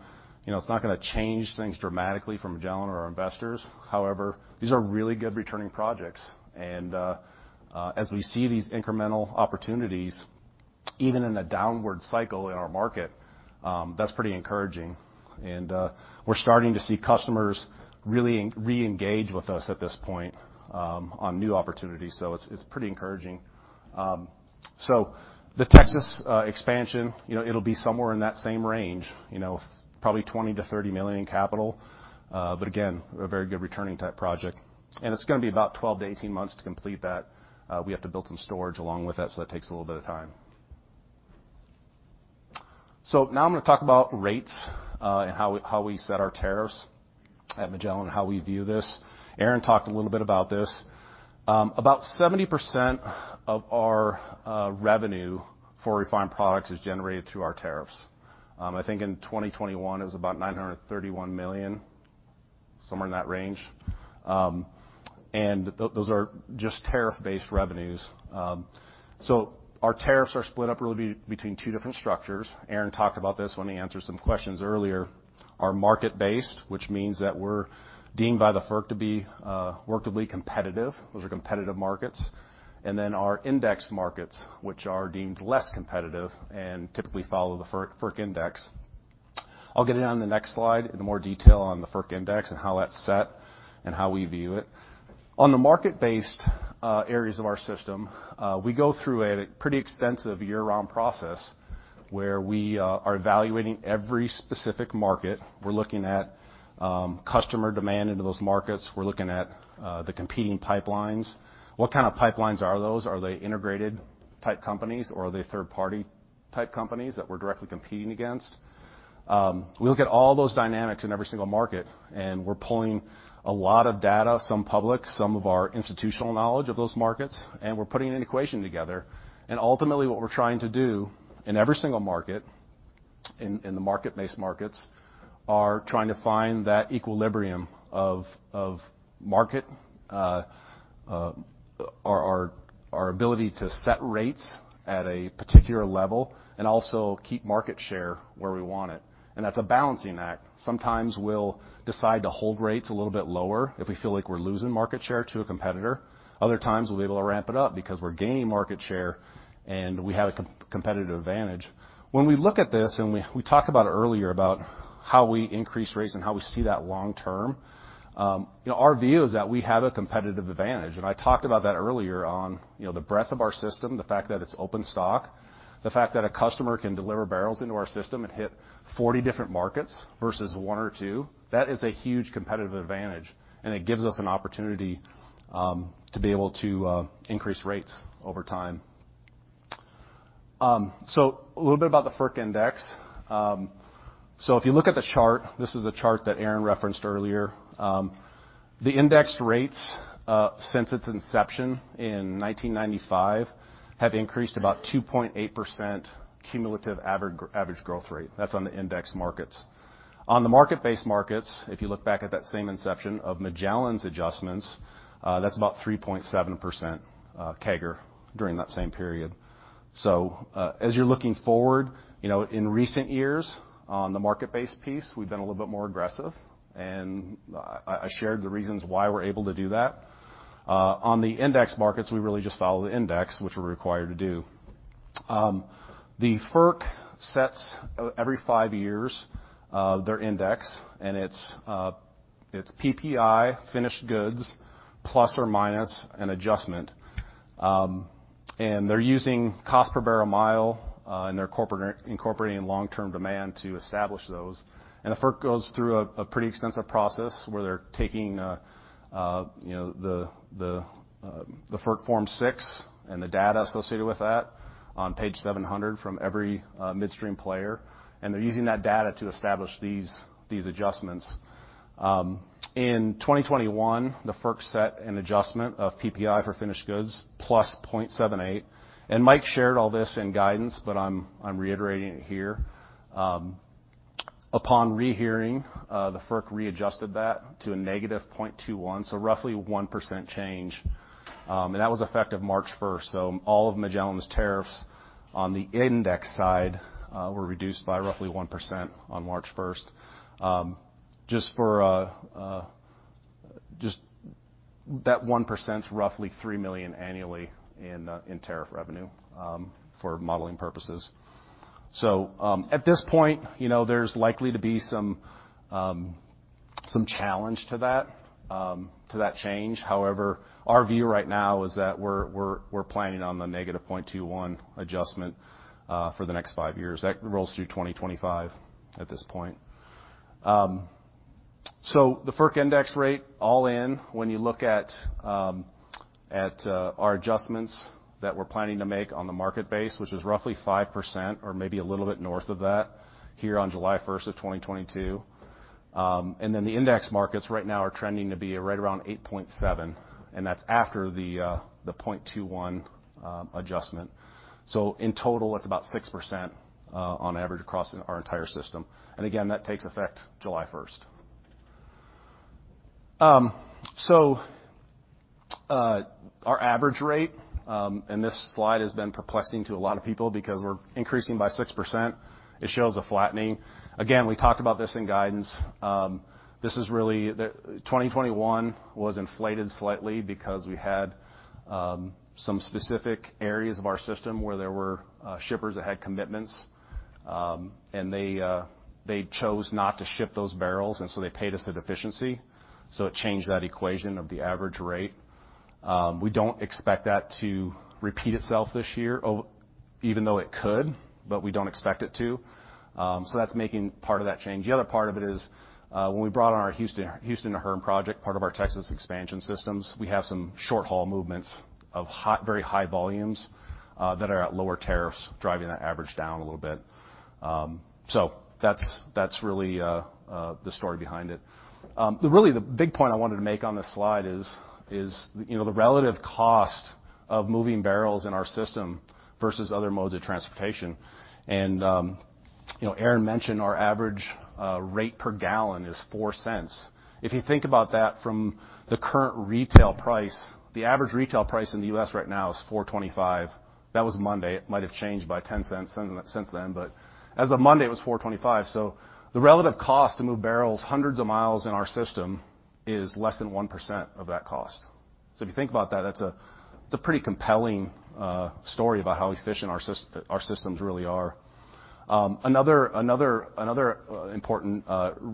you know, it's not gonna change things dramatically from Magellan or our investors. However, these are really good returning projects. As we see these incremental opportunities. Even in a downward cycle in our market, that's pretty encouraging. We're starting to see customers really reengage with us at this point on new opportunities. It's pretty encouraging. The Texas expansion, you know, it'll be somewhere in that same range, you know, probably $20 million-$30 million in capital. But again, a very good returning type project. It's gonna be about 12-18 months to complete that. We have to build some storage along with that, so that takes a little bit of time. Now I'm gonna talk about rates and how we set our tariffs at Magellan and how we view this. Aaron talked a little bit about this. About 70% of our revenue for refined products is generated through our tariffs. I think in 2021, it was about $931 million, somewhere in that range. Those are just tariff-based revenues. So our tariffs are split up really between two different structures. Aaron talked about this when he answered some questions earlier. Our market-based, which means that we're deemed by the FERC to be workably competitive. Those are competitive markets. Our index markets, which are deemed less competitive and typically follow the FERC index. I'll get it on the next slide in more detail on the FERC index and how that's set and how we view it. On the market-based areas of our system, we go through a pretty extensive year-round process where we are evaluating every specific market. We're looking at customer demand into those markets. We're looking at the competing pipelines. What kind of pipelines are those? Are they integrated type companies or are they third-party type companies that we're directly competing against? We look at all those dynamics in every single market, and we're pulling a lot of data, some public, some of our institutional knowledge of those markets, and we're putting an equation together. Ultimately, what we're trying to do in every single market, in the market-based markets, are trying to find that equilibrium of our ability to set rates at a particular level and also keep market share where we want it. That's a balancing act. Sometimes we'll decide to hold rates a little bit lower if we feel like we're losing market share to a competitor. Other times, we'll be able to ramp it up because we're gaining market share and we have a competitive advantage. When we look at this, we talked about it earlier about how we increase rates and how we see that long term, you know, our view is that we have a competitive advantage. I talked about that earlier on, you know, the breadth of our system, the fact that it's open stock, the fact that a customer can deliver barrels into our system and hit 40 different markets versus one or two. That is a huge competitive advantage, and it gives us an opportunity to be able to increase rates over time. A little bit about the FERC index. If you look at the chart, this is a chart that Aaron referenced earlier. The index rates, since its inception in 1995, have increased about 2.8% cumulative average growth rate. That's on the index markets. On the market-based markets, if you look back at that same inception of Magellan's adjustments, that's about 3.7% CAGR during that same period. As you're looking forward, you know, in recent years on the market-based piece, we've been a little bit more aggressive, and I shared the reasons why we're able to do that. On the index markets, we really just follow the index, which we're required to do. FERC sets every five years their index, and it's PPI finished goods plus or minus an adjustment. They're using cost per barrel mile, and they're incorporating long-term demand to establish those. The FERC goes through a pretty extensive process where they're taking you know the FERC Form No. Six and the data associated with that on page 700 from every midstream player, and they're using that data to establish these adjustments. In 2021, the FERC set an adjustment of PPI for finished goods +0.78. Mike shared all this in guidance, but I'm reiterating it here. Upon rehearing, the FERC readjusted that to a negative 0.21, so roughly 1% change. That was effective March 1st. All of Magellan's tariffs on the index side were reduced by roughly 1% on March 1st. Just that 1% is roughly $3 million annually in tariff revenue for modeling purposes. At this point, you know, there's likely to be some challenge to that change. However, our view right now is that we're planning on the -0.21 adjustment for the next five years. That rolls through 2025 at this point. The FERC index rate all in when you look at our adjustments that we're planning to make on the market base, which is roughly 5% or maybe a little bit north of that here on July 1st, 2022. The index markets right now are trending to be right around 8.7, and that's after the 0.21 adjustment. In total, it's about 6% on average across our entire system. That takes effect July 1st. Our average rate, and this slide has been perplexing to a lot of people because we're increasing by 6%. It shows a flattening. Again, we talked about this in guidance. This is really 2021 was inflated slightly because we had some specific areas of our system where there were shippers that had commitments, and they chose not to ship those barrels, and so they paid us a deficiency, so it changed that equation of the average rate. We don't expect that to repeat itself this year even though it could, but we don't expect it to. That's making part of that change. The other part of it is, when we brought on our Houston to Hearne project, part of our Texas expansion systems, we have some short haul movements of very high volumes that are at lower tariffs, driving that average down a little bit. So that's really the story behind it. Really the big point I wanted to make on this slide is, you know, the relative cost of moving barrels in our system versus other modes of transportation. You know, Aaron mentioned our average rate per gallon is $0.04. If you think about that from the current retail price, the average retail price in the U.S. right now is $4.25. That was Monday. It might have changed by $0.10 since then, but as of Monday, it was $4.25. The relative cost to move barrels hundreds of miles in our system is less than 1% of that cost. If you think about that's a pretty compelling story about how efficient our systems really are. Another important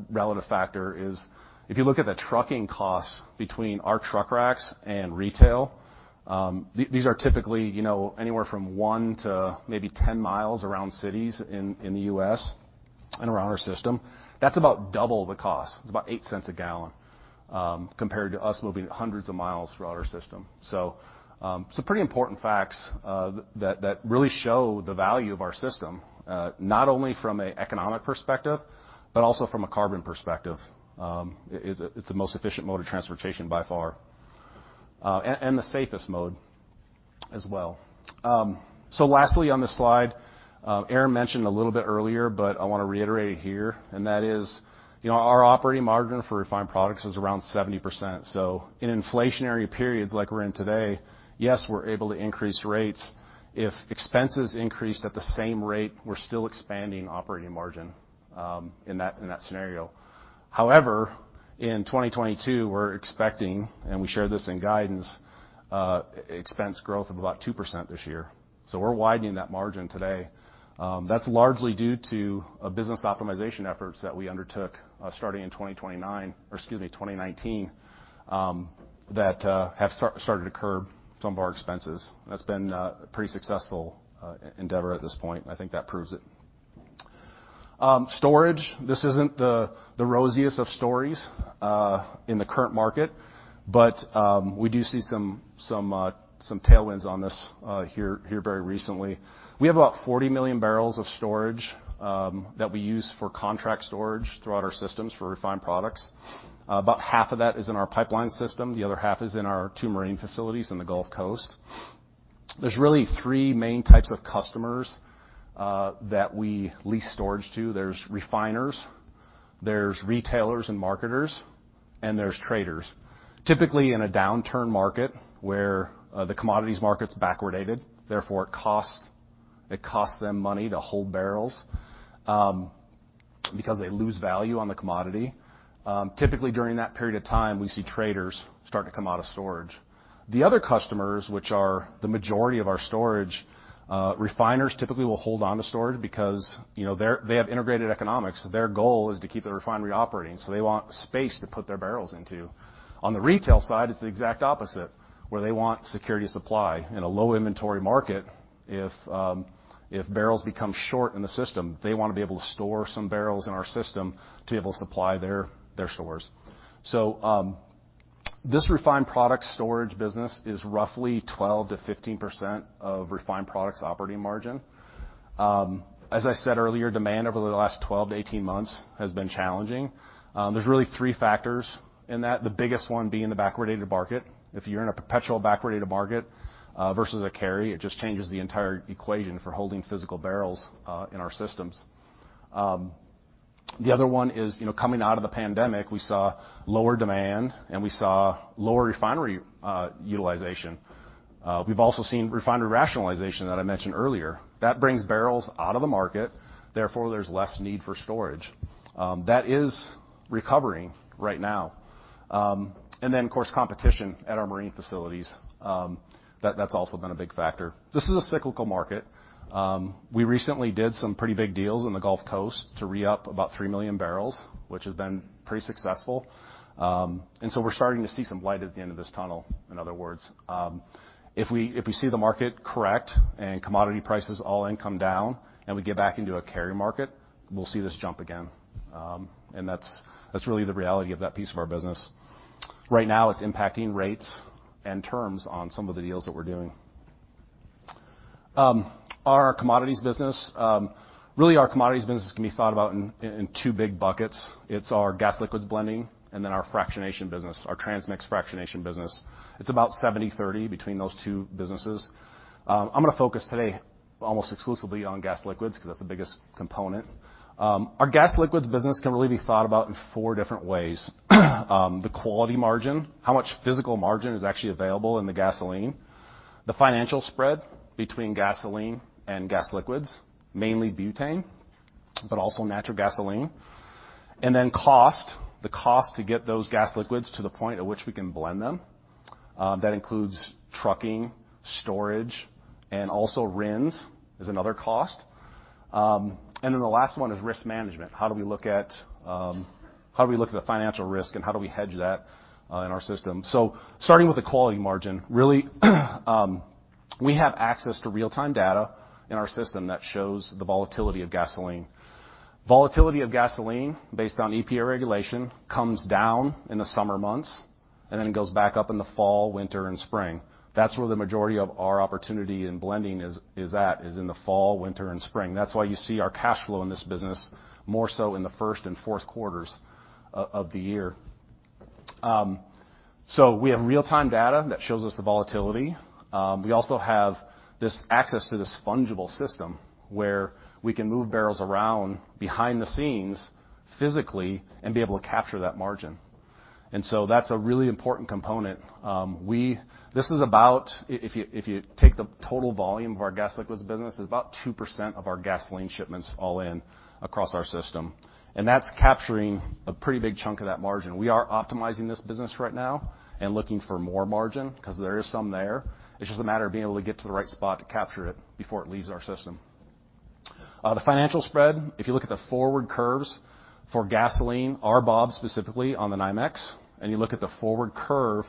relative factor is if you look at the trucking costs between our truck racks and retail, these are typically, you know, anywhere from one to maybe 10 miles around cities in the U.S. and around our system. That's about double the cost. It's about $0.08 a gallon compared to us moving it hundreds of miles throughout our system. Some pretty important facts that really show the value of our system, not only from an economic perspective, but also from a carbon perspective. It's the most efficient mode of transportation by far, and the safest mode as well. Lastly, on this slide, Aaron mentioned a little bit earlier, but I wanna reiterate it here, and that is, you know, our operating margin for refined products is around 70%. In inflationary periods, like we're in today, yes, we're able to increase rates. If expenses increased at the same rate, we're still expanding operating margin in that scenario. However, in 2022, we're expecting, and we shared this in guidance, expense growth of about 2% this year. We're widening that margin today. That's largely due to a business optimization efforts that we undertook starting in 2019 that have started to curb some of our expenses. That's been a pretty successful endeavor at this point. I think that proves it. Storage. This isn't the rosiest of stories in the current market, but we do see some tailwinds on this here very recently. We have about 40 million barrels of storage that we use for contract storage throughout our systems for refined products. About half of that is in our pipeline system. The other half is in our two marine facilities in the Gulf Coast. There's really three main types of customers that we lease storage to. There's refiners, there's retailers and marketers, and there's traders. Typically, in a downturn market where the commodities market's backwardated, therefore it costs them money to hold barrels because they lose value on the commodity. Typically, during that period of time, we see traders start to come out of storage. The other customers, which are the majority of our storage, refiners, typically will hold onto storage because, you know, they have integrated economics. Their goal is to keep the refinery operating, so they want space to put their barrels into. On the retail side, it's the exact opposite, where they want security of supply. In a low inventory market, if barrels become short in the system, they wanna be able to store some barrels in our system to be able to supply their stores. This refined product storage business is roughly 12%-15% of refined products operating margin. As I said earlier, demand over the last 12-18 months has been challenging. There's really three factors in that, the biggest one being the backwardated market. If you're in a perpetual backwardated market, versus a carry, it just changes the entire equation for holding physical barrels in our systems. The other one is, you know, coming out of the pandemic, we saw lower demand, and we saw lower refinery utilization. We've also seen refinery rationalization that I mentioned earlier. That brings barrels out of the market, therefore, there's less need for storage. That is recovering right now. Of course, competition at our marine facilities, that's also been a big factor. This is a cyclical market. We recently did some pretty big deals in the Gulf Coast to reup about 3 million barrels, which has been pretty successful. We're starting to see some light at the end of this tunnel, in other words. If we see the market correct and commodity prices all in come down, and we get back into a carry market, we'll see this jump again. That's really the reality of that piece of our business. Right now it's impacting rates and terms on some of the deals that we're doing. Our commodities business. Really, our commodities business can be thought about in two big buckets. It's our gas liquids blending and then our fractionation business, our transmix fractionation business. It's about 70/30 between those two businesses. I'm gonna focus today almost exclusively on gas liquids 'cause that's the biggest component. Our gas liquids business can really be thought about in four different ways. The quality margin, how much physical margin is actually available in the gasoline, the financial spread between gasoline and gas liquids, mainly butane, but also natural gasoline. Then cost, the cost to get those gas liquids to the point at which we can blend them. That includes trucking, storage, and also RINs is another cost. Then the last one is risk management. How do we look at the financial risk, and how do we hedge that in our system? Starting with the quality margin, really, we have access to real-time data in our system that shows the volatility of gasoline. Volatility of gasoline based on EPA regulation comes down in the summer months, and then it goes back up in the fall, winter, and spring. That's where the majority of our opportunity in blending is in the fall, winter, and spring. That's why you see our cash flow in this business more so in the first and fourth quarters of the year. We have real-time data that shows us the volatility. We also have this access to this fungible system, where we can move barrels around behind the scenes physically and be able to capture that margin. That's a really important component. This is about. If you take the total volume of our gas liquids business, it's about 2% of our gasoline shipments all in across our system, and that's capturing a pretty big chunk of that margin. We are optimizing this business right now and looking for more margin because there is some there. It's just a matter of being able to get to the right spot to capture it before it leaves our system. The financial spread, if you look at the forward curves for gasoline, RBOB specifically on the NYMEX, and you look at the forward curve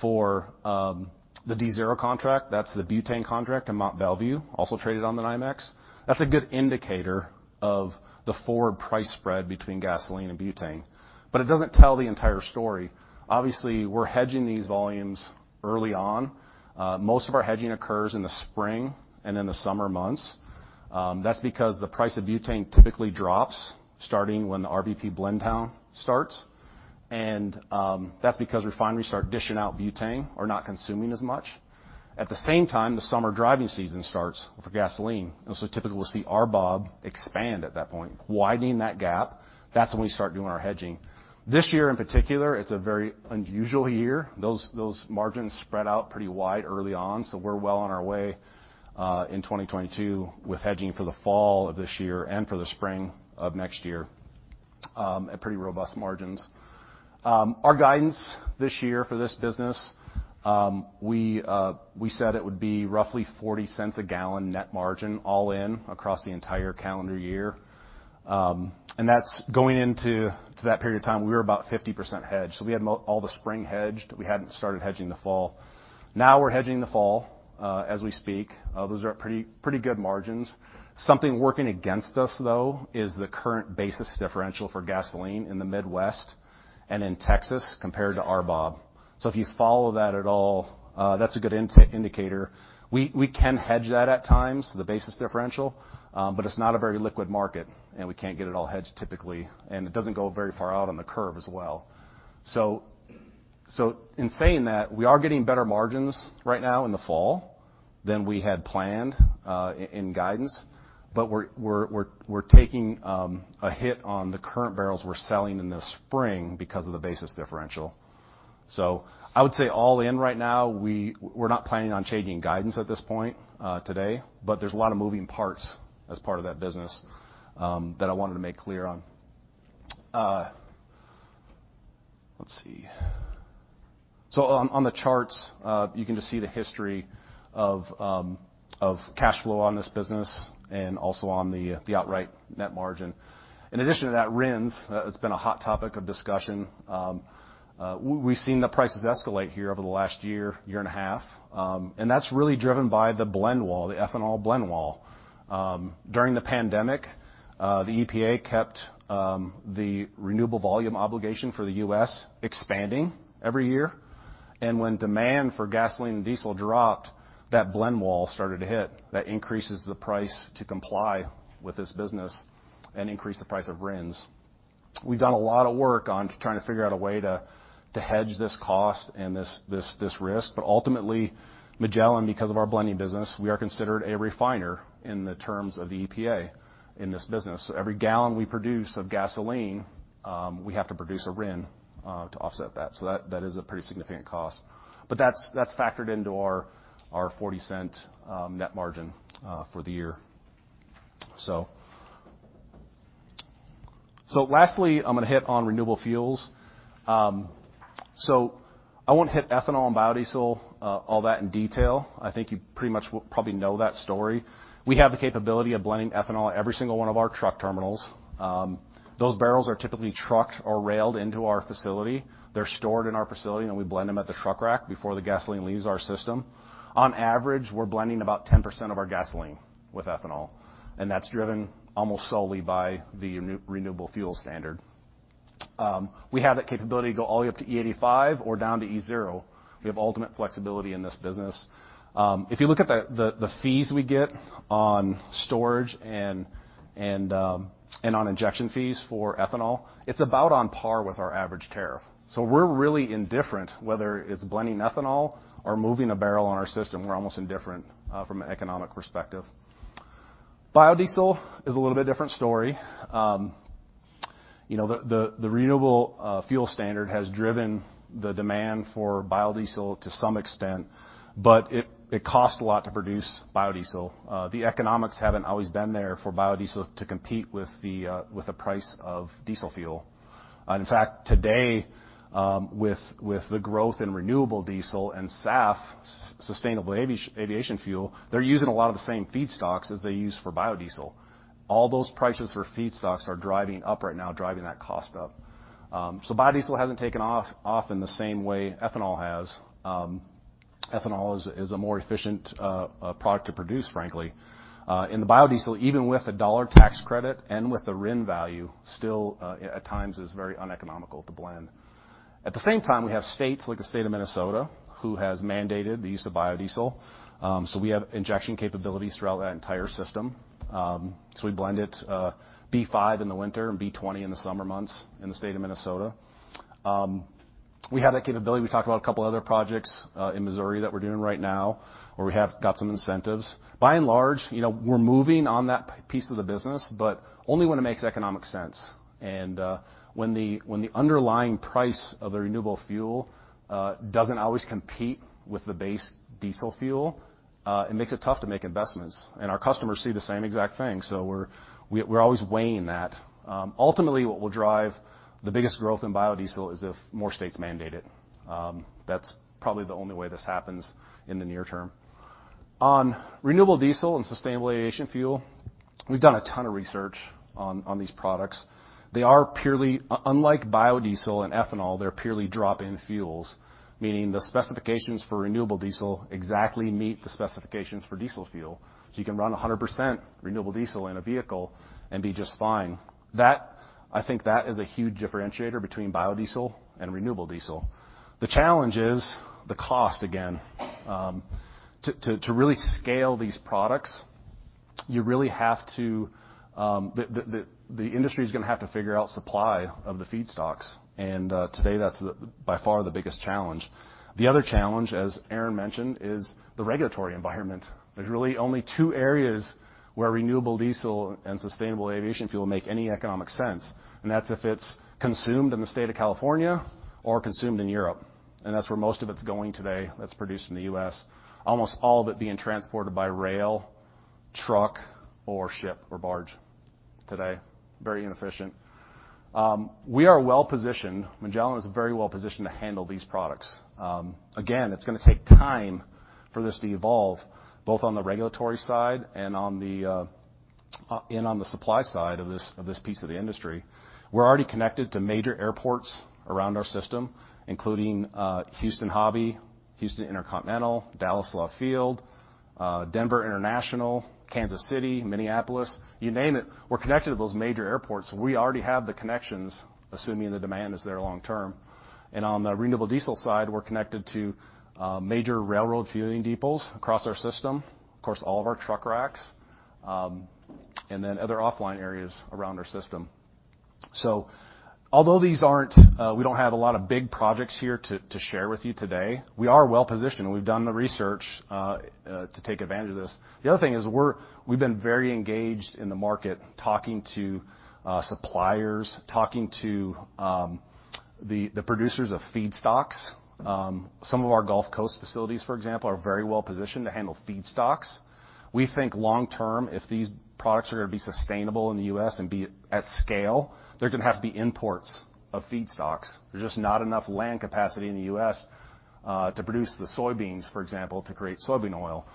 for the D0 contract, that's the butane contract in Mont Belvieu, also traded on the NYMEX. That's a good indicator of the forward price spread between gasoline and butane, but it doesn't tell the entire story. Obviously, we're hedging these volumes early on. Most of our hedging occurs in the spring and in the summer months. That's because the price of butane typically drops starting when the RVP blend down starts, and that's because refineries start dishing out butane or not consuming as much. At the same time, the summer driving season starts for gasoline, and so typically we'll see RBOB expand at that point, widening that gap. That's when we start doing our hedging. This year, in particular, it's a very unusual year. Those margins spread out pretty wide early on, so we're well on our way in 2022 with hedging for the fall of this year and for the spring of next year at pretty robust margins. Our guidance this year for this business, we said it would be roughly $0.40 a gallon net margin all in across the entire calendar year. That's going into that period of time, we were about 50% hedged, so we had all the spring hedged. We hadn't started hedging the fall. Now we're hedging the fall as we speak. Those are at pretty good margins. Something working against us, though, is the current basis differential for gasoline in the Midwest and in Texas compared to RBOB. If you follow that at all, that's a good indicator. We can hedge that at times, the basis differential, but it's not a very liquid market, and we can't get it all hedged typically, and it doesn't go very far out on the curve as well. In saying that, we are getting better margins right now in the fall than we had planned in guidance, but we're taking a hit on the current barrels we're selling in the spring because of the basis differential. I would say all in right now, we're not planning on changing guidance at this point, today, but there's a lot of moving parts as part of that business, that I wanted to make clear on. Let's see. On the charts, you can just see the history of cash flow on this business and also on the outright net margin. In addition to that, RINs, it's been a hot topic of discussion. We've seen the prices escalate here over the last year and a half, and that's really driven by the blend wall, the ethanol blend wall. During the pandemic, the EPA kept the renewable volume obligation for the U.S. expanding every year, and when demand for gasoline and diesel dropped, that blend wall started to hit. That increases the price to comply with this business and increase the price of RINs. We've done a lot of work on trying to figure out a way to hedge this cost and this risk. Ultimately, Magellan, because of our blending business, we are considered a refiner in the terms of the EPA in this business. Every gallon we produce of gasoline, we have to produce a RIN to offset that. That is a pretty significant cost. That's factored into our $0.40 net margin for the year. Lastly, I'm gonna hit on renewable fuels. I won't hit ethanol and biodiesel all that in detail. I think you pretty much probably know that story. We have the capability of blending ethanol at every single one of our truck terminals. Those barrels are typically trucked or railed into our facility. They're stored in our facility, and we blend them at the truck rack before the gasoline leaves our system. On average, we're blending about 10% of our gasoline with ethanol, and that's driven almost solely by the Renewable Fuel Standard. We have that capability to go all the way up to E85 or down to E0. We have ultimate flexibility in this business. If you look at the fees we get on storage and on injection fees for ethanol, it's about on par with our average tariff. We're really indifferent whether it's blending ethanol or moving a barrel on our system. We're almost indifferent from an economic perspective. Biodiesel is a little bit different story. You know, the renewable fuel standard has driven the demand for biodiesel to some extent, but it costs a lot to produce biodiesel. The economics haven't always been there for biodiesel to compete with the price of diesel fuel. In fact, today, with the growth in renewable diesel and SAF, sustainable aviation fuel, they're using a lot of the same feedstocks as they use for biodiesel. All those prices for feedstocks are driving up right now, driving that cost up. Biodiesel hasn't taken off in the same way ethanol has. Ethanol is a more efficient product to produce, frankly. In the biodiesel, even with a $1 tax credit and with the RIN value, still at times is very uneconomical to blend. At the same time, we have states like the state of Minnesota, who has mandated the use of biodiesel. We have injection capabilities throughout that entire system. We blend it, B5 in the winter and B20 in the summer months in the state of Minnesota. We have that capability. We talked about a couple other projects in Missouri that we're doing right now, where we have got some incentives. By and large, you know, we're moving on that piece of the business, but only when it makes economic sense. When the underlying price of the renewable fuel doesn't always compete with the base diesel fuel, it makes it tough to make investments. Our customers see the same exact thing. We're always weighing that. Ultimately, what will drive the biggest growth in biodiesel is if more states mandate it. That's probably the only way this happens in the near term. On renewable diesel and sustainable aviation fuel, we've done a ton of research on these products. Unlike biodiesel and ethanol, they're purely drop-in fuels, meaning the specifications for renewable diesel exactly meet the specifications for diesel fuel. So you can run 100% renewable diesel in a vehicle and be just fine. I think that is a huge differentiator between biodiesel and renewable diesel. The challenge is the cost again. To really scale these products, the industry is gonna have to figure out supply of the feedstocks. Today, that's by far the biggest challenge. The other challenge, as Aaron mentioned, is the regulatory environment. There's really only two areas where renewable diesel and sustainable aviation fuel make any economic sense, and that's if it's consumed in the state of California or consumed in Europe. That's where most of it's going today that's produced in the U.S., almost all of it being transported by rail, truck or ship or barge today. Very inefficient. We are well positioned. Magellan is very well positioned to handle these products. Again, it's gonna take time for this to evolve, both on the regulatory side and on the supply side of this piece of the industry. We're already connected to major airports around our system, including Houston Hobby, Houston Intercontinental, Dallas Love Field, Denver International, Kansas City, Minneapolis. You name it, we're connected to those major airports. We already have the connections, assuming the demand is there long term. On the renewable diesel side, we're connected to major railroad fueling depots across our system, of course, all of our truck racks, and then other offline areas around our system. Although these aren't we don't have a lot of big projects here to share with you today, we are well-positioned, and we've done the research to take advantage of this. The other thing is we've been very engaged in the market, talking to suppliers, talking to the producers of feedstocks. Some of our Gulf Coast facilities, for example, are very well positioned to handle feedstocks. We think long term, if these products are gonna be sustainable in the U.S. and be at scale, there are gonna have to be imports of feedstocks. There's just not enough land capacity in the U.S. to produce the soybeans, for example, to create soybean oil.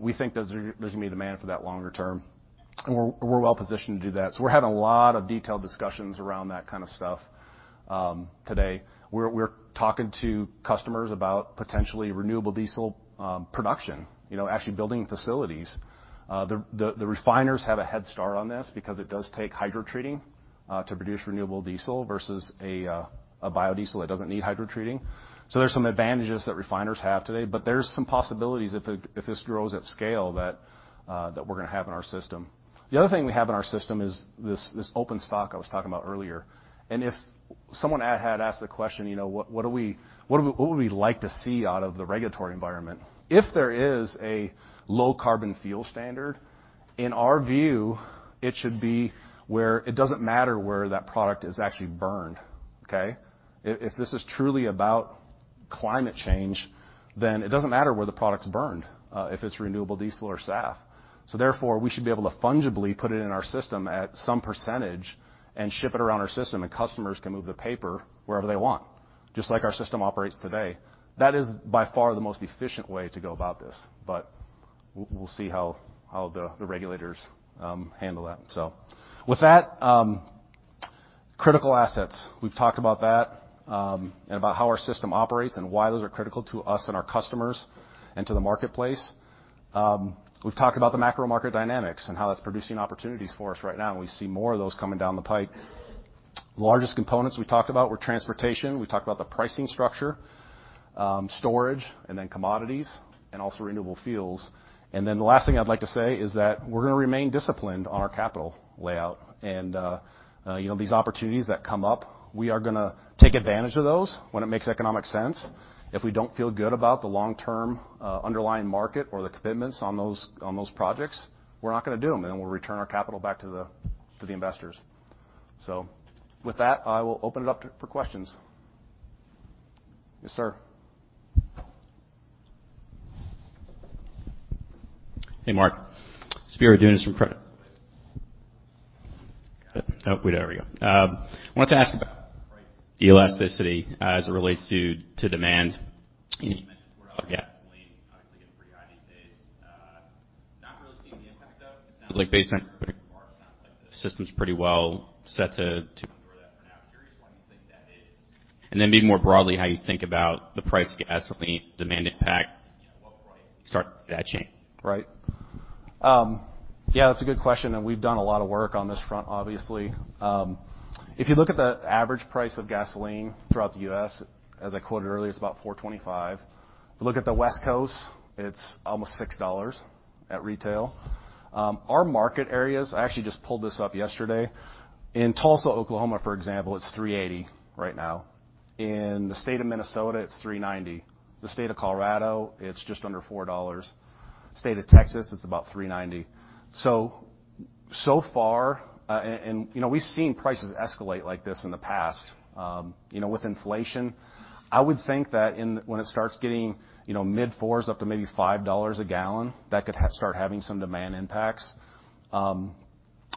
We think there's gonna be demand for that longer term, and we're well positioned to do that. We're having a lot of detailed discussions around that kind of stuff today. We're talking to customers about potentially renewable diesel production, you know, actually building facilities. The refiners have a head start on this because it does take hydrotreating to produce renewable diesel versus a biodiesel that doesn't need hydrotreating. There's some advantages that refiners have today, but there's some possibilities if this grows at scale that we're gonna have in our system. The other thing we have in our system is this open stock I was talking about earlier. If someone had asked the question, you know, what would we like to see out of the regulatory environment? If there is a low carbon fuel standard, in our view, it should be where it doesn't matter where that product is actually burned, okay? If this is truly about climate change, then it doesn't matter where the product's burned, if it's renewable diesel or SAF. Therefore, we should be able to fungibly put it in our system at some percentage and ship it around our system, and customers can move the paper wherever they want, just like our system operates today. That is by far the most efficient way to go about this, but we'll see how the regulators handle that. With that, critical assets. We've talked about that, and about how our system operates and why those are critical to us and our customers and to the marketplace. We've talked about the macro market dynamics and how that's producing opportunities for us right now, and we see more of those coming down the pipe. Largest components we talked about were transportation, we talked about the pricing structure, storage, and then commodities and also renewable fuels. Then the last thing I'd like to say is that we're gonna remain disciplined on our capital outlay. You know, these opportunities that come up, we are gonna take advantage of those when it makes economic sense. If we don't feel good about the long-term underlying market or the commitments on those projects, we're not gonna do them, and we'll return our capital back to the investors. With that, I will open it up for questions. Yes, sir. Hey, Mark. Spiro Dounis from Credit Suisse. Wanted to ask about the elasticity as it relates to demand. You mentioned before about gasoline obviously getting pretty high these days. Not really seeing the impact, though. It sounds like based on. Mark, sounds like the system's pretty well set to endure that for now. Curious why you think that is. Maybe more broadly, how you think about the price of gasoline demand impact, you know, what price starts that change? Right. Yeah, that's a good question, and we've done a lot of work on this front, obviously. If you look at the average price of gasoline throughout the U.S., as I quoted earlier, it's about $4.25. If you look at the West Coast, it's almost $6 at retail. Our market areas, I actually just pulled this up yesterday. In Tulsa, Oklahoma, for example, it's $3.80 right now. In the state of Minnesota, it's $3.90. The state of Colorado, it's just under $4. State of Texas, it's about $3.90. So far, and you know, we've seen prices escalate like this in the past, you know, with inflation. I would think that when it starts getting, you know, mid $4s up to maybe $5 a gallon, that could start having some demand impacts.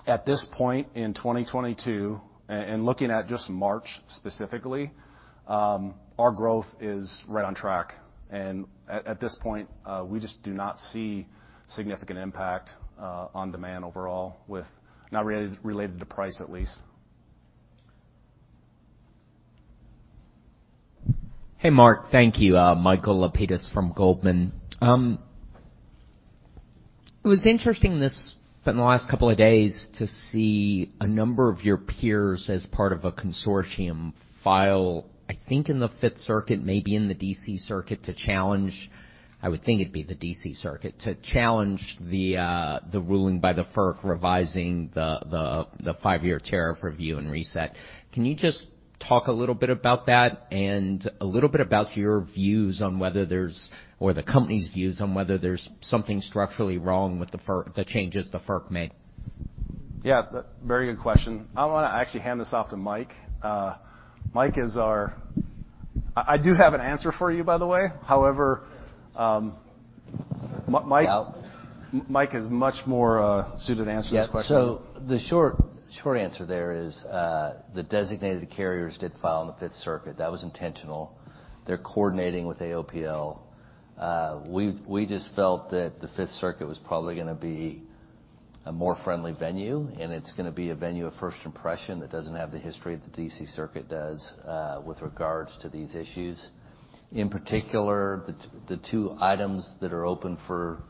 At this point in 2022, and looking at just March specifically, our growth is right on track. At this point, we just do not see significant impact on demand overall with not related to price, at least. Hey, Mark. Thank you. Michael Lapides from Goldman. It was interesting in the last couple of days to see a number of your peers as part of a consortium filed, I think in the Fifth Circuit, maybe in the D.C. Circuit, to challenge. I would think it'd be the D.C. Circuit, to challenge the ruling by the FERC revising the five-year tariff review and reset. Can you just talk a little bit about that and a little bit about your views on whether there's, or the company's views on whether there's something structurally wrong with the FERC, the changes the FERC made? Yeah. Very good question. I want to actually hand this off to Mike. I do have an answer for you, by the way. However, Mike. Yeah. Mike is much more suited to answer this question. Yeah. The short answer there is, the designated carriers did file in the Fifth Circuit. That was intentional. They're coordinating with AOPL. We just felt that the Fifth Circuit was probably gonna be a more friendly venue, and it's gonna be a venue of first impression that doesn't have the history that the D.C. Circuit does, with regards to these issues. In particular, the two items that are open for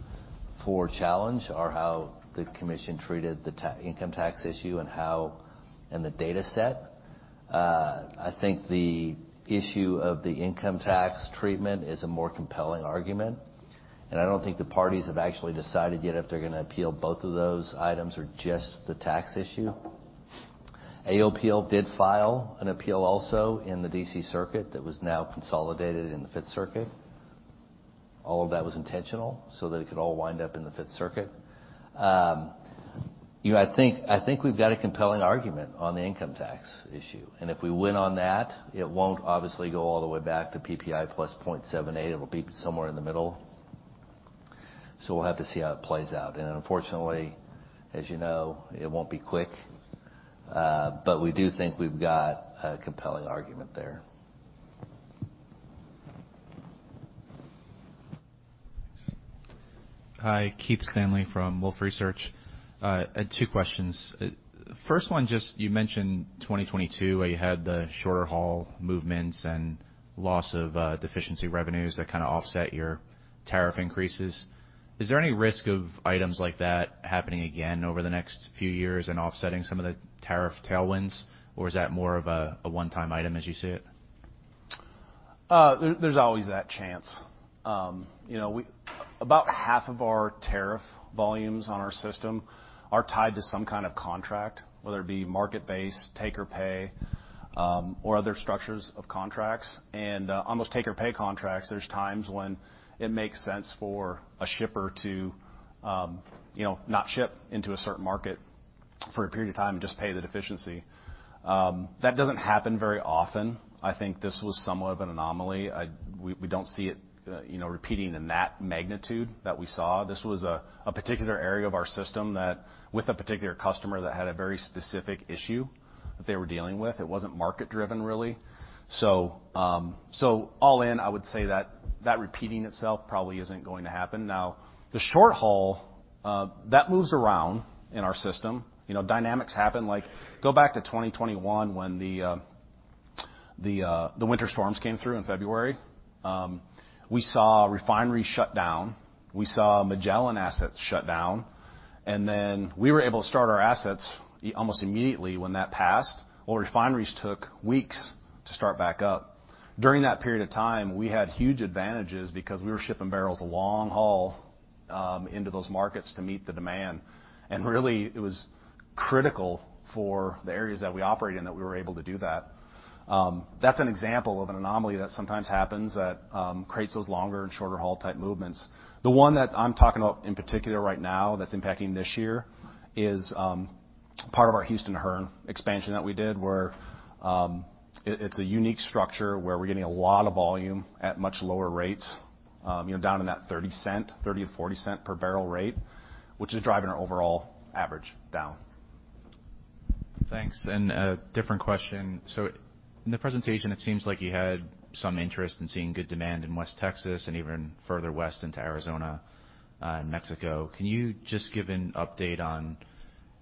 challenge are how the commission treated the income tax issue and the data set. I think the issue of the income tax treatment is a more compelling argument, and I don't think the parties have actually decided yet if they're gonna appeal both of those items or just the tax issue. AOPL did file an appeal also in the D.C. Circuit that was now consolidated in the Fifth Circuit. All of that was intentional so that it could all wind up in the Fifth Circuit. You know, I think we've got a compelling argument on the income tax issue, and if we win on that, it won't obviously go all the way back to PPI +0.78. It'll be somewhere in the middle. We'll have to see how it plays out. Unfortunately, as you know, it won't be quick, but we do think we've got a compelling argument there. Thanks. Hi. Keith Stanley from Wolfe Research. I had two questions. First one, just you mentioned 2022, where you had the shorter haul movements and loss of deficiency revenues that kind of offset your tariff increases. Is there any risk of items like that happening again over the next few years and offsetting some of the tariff tailwinds, or is that more of a one-time item as you see it? There's always that chance. You know, about half of our tariff volumes on our system are tied to some kind of contract, whether it be market-based, take or pay, or other structures of contracts. On those take or pay contracts, there's times when it makes sense for a shipper to, you know, not ship into a certain market for a period of time and just pay the deficiency. That doesn't happen very often. I think this was somewhat of an anomaly. We don't see it, you know, repeating in that magnitude that we saw. This was a particular area of our system that with a particular customer that had a very specific issue that they were dealing with. It wasn't market-driven, really. All in, I would say that repeating itself probably isn't going to happen. Now, the short haul, that moves around in our system. You know, dynamics happen. Like, go back to 2021 when the winter storms came through in February. We saw refineries shut down. We saw Magellan assets shut down, and then we were able to start our assets almost immediately when that passed. Oil refineries took weeks to start back up. During that period of time, we had huge advantages because we were shipping barrels long haul into those markets to meet the demand. Really, it was critical for the areas that we operate in that we were able to do that. That's an example of an anomaly that sometimes happens that creates those longer and shorter haul type movements. The one that I'm talking about in particular right now that's impacting this year is part of our HoustonLink expansion that we did where it's a unique structure where we're getting a lot of volume at much lower rates, you know, down in that $0.30-$0.40 per barrel rate, which is driving our overall average down. Thanks. A different question. In the presentation, it seems like you had some interest in seeing good demand in West Texas and even further west into Arizona, and Mexico. Can you just give an update on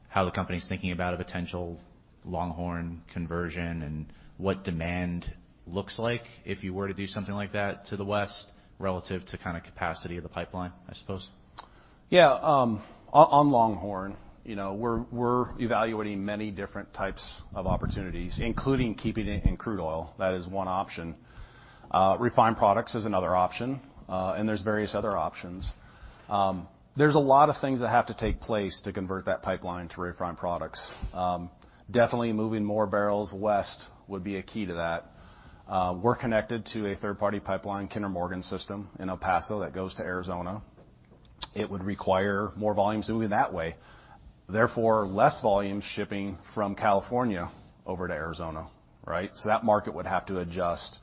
how the company's thinking about a potential Longhorn conversion and what demand looks like if you were to do something like that to the west relative to kind of capacity of the pipeline, I suppose? On Longhorn, you know, we're evaluating many different types of opportunities, including keeping it in crude oil. That is one option. Refined products is another option. There's various other options. There's a lot of things that have to take place to convert that pipeline to refined products. Definitely moving more barrels west would be a key to that. We're connected to a third-party pipeline, Kinder Morgan system in El Paso that goes to Arizona. It would require more volumes moving that way, therefore less volume shipping from California over to Arizona, right? That market would have to adjust.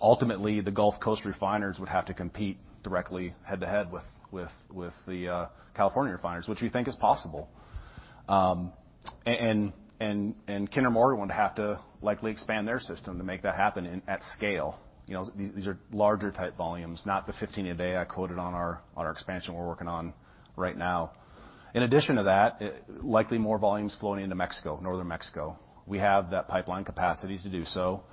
Ultimately, the Gulf Coast refiners would have to compete directly head to head with the California refiners, which we think is possible. Kinder Morgan would have to likely expand their system to make that happen at scale. You know, these are larger type volumes, not the 15 a day I quoted on our expansion we're working on right now. In addition to that, likely more volumes flowing into Mexico, northern Mexico. We have that pipeline capacity to do so.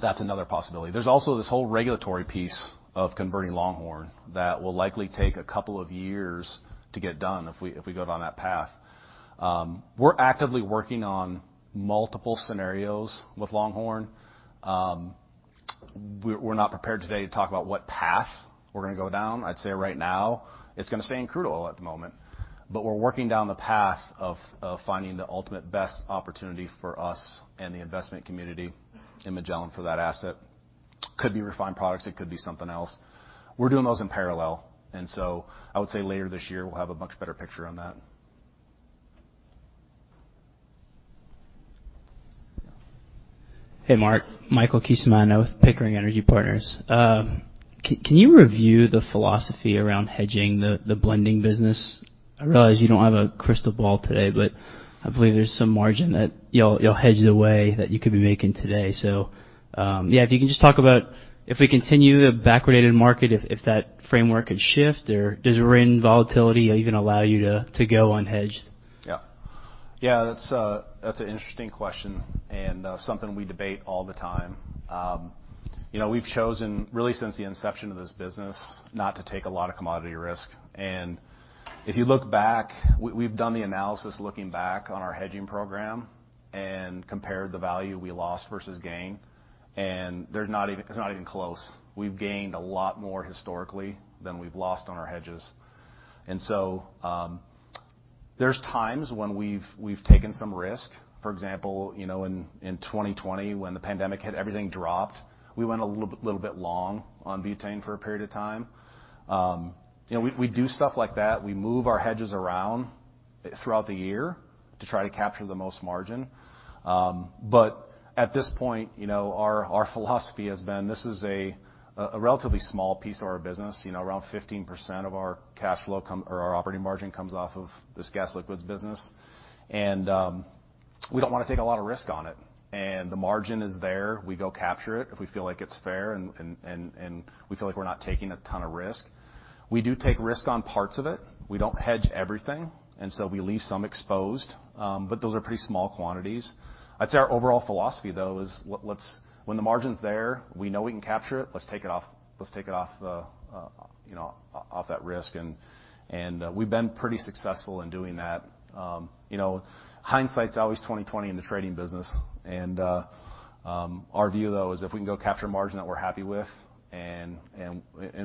That's another possibility. There's also this whole regulatory piece of converting Longhorn that will likely take a couple of years to get done if we go down that path. We're actively working on multiple scenarios with Longhorn. We're not prepared today to talk about what path we're gonna go down. I'd say right now it's gonna stay in crude oil at the moment. We're working down the path of finding the ultimate best opportunity for us and the investment community in Magellan for that asset. Could be refined products, it could be something else. We're doing those in parallel. I would say later this year, we'll have a much better picture on that. Hey, Mark. Michael Cusimano, Pickering Energy Partners. Can you review the philosophy around hedging the blending business? I realize you don't have a crystal ball today, but I believe there's some margin that you'll hedge away that you could be making today. Yeah, if you can just talk about if we continue the backwardated market, if that framework could shift or does RIN volatility even allow you to go unhedged? Yeah. Yeah, that's an interesting question, and something we debate all the time. You know, we've chosen, really since the inception of this business, not to take a lot of commodity risk. If you look back, we've done the analysis looking back on our hedging program and compared the value we lost versus gained, and it's not even close. We've gained a lot more historically than we've lost on our hedges. There's times when we've taken some risk. For example, you know, in 2020 when the pandemic hit, everything dropped. We went a little bit long on butane for a period of time. You know, we do stuff like that. We move our hedges around throughout the year to try to capture the most margin. At this point, you know, our philosophy has been this is a relatively small piece of our business. You know, around 15% of our cash flow or our operating margin comes off of this gas liquids business. We don't wanna take a lot of risk on it. The margin is there. We go capture it if we feel like it's fair and we feel like we're not taking a ton of risk. We do take risk on parts of it. We don't hedge everything, and so we leave some exposed, but those are pretty small quantities. I'd say our overall philosophy, though, is let's—when the margin's there, we know we can capture it, let's take it off, let's take it off the, you know, off that risk. We've been pretty successful in doing that. You know, hindsight's always 20/20 in the trading business. Our view, though, is if we can capture margin that we're happy with.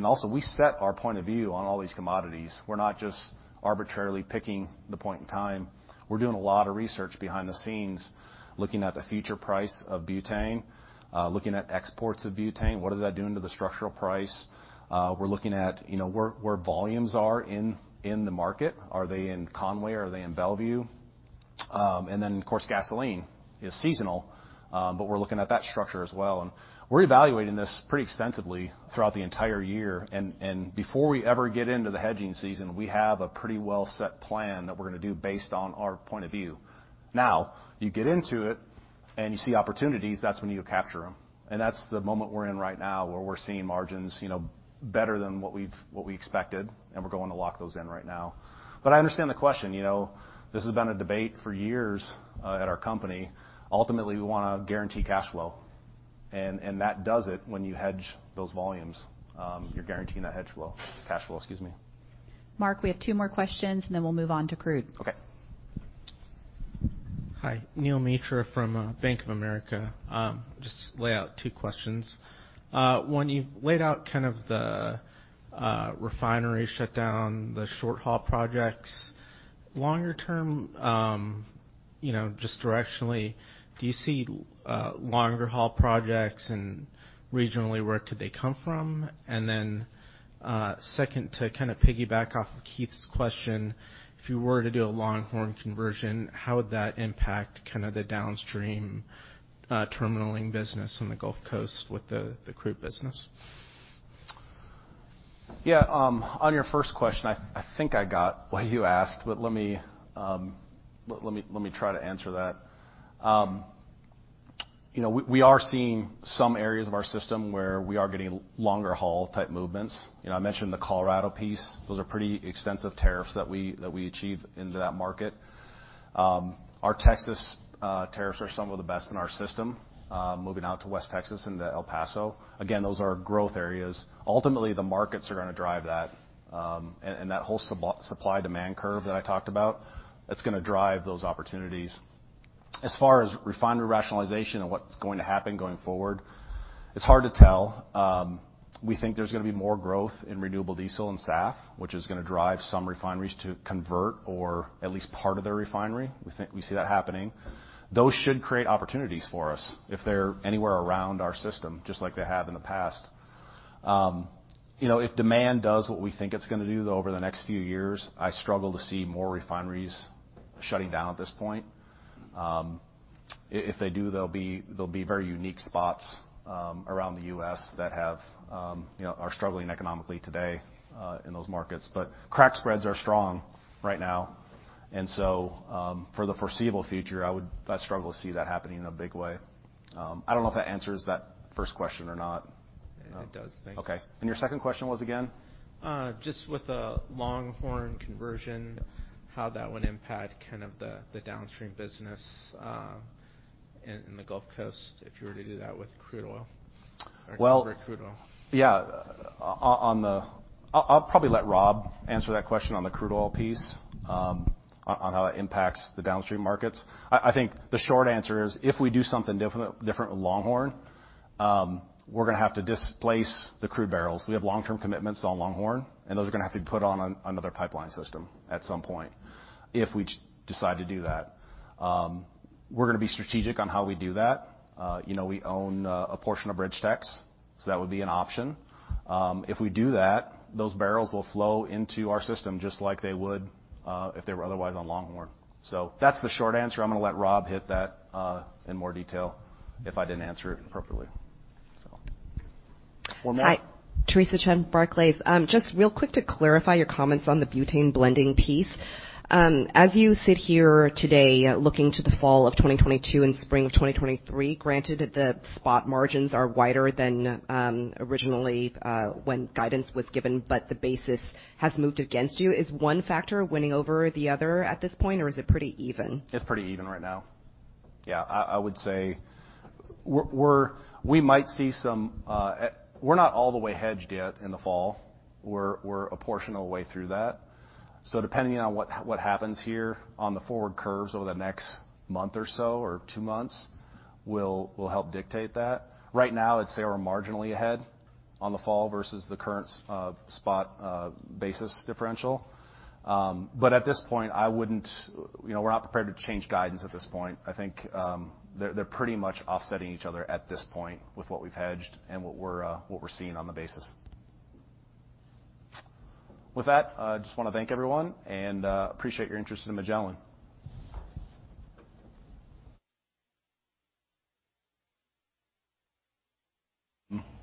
Also, we set our point of view on all these commodities. We're not just arbitrarily picking the point in time. We're doing a lot of research behind the scenes, looking at the future price of butane, looking at exports of butane, what does that do to the structural price? We're looking at, you know, where volumes are in the market. Are they in Conway? Are they in Mont Belvieu? Of course, gasoline is seasonal, but we're looking at that structure as well. We're evaluating this pretty extensively throughout the entire year. Before we ever get into the hedging season, we have a pretty well set plan that we're gonna do based on our point of view. Now, you get into it and you see opportunities, that's when you go capture them. That's the moment we're in right now, where we're seeing margins, you know, better than what we expected, and we're going to lock those in right now. I understand the question. You know, this has been a debate for years at our company. Ultimately, we wanna guarantee cash flow. That does it when you hedge those volumes. You're guaranteeing that cash flow. Mark, we have two more questions, and then we'll move on to crude. Okay. Hi. Neel Mitra from Bank of America. Just lay out two questions. One, you've laid out kind of the refinery shutdown, the short haul projects. Longer term, you know, just directionally, do you see longer haul projects? And regionally, where could they come from? And then, second, to kind of piggyback off of Keith's question, if you were to do a Longhorn conversion, how would that impact kind of the downstream terminaling business on the Gulf Coast with the crude business? Yeah. On your first question, I think I got what you asked, but let me try to answer that. You know, we are seeing some areas of our system where we are getting longer haul type movements. You know, I mentioned the Colorado piece. Those are pretty extensive tariffs that we achieve into that market. Our Texas tariffs are some of the best in our system, moving out to West Texas into El Paso. Again, those are growth areas. Ultimately, the markets are gonna drive that. And that whole supply-demand curve that I talked about, that's gonna drive those opportunities. As far as refinery rationalization and what's going to happen going forward, it's hard to tell. We think there's gonna be more growth in renewable diesel and SAF, which is gonna drive some refineries to convert or at least part of their refinery. We think we see that happening. Those should create opportunities for us if they're anywhere around our system, just like they have in the past. You know, if demand does what we think it's gonna do over the next few years, I struggle to see more refineries shutting down at this point. If they do, they'll be very unique spots around the U.S. that you know, are struggling economically today in those markets. Crack spreads are strong right now. For the foreseeable future, I struggle to see that happening in a big way. I don't know if that answers that first question or not. It does. Thanks. Okay. Your second question was, again? Just with the Longhorn conversion, how that would impact kind of the downstream business in the Gulf Coast if you were to do that with crude oil. Well- Crude oil. Yeah. On the, I'll probably let Robb answer that question on the crude oil piece, on how it impacts the downstream markets. I think the short answer is, if we do something different with Longhorn, we're gonna have to displace the crude barrels. We have long-term commitments on Longhorn, and those are gonna have to be put on another pipeline system at some point if we decide to do that. We're gonna be strategic on how we do that. You know, we own a portion of BridgeTex, so that would be an option. If we do that, those barrels will flow into our system just like they would if they were otherwise on Longhorn. That's the short answer. I'm gonna let Robb hit that in more detail if I didn't answer it appropriately. One more. Hi. Theresa Chen, Barclays. Just real quick to clarify your comments on the butane blending piece. As you sit here today looking to the fall of 2022 and spring of 2023, granted the spot margins are wider than originally when guidance was given, but the basis has moved against you. Is one factor winning over the other at this point, or is it pretty even? It's pretty even right now. I would say we might see some. We're not all the way hedged yet in the fall. We're a portion of the way through that. Depending on what happens here on the forward curves over the next month or so or two months will help dictate that. Right now, I'd say we're marginally ahead on the fall versus the current spot basis differential. At this point, I wouldn't. You know, we're not prepared to change guidance at this point. I think they're pretty much offsetting each other at this point with what we've hedged and what we're seeing on the basis. With that, I just wanna thank everyone and appreciate your interest in Magellan.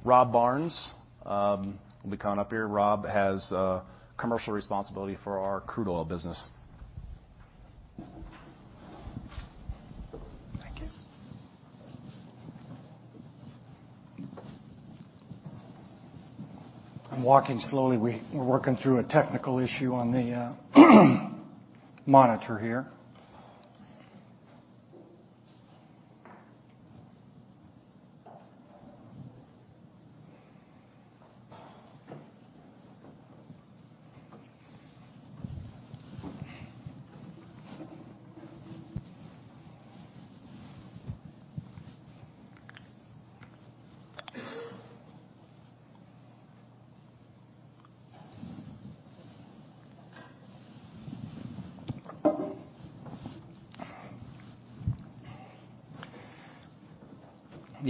Robb Barnes will be coming up here. Robb has commercial responsibility for our crude oil business. I'm walking slowly. We're working through a technical issue on the monitor here.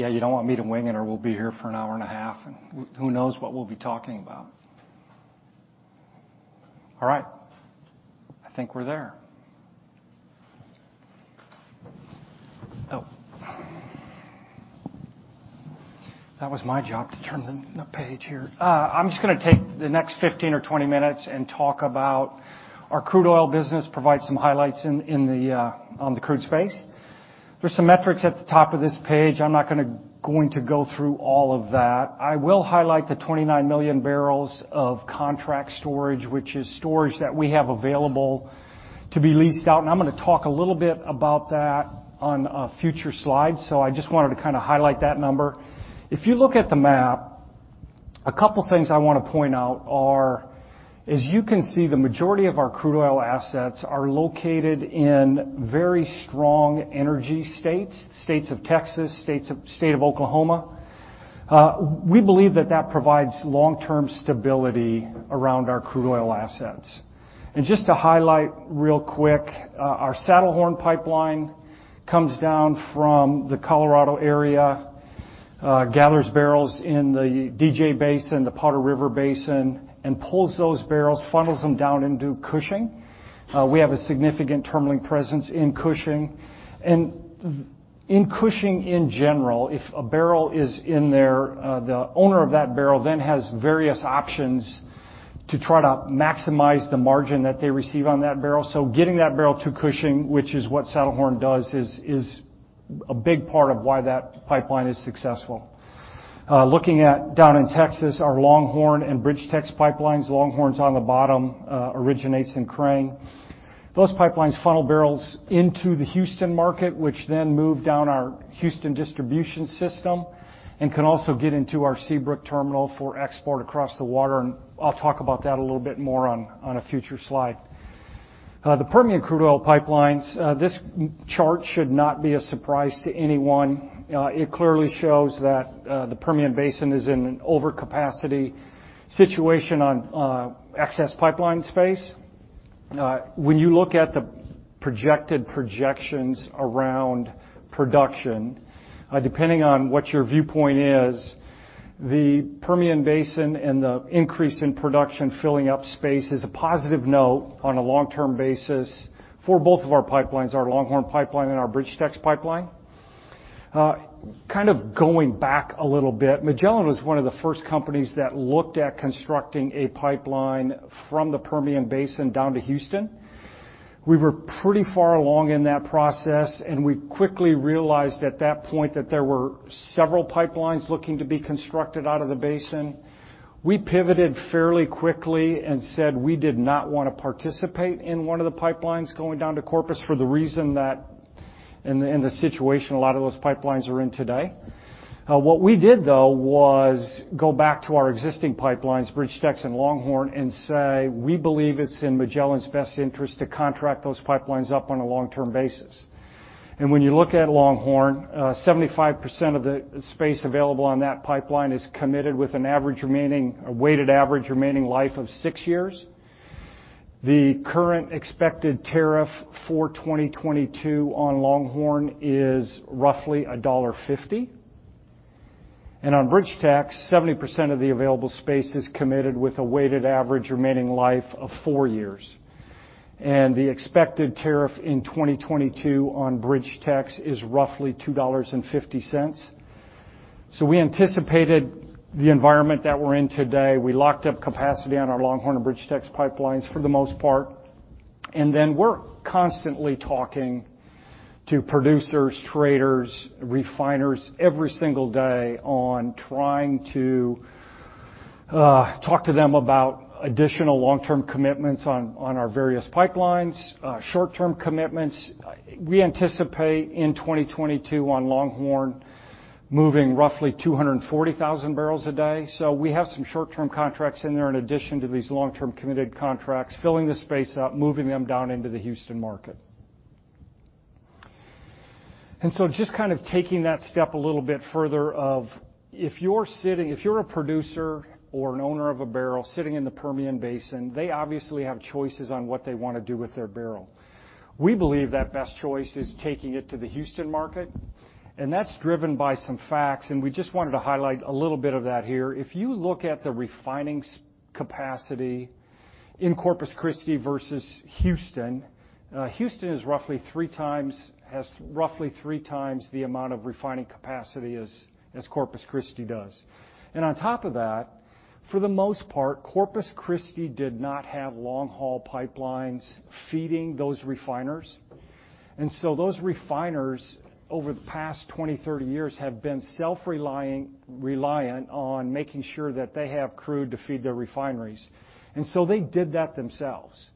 Yeah, you don't want me to wing it or we'll be here for an hour and a half, and who knows what we'll be talking about. All right. I think we're there. Oh. That was my job to turn the page here. I'm just gonna take the next 15 or 20 minutes and talk about our crude oil business, provide some highlights on the crude space. There's some metrics at the top of this page. I'm not going to go through all of that. I will highlight the 29 million barrels of contract storage, which is storage that we have available to be leased out, and I'm gonna talk a little bit about that on a future slide. I just wanted to kinda highlight that number. If you look at the map, a couple things I wanna point out are, as you can see, the majority of our crude oil assets are located in very strong energy states of Texas, state of Oklahoma. We believe that that provides long-term stability around our crude oil assets. Just to highlight real quick, our Saddlehorn pipeline comes down from the Colorado area, gathers barrels in the DJ Basin, the Powder River Basin, and pulls those barrels, funnels them down into Cushing. We have a significant terminal presence in Cushing. In Cushing in general, if a barrel is in there, the owner of that barrel then has various options to try to maximize the margin that they receive on that barrel. Getting that barrel to Cushing, which is what Saddlehorn does, is a big part of why that pipeline is successful. Looking down in Texas, our Longhorn and BridgeTex pipelines. Longhorn's on the bottom, originates in Crane. Those pipelines funnel barrels into the Houston market, which then move down our Houston distribution system and can also get into our Seabrook terminal for export across the water, and I'll talk about that a little bit more on a future slide. The Permian crude oil pipelines, this chart should not be a surprise to anyone. It clearly shows that the Permian Basin is in an overcapacity situation on excess pipeline space. When you look at the projected projections around production, depending on what your viewpoint is, the Permian Basin and the increase in production filling up space is a positive note on a long-term basis for both of our pipelines, our Longhorn pipeline and our BridgeTex pipeline. Kind of going back a little bit, Magellan was one of the first companies that looked at constructing a pipeline from the Permian Basin down to Houston. We were pretty far along in that process, and we quickly realized at that point that there were several pipelines looking to be constructed out of the basin. We pivoted fairly quickly and said we did not want to participate in one of the pipelines going down to Corpus for the reason that in the situation a lot of those pipelines are in today. What we did though was go back to our existing pipelines, BridgeTex and Longhorn, and say we believe it's in Magellan's best interest to contract those pipelines up on a long-term basis. When you look at Longhorn, 75% of the space available on that pipeline is committed with a weighted average remaining life of 6 years. The current expected tariff for 2022 on Longhorn is roughly $1.50. On BridgeTex, 70% of the available space is committed with a weighted average remaining life of 4 years. The expected tariff in 2022 on BridgeTex is roughly $2.50. We anticipated the environment that we're in today. We locked up capacity on our Longhorn and BridgeTex pipelines for the most part. We're constantly talking to producers, traders, refiners every single day on trying to talk to them about additional long-term commitments on our various pipelines. Short-term commitments, we anticipate in 2022 on Longhorn moving roughly 240,000 barrels a day. We have some short-term contracts in there in addition to these long-term committed contracts, filling the space up, moving them down into the Houston market. Just kind of taking that step a little bit further of if you're a producer or an owner of a barrel sitting in the Permian Basin, they obviously have choices on what they wanna do with their barrel. We believe that best choice is taking it to the Houston market, and that's driven by some facts, and we just wanted to highlight a little bit of that here. If you look at the refining capacity in Corpus Christi versus Houston has roughly 3x the amount of refining capacity as Corpus Christi does. On top of that, for the most part, Corpus Christi did not have long-haul pipelines feeding those refiners. Those refiners, over the past 20, 30 years, have been self-reliant on making sure that they have crude to feed their refineries. They did that themselves.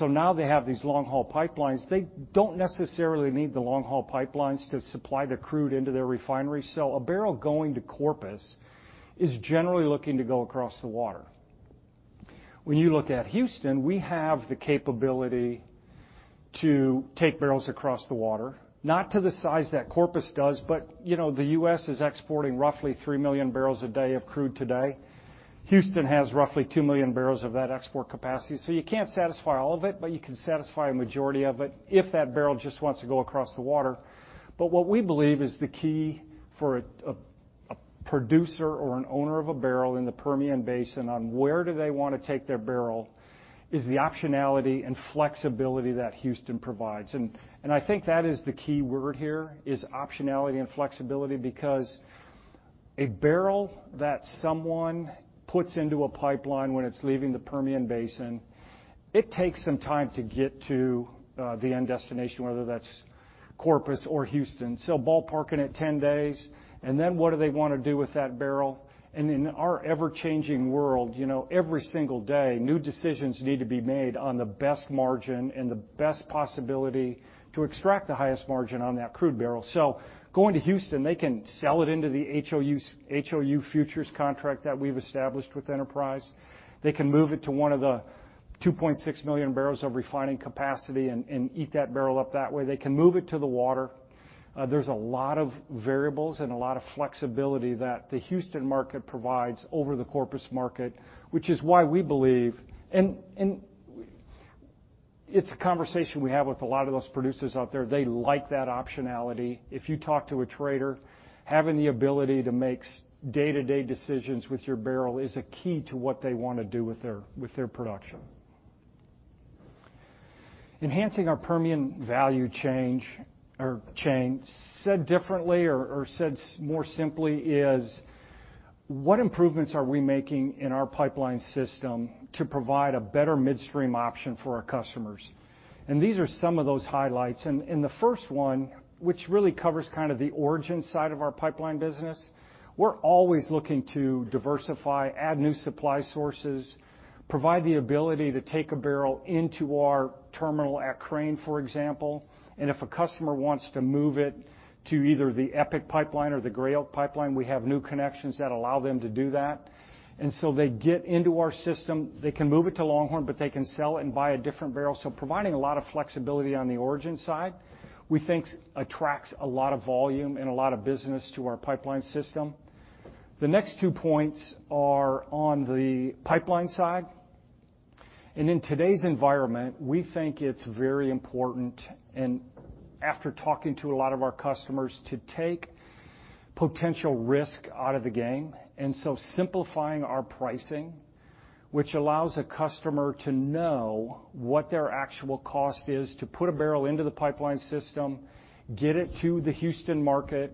Now they have these long-haul pipelines. They don't necessarily need the long-haul pipelines to supply their crude into their refineries. A barrel going to Corpus is generally looking to go across the water. When you look at Houston, we have the capability to take barrels across the water, not to the size that Corpus does, but you know, the U.S. is exporting roughly 3 million barrels a day of crude today. Houston has roughly 2 million barrels of that export capacity. You can't satisfy all of it, but you can satisfy a majority of it if that barrel just wants to go across the water. What we believe is the key for a producer or an owner of a barrel in the Permian Basin on where do they wanna take their barrel is the optionality and flexibility that Houston provides. I think that is the key word here is optionality and flexibility because a barrel that someone puts into a pipeline when it's leaving the Permian Basin, it takes some time to get to the end destination, whether that's Corpus or Houston. Ballparking it 10 days, and then what do they wanna do with that barrel? In our ever-changing world, you know, every single day, new decisions need to be made on the best margin and the best possibility to extract the highest margin on that crude barrel. Going to Houston, they can sell it into the HOU futures contract that we've established with Enterprise. They can move it to one of the 2.6 million barrels of refining capacity and eat that barrel up that way. They can move it to the water. There's a lot of variables and a lot of flexibility that the Houston market provides over the Corpus market, which is why we believe it's a conversation we have with a lot of those producers out there. They like that optionality. If you talk to a trader, having the ability to make day-to-day decisions with your barrel is a key to what they wanna do with their production. Enhancing our Permian value chain. Said differently or said more simply is what improvements are we making in our pipeline system to provide a better midstream option for our customers? These are some of those highlights. The first one, which really covers kind of the origin side of our pipeline business, we're always looking to diversify, add new supply sources, provide the ability to take a barrel into our terminal at Crane, for example. If a customer wants to move it to either the Epic pipeline or the Gray Oak pipeline, we have new connections that allow them to do that. They get into our system. They can move it to Longhorn, but they can sell and buy a different barrel. Providing a lot of flexibility on the origin side, we think attracts a lot of volume and a lot of business to our pipeline system. The next two points are on the pipeline side. In today's environment, we think it's very important, and after talking to a lot of our customers, to take potential risk out of the game. Simplifying our pricing, which allows a customer to know what their actual cost is to put a barrel into the pipeline system, get it to the Houston market.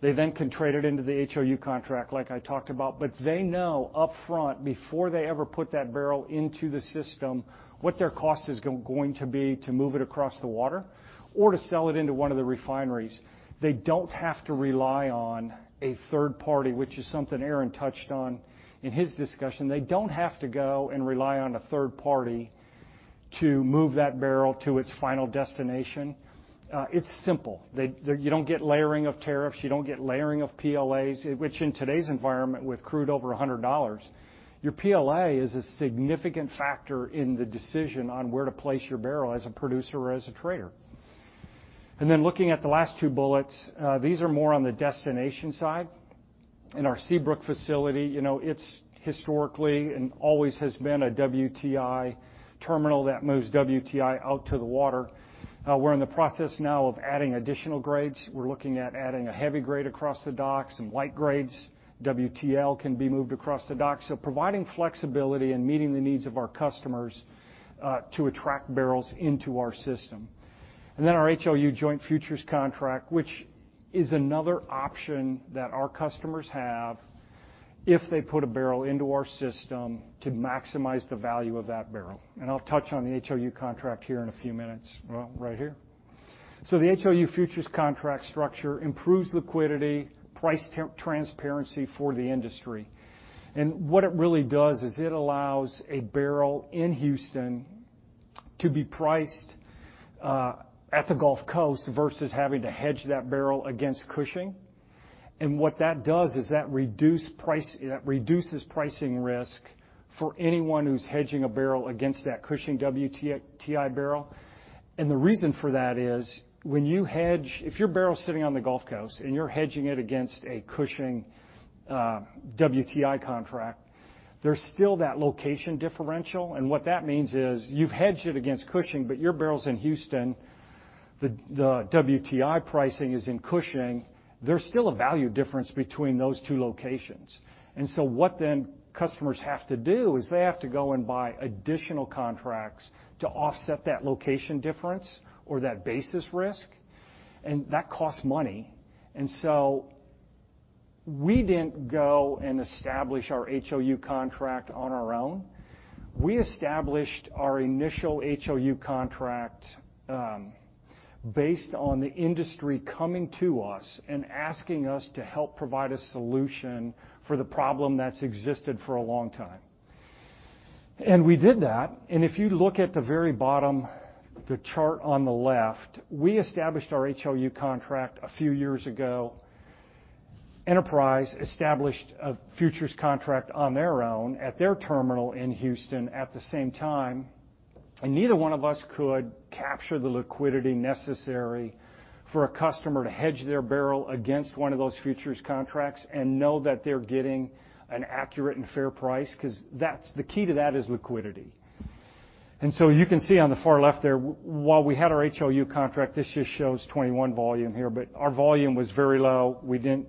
They then can trade it into the HOU contract, like I talked about. They know upfront, before they ever put that barrel into the system, what their cost is going to be to move it across the water or to sell it into one of the refineries. They don't have to rely on a third party, which is something Aaron touched on in his discussion. They don't have to go and rely on a third party to move that barrel to its final destination. It's simple. You don't get layering of tariffs. You don't get layering of PLAs, which in today's environment, with crude over $100, your PLA is a significant factor in the decision on where to place your barrel as a producer or as a trader. Looking at the last two bullets, these are more on the destination side. In our Seabrook facility, you know, it's historically and always has been a WTI terminal that moves WTI out to the water. We're in the process now of adding additional grades. We're looking at adding a heavy grade across the docks and light grades. WTL can be moved across the dock. Providing flexibility and meeting the needs of our customers to attract barrels into our system. Our HOU joint futures contract, which is another option that our customers have if they put a barrel into our system to maximize the value of that barrel. I'll touch on the HOU contract here in a few minutes. Well, right here. The HOU futures contract structure improves liquidity, price transparency for the industry. What it really does is it allows a barrel in Houston to be priced at the Gulf Coast versus having to hedge that barrel against Cushing. What that does is that reduces pricing risk for anyone who's hedging a barrel against that Cushing WTI barrel. The reason for that is if your barrel's sitting on the Gulf Coast, and you're hedging it against a Cushing WTI contract, there's still that location differential. What that means is you've hedged it against Cushing, but your barrel's in Houston. The WTI pricing is in Cushing. There's still a value difference between those two locations. What then customers have to do is they have to go and buy additional contracts to offset that location difference or that basis risk, and that costs money. We didn't go and establish our HOU contract on our own. We established our initial HOU contract based on the industry coming to us and asking us to help provide a solution for the problem that's existed for a long time. We did that. If you look at the very bottom, the chart on the left, we established our HOU contract a few years ago. Enterprise established a futures contract on their own at their terminal in Houston at the same time. Neither one of us could capture the liquidity necessary for a customer to hedge their barrel against one of those futures contracts and know that they're getting an accurate and fair price, 'cause that's the key to that is liquidity. You can see on the far left there, while we had our HOU contract, this just shows 2021 volume here, but our volume was very low. We did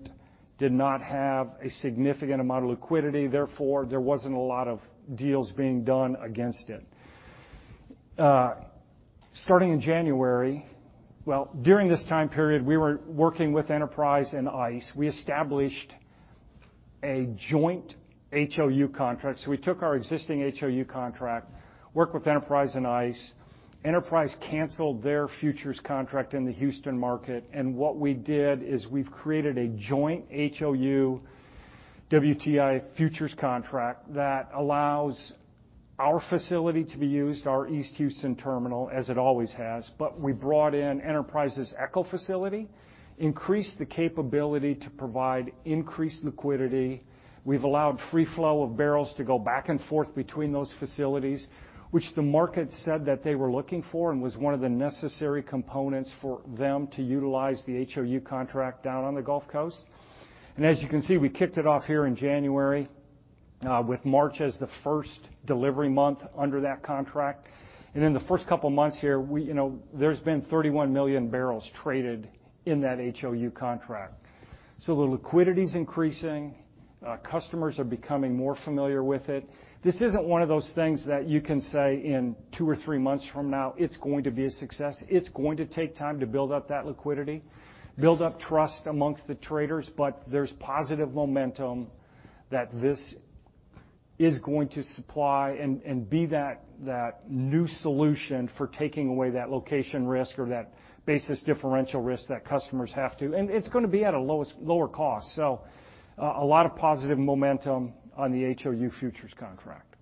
not have a significant amount of liquidity. Therefore, there wasn't a lot of deals being done against it. Starting in January, during this time period, we were working with Enterprise and ICE. We established a joint HOU contract, so we took our existing HOU contract, worked with Enterprise and ICE. Enterprise canceled their futures contract in the Houston market. What we did is we've created a joint HOU WTI futures contract that allows our facility to be used, our East Houston terminal, as it always has. We brought in Enterprise's Echo facility, increased the capability to provide increased liquidity. We've allowed free flow of barrels to go back and forth between those facilities, which the market said that they were looking for and was one of the necessary components for them to utilize the HOU contract down on the Gulf Coast. As you can see, we kicked it off here in January with March as the first delivery month under that contract. In the first couple of months here, you know, there's been 31 million barrels traded in that HOU contract. The liquidity is increasing. Our customers are becoming more familiar with it. This isn't one of those things that you can say in two or three months from now, it's going to be a success. It's going to take time to build up that liquidity, build up trust amongst the traders, but there's positive momentum that this is going to supply and be that new solution for taking away that location risk or that basis differential risk that customers have to. It's gonna be at a lower cost. A lot of positive momentum on the HOU futures contract.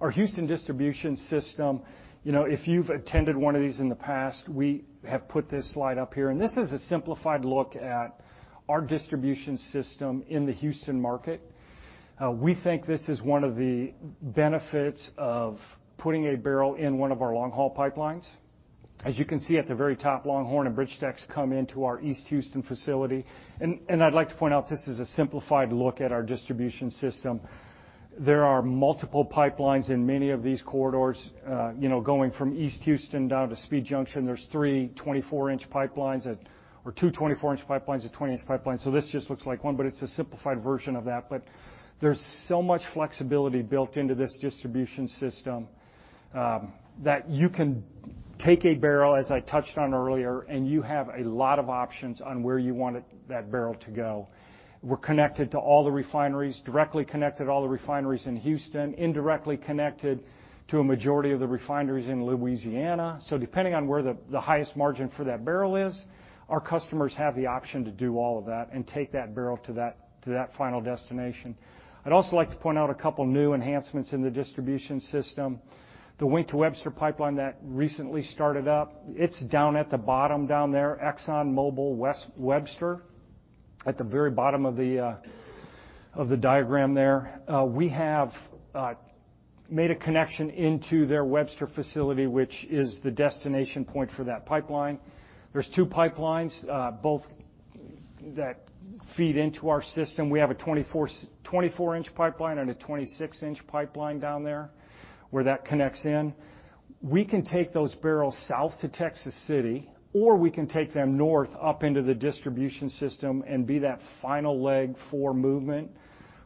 Our Houston distribution system. You know, if you've attended one of these in the past, we have put this slide up here, and this is a simplified look at our distribution system in the Houston market. We think this is one of the benefits of putting a barrel in one of our long-haul pipelines. As you can see at the very top, Longhorn and BridgeTex come into our East Houston facility. I'd like to point out, this is a simplified look at our distribution system. There are multiple pipelines in many of these corridors. Going from East Houston down to Speed Junction, there's three 24-inch pipelines or two 24-inch pipelines or 20-inch pipelines. This just looks like one, but it's a simplified version of that. There's so much flexibility built into this distribution system, that you can take a barrel, as I touched on earlier, and you have a lot of options on where you want that barrel to go. We're connected to all the refineries, directly connected to all the refineries in Houston, indirectly connected to a majority of the refineries in Louisiana. Depending on where the highest margin for that barrel is, our customers have the option to do all of that and take that barrel to that final destination. I'd also like to point out a couple of new enhancements in the distribution system. The Wink to Webster pipeline that recently started up. It's down at the bottom there. ExxonMobil's Wink to Webster at the very bottom of the diagram there. We have made a connection into their Webster facility, which is the destination point for that pipeline. There are two pipelines, both that feed into our system. We have a 24-inch pipeline and a 26-inch pipeline down there where that connects in. We can take those barrels south to Texas City, or we can take them north up into the distribution system and be that final leg for movement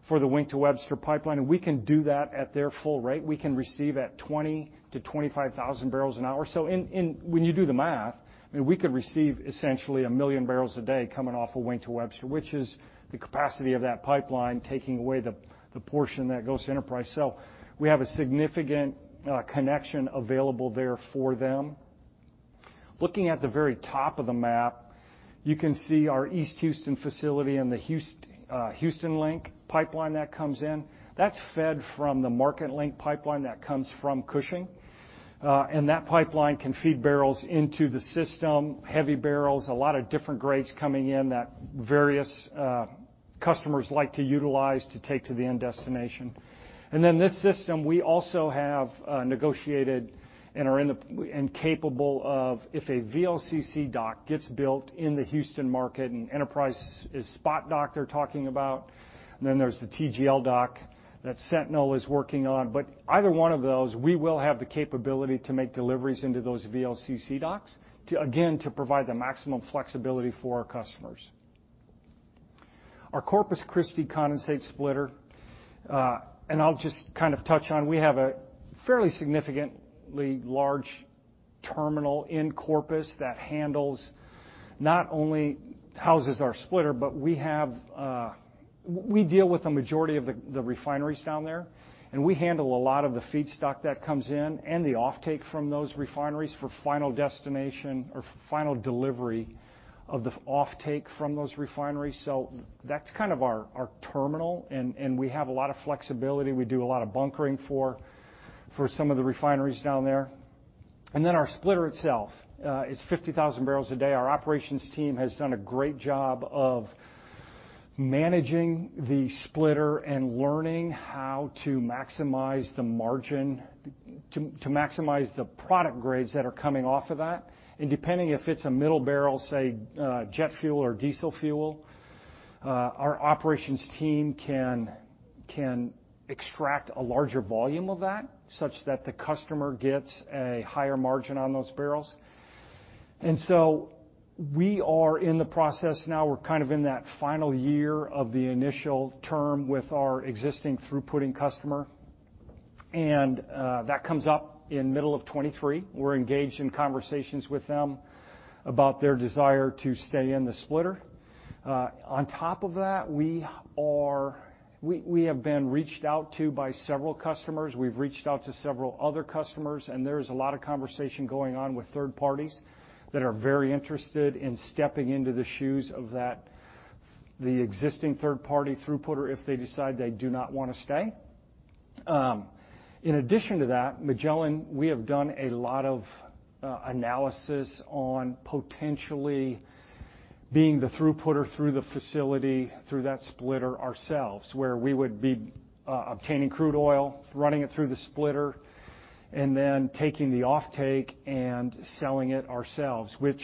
for the Wink to Webster pipeline. We can do that at their full rate. We can receive at 20,000-25,000 barrels an hour. When you do the math, I mean, we could receive essentially 1 million barrels a day coming off of Wink to Webster, which is the capacity of that pipeline, taking away the portion that goes to Enterprise. We have a significant connection available there for them. Looking at the very top of the map, you can see our East Houston facility and the HoustonLink pipeline that comes in. That's fed from the Marketlink pipeline that comes from Cushing. That pipeline can feed barrels into the system, heavy barrels, a lot of different grades coming in that various customers like to utilize to take to the end destination. Then this system, we also have negotiated and capable of if a VLCC dock gets built in the Houston market, and Enterprise is SPOT dock they're talking about, then there's the TGL dock that Sentinel is working on. Either one of those, we will have the capability to make deliveries into those VLCC docks, to again, to provide the maximum flexibility for our customers. Our Corpus Christi condensate splitter, and I'll just kind of touch on. We have a fairly significantly large terminal in Corpus that not only houses our splitter, but we deal with a majority of the refineries down there, and we handle a lot of the feedstock that comes in and the offtake from those refineries for final destination or final delivery of the offtake from those refineries. That's kind of our terminal, and we have a lot of flexibility. We do a lot of bunkering for some of the refineries down there. Our splitter itself is 50,000 barrels a day. Our operations team has done a great job of managing the splitter and learning how to maximize the margin to maximize the product grades that are coming off of that. Depending if it's a middle barrel, say, jet fuel or diesel fuel, our operations team can extract a larger volume of that such that the customer gets a higher margin on those barrels. We are in the process now. We're kind of in that final year of the initial term with our existing throughputing customer, and that comes up in middle of 2023. We're engaged in conversations with them about their desire to stay in the splitter. On top of that, we have been reached out to by several customers. We've reached out to several other customers, and there's a lot of conversation going on with third parties that are very interested in stepping into the shoes of the existing third-party throughputter if they decide they do not want to stay. In addition to that, Magellan, we have done a lot of analysis on potentially being the throughputter through the facility through that splitter ourselves, where we would be obtaining crude oil, running it through the splitter, and then taking the offtake and selling it ourselves, which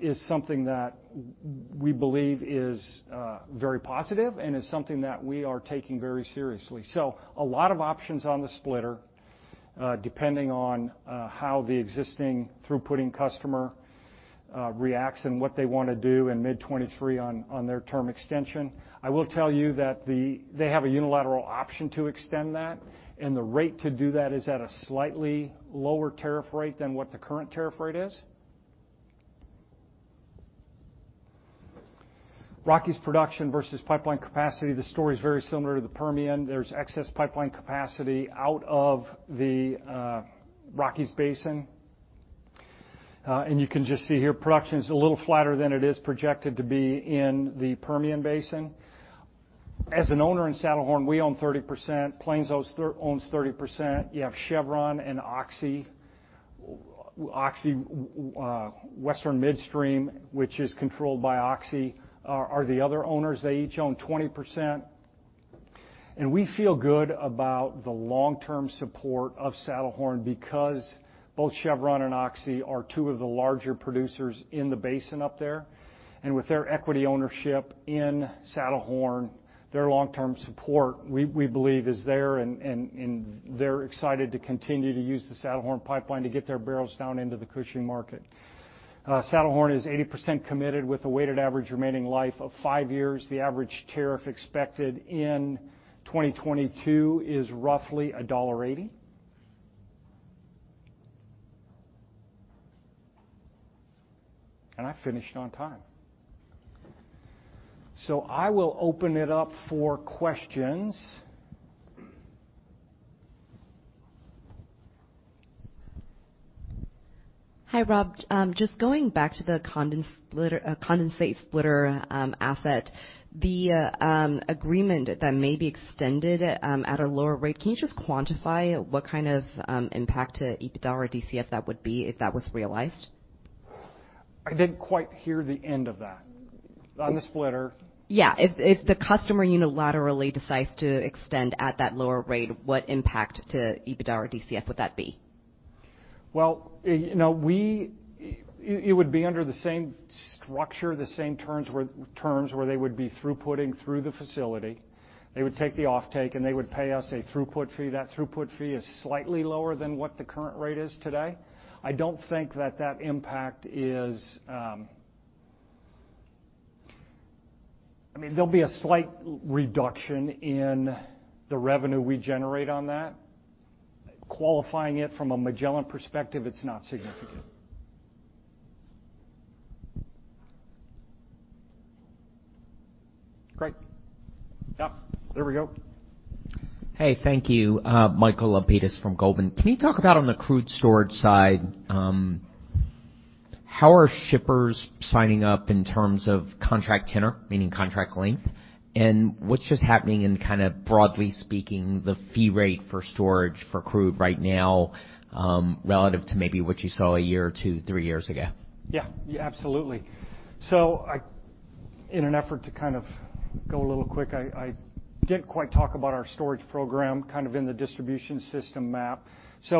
is something that we believe is very positive and is something that we are taking very seriously. A lot of options on the splitter, depending on how the existing throughputing customer reacts and what they want to do in mid 2023 on their term extension. I will tell you that they have a unilateral option to extend that, and the rate to do that is at a slightly lower tariff rate than what the current tariff rate is. Rockies production versus pipeline capacity. The story's very similar to the Permian. There's excess pipeline capacity out of the Rockies Basin. You can just see here production's a little flatter than it is projected to be in the Permian Basin. As an owner in Saddlehorn, we own 30%. Plains owns 30%. You have Chevron and Oxy. Oxy, Western Midstream, which is controlled by Oxy, are the other owners. They each own 20%. We feel good about the long-term support of Saddlehorn because both Chevron and Oxy are two of the larger producers in the basin up there. With their equity ownership in Saddlehorn, their long-term support, we believe is there and they're excited to continue to use the Saddlehorn pipeline to get their barrels down into the Cushing market. Saddlehorn is 80% committed with a weighted average remaining life of five years. The average tariff expected in 2022 is roughly $1.80. I finished on time. I will open it up for questions. Hi, Robb. Just going back to the condensate splitter asset. The agreement that may be extended at a lower rate, can you just quantify what kind of impact to EBITDA or DCF that would be if that was realized? I didn't quite hear the end of that. On the splitter. Yeah. If the customer unilaterally decides to extend at that lower rate, what impact to EBITDA or DCF would that be? Well, you know, it would be under the same structure, the same terms where they would be throughputting through the facility. They would take the offtake, and they would pay us a throughput fee. That throughput fee is slightly lower than what the current rate is today. I don't think that impact is. I mean, there'll be a slight reduction in the revenue we generate on that. Qualifying it from a Magellan perspective, it's not significant. Great. Yeah, there we go. Hey, thank you. Michael Lapides from Goldman Sachs. Can you talk about on the crude storage side, how are shippers signing up in terms of contract tenor, meaning contract length? And what's just happening in kinda broadly speaking, the fee rate for storage for crude right now, relative to maybe what you saw a year or two, three years ago? Yeah. Yeah, absolutely. In an effort to kind of go a little quick, I didn't quite talk about our storage program kind of in the distribution system map.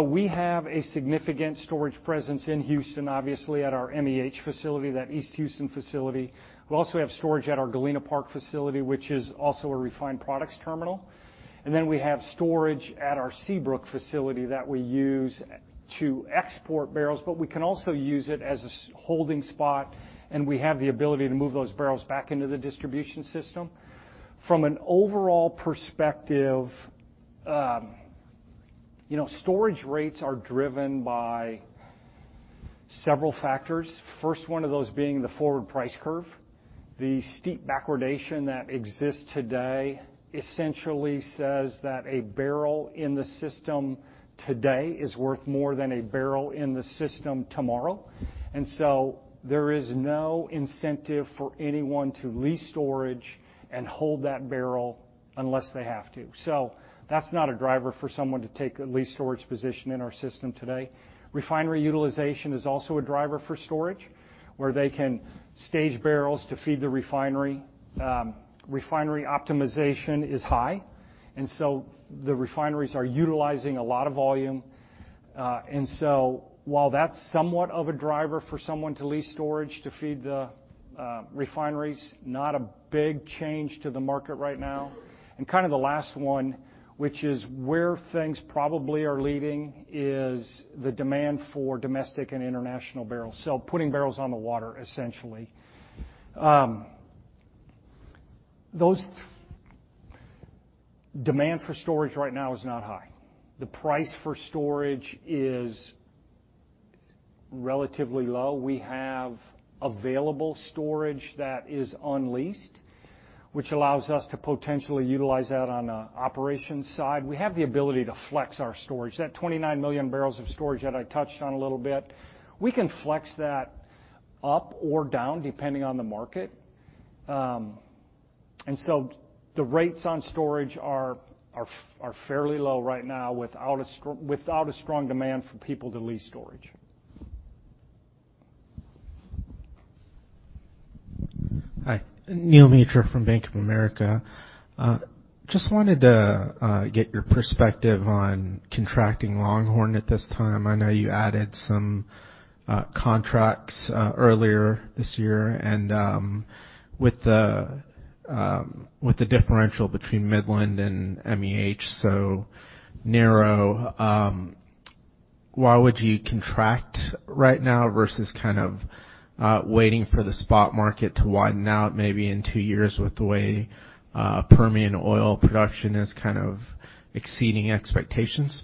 We have a significant storage presence in Houston, obviously at our MEH facility, that East Houston facility. We also have storage at our Galena Park facility, which is also a refined products terminal. We have storage at our Seabrook facility that we use to export barrels, but we can also use it as a holding spot, and we have the ability to move those barrels back into the distribution system. From an overall perspective, you know, storage rates are driven by several factors. First one of those being the forward price curve. The steep backwardation that exists today essentially says that a barrel in the system today is worth more than a barrel in the system tomorrow. There is no incentive for anyone to lease storage and hold that barrel unless they have to. That's not a driver for someone to take a lease storage position in our system today. Refinery utilization is also a driver for storage, where they can stage barrels to feed the refinery. Refinery optimization is high, and so the refineries are utilizing a lot of volume. While that's somewhat of a driver for someone to lease storage to feed the refineries, not a big change to the market right now. Kind of the last one, which is where things probably are leading, is the demand for domestic and international barrels, putting barrels on the water, essentially. Demand for storage right now is not high. The price for storage is relatively low. We have available storage that is unleased, which allows us to potentially utilize that on the operations side. We have the ability to flex our storage. That 29 million barrels of storage that I touched on a little bit, we can flex that up or down depending on the market. The rates on storage are fairly low right now without a strong demand for people to lease storage. Hi. Neel Mitra from Bank of America. Just wanted to get your perspective on contracting Longhorn at this time. I know you added some contracts earlier this year. With the differential between Midland and MEH so narrow, why would you contract right now versus kind of waiting for the spot market to widen out maybe in two years with the way Permian oil production is kind of exceeding expectations?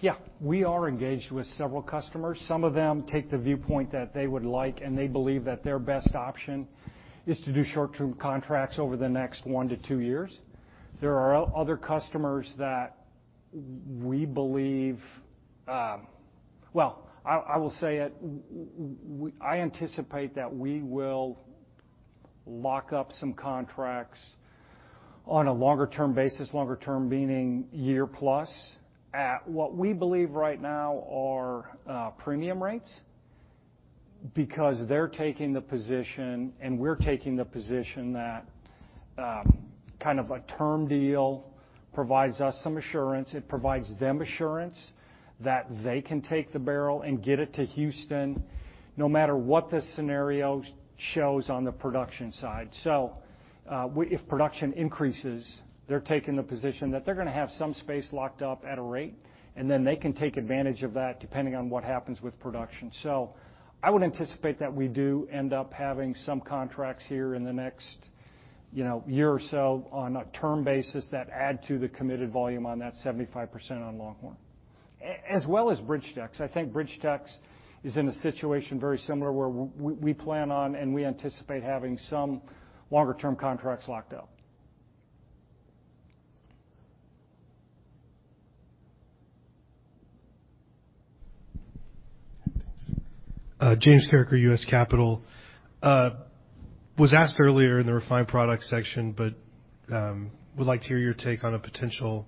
Yeah. We are engaged with several customers. Some of them take the viewpoint that they would like, and they believe that their best option is to do short-term contracts over the next one to two years. There are other customers that we believe. Well, I will say it. I anticipate that we will lock up some contracts on a longer term basis, longer term meaning year plus, at what we believe right now are premium rates because they're taking the position, and we're taking the position that kind of a term deal provides us some assurance. It provides them assurance that they can take the barrel and get it to Houston no matter what the scenario shows on the production side. If production increases, they're taking the position that they're gonna have some space locked up at a rate, and then they can take advantage of that depending on what happens with production. I would anticipate that we do end up having some contracts here in the next, you know, year or so on a term basis that add to the committed volume on that 75% on Longhorn. As well as BridgeTex. I think BridgeTex is in a situation very similar where we plan on and we anticipate having some longer term contracts locked up. James Carreker, U.S. Capital. I was asked earlier in the refined products section, but I would like to hear your take on a potential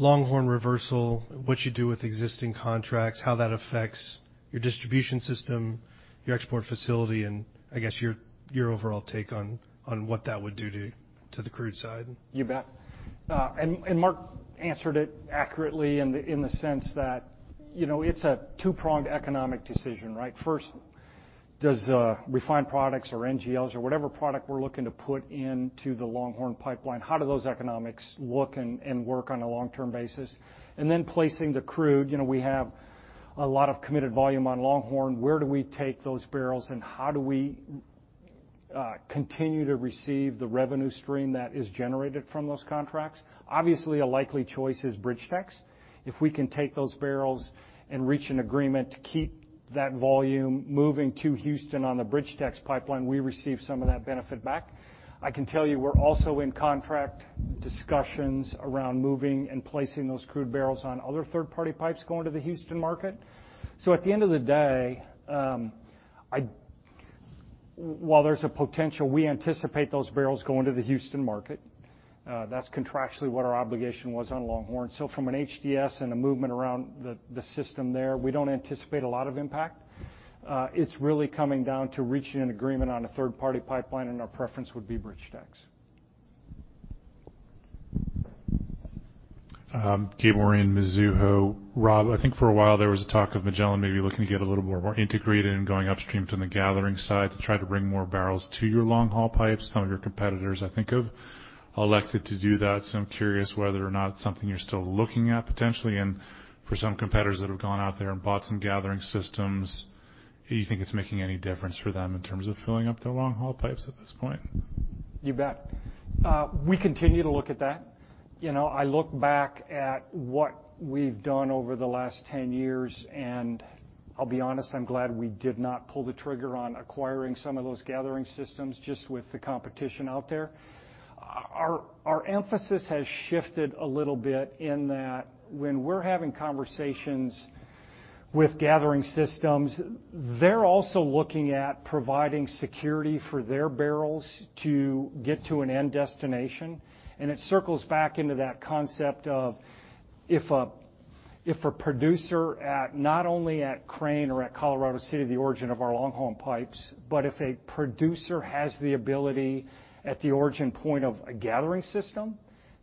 Longhorn reversal, what you do with existing contracts, how that affects your distribution system, your export facility, and I guess your overall take on what that would do to the crude side. You bet. And Mark answered it accurately in the sense that, you know, it's a two-pronged economic decision, right? First, does refined products or NGLs or whatever product we're looking to put into the Longhorn pipeline, how do those economics look and work on a long-term basis? Placing the crude. You know, we have a lot of committed volume on Longhorn. Where do we take those barrels, and how do we continue to receive the revenue stream that is generated from those contracts? Obviously, a likely choice is BridgeTex. If we can take those barrels and reach an agreement to keep that volume moving to Houston on the BridgeTex pipeline, we receive some of that benefit back. I can tell you we're also in contract discussions around moving and placing those crude barrels on other third-party pipes going to the Houston market. At the end of the day, while there's a potential we anticipate those barrels going to the Houston market, that's contractually what our obligation was on Longhorn. From an HDS and a movement around the system there, we don't anticipate a lot of impact. It's really coming down to reaching an agreement on a third-party pipeline, and our preference would be BridgeTex. Gabe Moreen, Mizuho. Robb, I think for a while there was a talk of Magellan maybe looking to get a little more integrated and going upstream from the gathering side to try to bring more barrels to your long-haul pipes. Some of your competitors, I think, have elected to do that, so I'm curious whether or not it's something you're still looking at potentially. For some competitors that have gone out there and bought some gathering systems, do you think it's making any difference for them in terms of filling up their long-haul pipes at this point? You bet. We continue to look at that. You know, I look back at what we've done over the last 10 years, and I'll be honest, I'm glad we did not pull the trigger on acquiring some of those gathering systems just with the competition out there. Our emphasis has shifted a little bit in that when we're having conversations with gathering systems, they're also looking at providing security for their barrels to get to an end destination. It circles back into that concept of if a producer at not only at Crane or at Colorado City, the origin of our Longhorn pipes, but if a producer has the ability at the origin point of a gathering system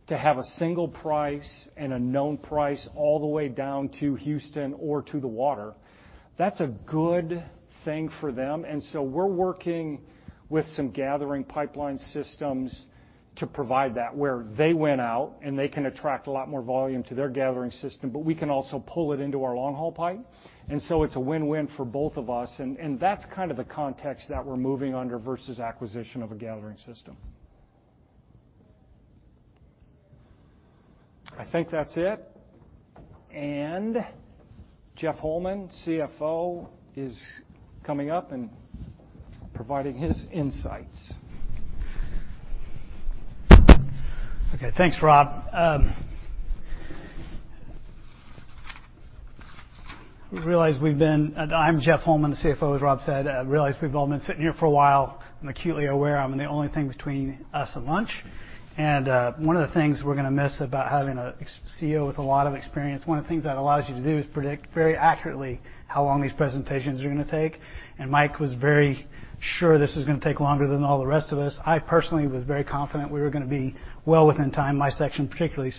to have a single price and a known price all the way down to Houston or to the water, that's a good thing for them. We're working with some gathering pipeline systems to provide that, where they went out, and they can attract a lot more volume to their gathering system, but we can also pull it into our long-haul pipe. It's a win-win for both of us, and that's kind of the context that we're moving under versus acquisition of a gathering system. I think that's it. Jeff Holman, CFO, is coming up and providing his insights. Okay. Thanks, Robb. I'm Jeff Holman, the CFO, as Robb said. I realize we've all been sitting here for a while. I'm acutely aware I'm the only thing between us and lunch. One of the things we're gonna miss about having a CEO with a lot of experience, one of the things that allows you to do is predict very accurately how long these presentations are gonna take. Mike was very sure this was gonna take longer than all the rest of us. I personally was very confident we were gonna be well within time, my section particularly.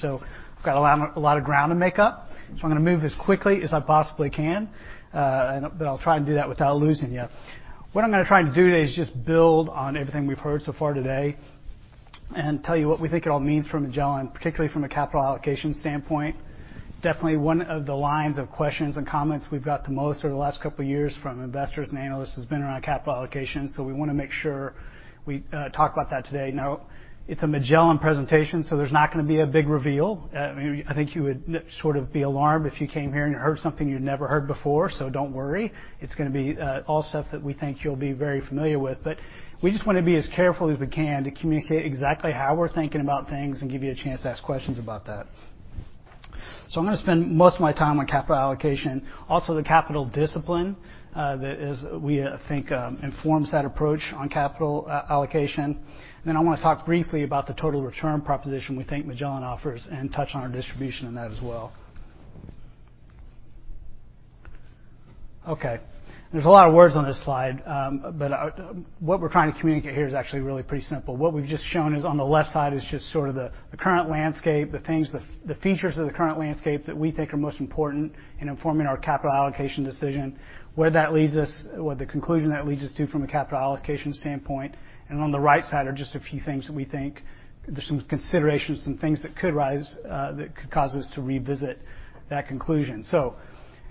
We've got a lot of ground to make up. I'm gonna move as quickly as I possibly can, but I'll try and do that without losing you. What I'm gonna try and do today is just build on everything we've heard so far today and tell you what we think it all means for Magellan, particularly from a capital allocation standpoint. Definitely, one of the lines of questions and comments we've got the most over the last couple of years from investors and analysts has been around capital allocation, so we wanna make sure we talk about that today. Now, it's a Magellan presentation, so there's not gonna be a big reveal. Maybe I think you would sort of be alarmed if you came here and you heard something you'd never heard before, so don't worry. It's gonna be all stuff that we think you'll be very familiar with, but we just wanna be as careful as we can to communicate exactly how we're thinking about things and give you a chance to ask questions about that. I'm gonna spend most of my time on capital allocation. Also, the capital discipline that informs that approach on capital allocation. I wanna talk briefly about the total return proposition we think Magellan offers and touch on our distribution on that as well. Okay. There's a lot of words on this slide, but what we're trying to communicate here is actually really pretty simple. What we've just shown is on the left side is just sort of the current landscape, the things, the features of the current landscape that we think are most important in informing our capital allocation decision, where that leads us, or the conclusion that leads us to from a capital allocation standpoint. On the right side are just a few things that we think. There's some considerations, some things that could rise, that could cause us to revisit that conclusion.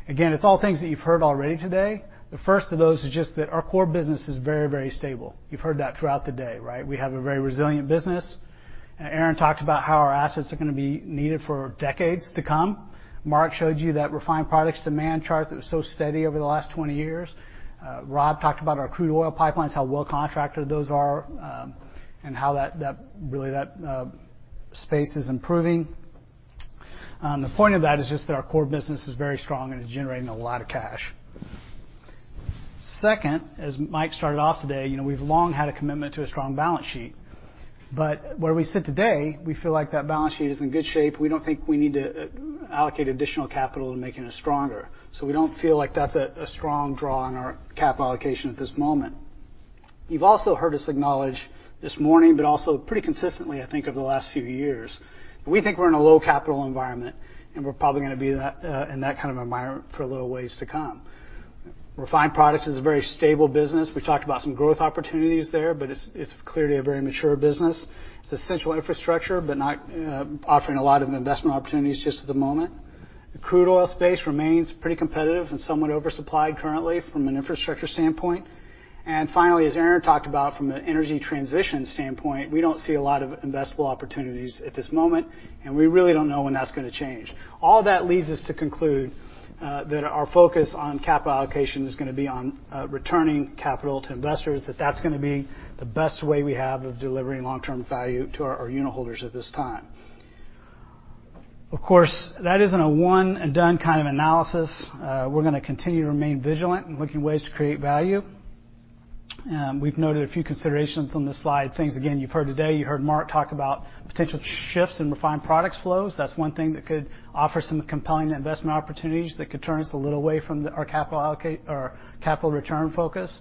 Again, it's all things that you've heard already today. The first of those is just that our core business is very, very stable. You've heard that throughout the day, right? We have a very resilient business. Aaron talked about how our assets are gonna be needed for decades to come. Mark showed you that refined products demand chart that was so steady over the last 20 years. Robb talked about our crude oil pipelines, how well contracted those are, and how that space is improving. The point of that is just that our core business is very strong and is generating a lot of cash. Second, as Mike started off today, you know, we've long had a commitment to a strong balance sheet. Where we sit today, we feel like that balance sheet is in good shape. We don't think we need to allocate additional capital in making it stronger, so we don't feel like that's a strong draw on our capital allocation at this moment. You've also heard us acknowledge this morning, but also pretty consistently, I think, over the last few years, we think we're in a low capital environment, and we're probably gonna be in that, in that kind of environment for a little ways to come. Refined products is a very stable business. We talked about some growth opportunities there, but it's clearly a very mature business. It's essential infrastructure, but not offering a lot of investment opportunities just at the moment. The crude oil space remains pretty competitive and somewhat oversupplied currently from an infrastructure standpoint. Finally, as Aaron talked about from an energy transition standpoint, we don't see a lot of investable opportunities at this moment, and we really don't know when that's gonna change. All that leads us to conclude that our focus on capital allocation is gonna be on returning capital to investors, that that's gonna be the best way we have of delivering long-term value to our unitholders at this time. Of course, that isn't a one-and-done kind of analysis. We're gonna continue to remain vigilant in looking at ways to create value. We've noted a few considerations on this slide, things again you've heard today. You heard Mark talk about potential shifts in refined products flows. That's one thing that could offer some compelling investment opportunities that could turn us a little away from our capital return focus.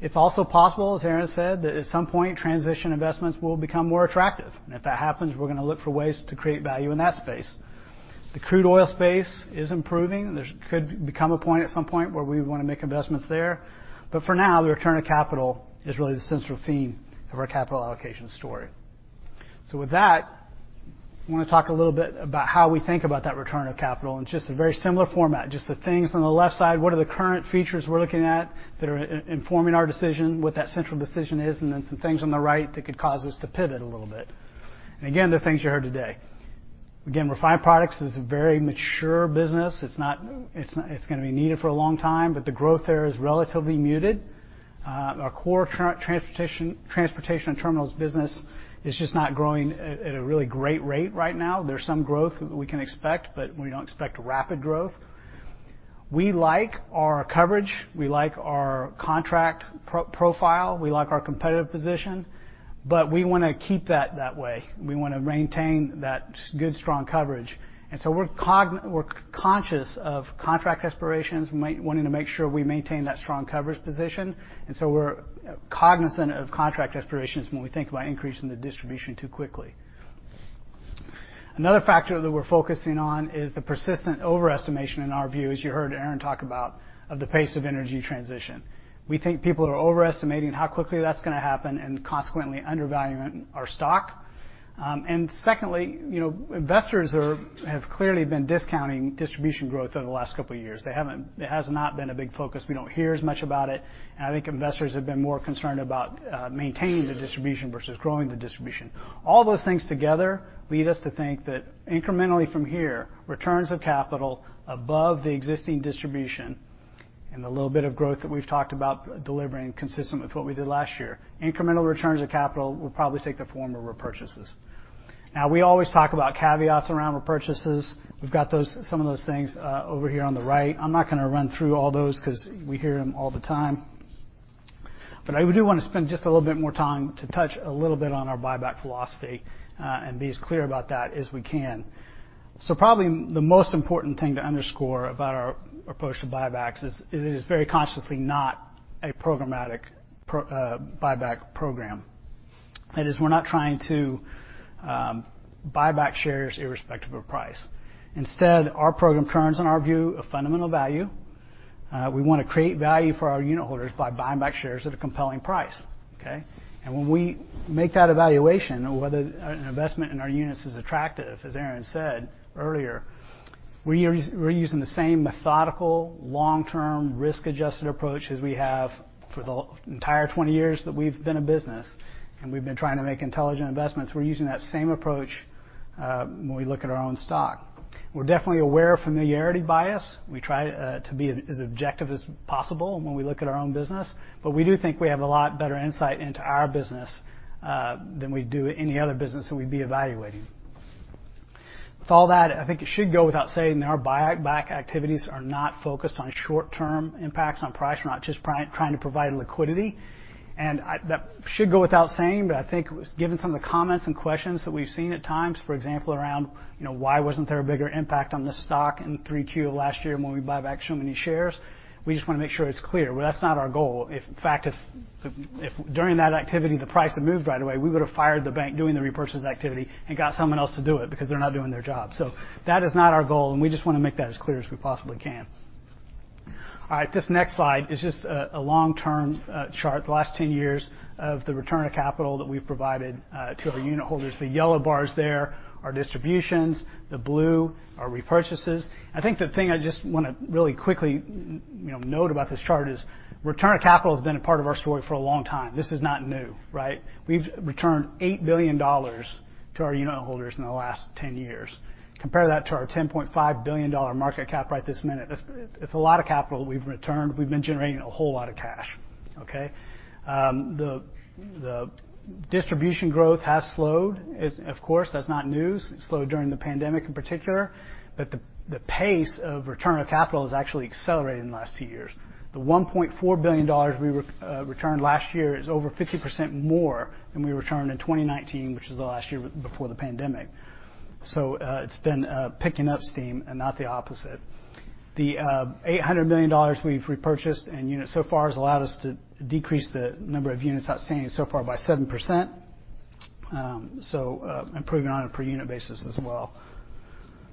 It's also possible, as Aaron said, that at some point, transition investments will become more attractive. If that happens, we're gonna look for ways to create value in that space. The crude oil space is improving. There could become a point at some point where we wanna make investments there. For now, the return of capital is really the central theme of our capital allocation story. With that, I wanna talk a little bit about how we think about that return of capital in just a very similar format, just the things on the left side, what are the current features we're looking at that are informing our decision, what that central decision is, and then some things on the right that could cause us to pivot a little bit. Again, they're things you heard today. Again, refined products is a very mature business. It's gonna be needed for a long time, but the growth there is relatively muted. Our core transportation and terminals business is just not growing at a really great rate right now. There's some growth that we can expect, but we don't expect rapid growth. We like our coverage. We like our contract pro-profile. We like our competitive position, but we wanna keep that way. We wanna maintain that good, strong coverage. We're conscious of contract expirations, wanting to make sure we maintain that strong coverage position. We're cognizant of contract expirations when we think about increasing the distribution too quickly. Another factor that we're focusing on is the persistent overestimation, in our view, as you heard Aaron talk about, of the pace of energy transition. We think people are overestimating how quickly that's gonna happen and consequently undervaluing our stock. Secondly, you know, investors have clearly been discounting distribution growth over the last couple of years. It has not been a big focus. We don't hear as much about it. I think investors have been more concerned about maintaining the distribution versus growing the distribution. All those things together lead us to think that incrementally from here, returns of capital above the existing distribution and the little bit of growth that we've talked about delivering consistent with what we did last year. Incremental returns of capital will probably take the form of repurchases. Now, we always talk about caveats around repurchases. We've got those, some of those things over here on the right. I'm not gonna run through all those 'cause we hear them all the time. I do wanna spend just a little bit more time to touch a little bit on our buyback philosophy and be as clear about that as we can. Probably the most important thing to underscore about our approach to buybacks is, it is very consciously not a programmatic buyback program. That is, we're not trying to buy back shares irrespective of price. Instead, our program turns on, in our view, a fundamental value. We wanna create value for our unitholders by buying back shares at a compelling price, okay? When we make that evaluation of whether an investment in our units is attractive, as Aaron said earlier, we're using the same methodical long-term risk-adjusted approach as we have for the entire 20 years that we've been a business, and we've been trying to make intelligent investments. We're using that same approach when we look at our own stock. We're definitely aware of familiarity bias. We try to be as objective as possible when we look at our own business, but we do think we have a lot better insight into our business than we do any other business that we'd be evaluating. With all that, I think it should go without saying that our buyback activities are not focused on short-term impacts on price. We're not just trying to provide liquidity. That should go without saying, but I think given some of the comments and questions that we've seen at times, for example, around, you know, why wasn't there a bigger impact on the stock in 3Q last year when we buy back so many shares? We just wanna make sure it's clear. Well, that's not our goal. If in fact during that activity, the price had moved right away, we would have fired the bank doing the repurchase activity and got someone else to do it because they're not doing their job. So that is not our goal, and we just wanna make that as clear as we possibly can. All right. This next slide is just a long-term chart, the last 10 years of the return of capital that we've provided to our unitholders. The yellow bars there are distributions, the blue are repurchases. I think the thing I just wanna really quickly, you know, note about this chart is return of capital has been a part of our story for a long time. This is not new, right? We've returned $8 billion to our unitholders in the last 10 years. Compare that to our $10.5 billion market cap right this minute. That's a lot of capital we've returned. We've been generating a whole lot of cash, okay? The distribution growth has slowed. It's, of course, not news. It slowed during the pandemic, in particular, but the pace of return of capital has actually accelerated in the last two years. The $1.4 billion we returned last year is over 50% more than we returned in 2019, which is the last year before the pandemic. It's been picking up steam and not the opposite. The $800 million we've repurchased in units so far has allowed us to decrease the number of units outstanding so far by 7%, improving on a per unit basis as well.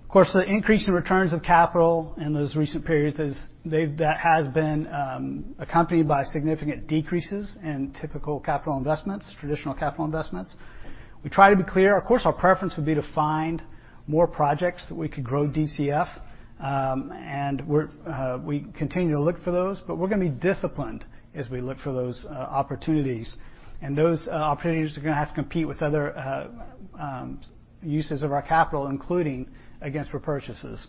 Of course, the increase in returns of capital in those recent periods is that has been accompanied by significant decreases in typical capital investments, traditional capital investments. We try to be clear. Of course, our preference would be to find more projects that we could grow DCF, and we continue to look for those, but we're gonna be disciplined as we look for those opportunities. Those opportunities are gonna have to compete with other uses of our capital, including against repurchases.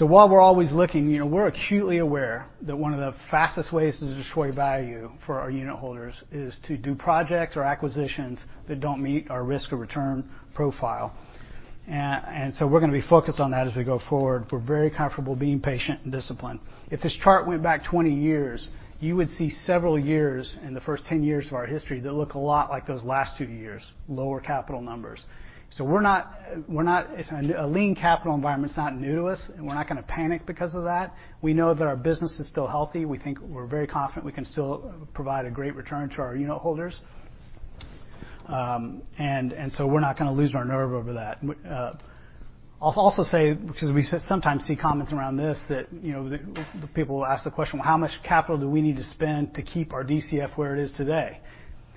While we're always looking, you know, we're acutely aware that one of the fastest ways to destroy value for our unitholders is to do projects or acquisitions that don't meet our risk of return profile. We're gonna be focused on that as we go forward. We're very comfortable being patient and disciplined. If this chart went back 20 years, you would see several years in the first 10 years of our history that look a lot like those last two years, lower capital numbers. A lean capital environment is not new to us, and we're not gonna panic because of that. We know that our business is still healthy. We think we're very confident we can still provide a great return to our unitholders. We're not gonna lose our nerve over that. I'll also say, because we sometimes see comments around this that, you know, people will ask the question, "Well, how much capital do we need to spend to keep our DCF where it is today?"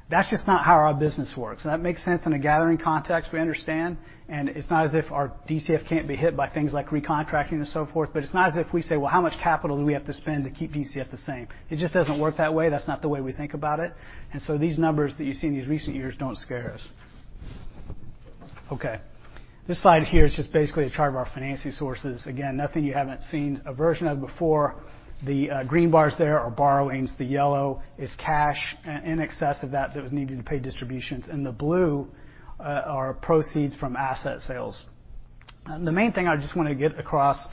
That's just not how our business works. That makes sense in a gathering context, we understand, and it's not as if our DCF can't be hit by things like recontracting and so forth, but it's not as if we say, "Well, how much capital do we have to spend to keep DCF the same?" It just doesn't work that way. That's not the way we think about it. These numbers that you see in these recent years don't scare us. Okay. This slide here is just basically a chart of our financing sources. Again, nothing you haven't seen a version of before. The green bars there are borrowings. The yellow is cash in excess of that was needed to pay distributions. The blue are proceeds from asset sales. The main thing I just wanna get across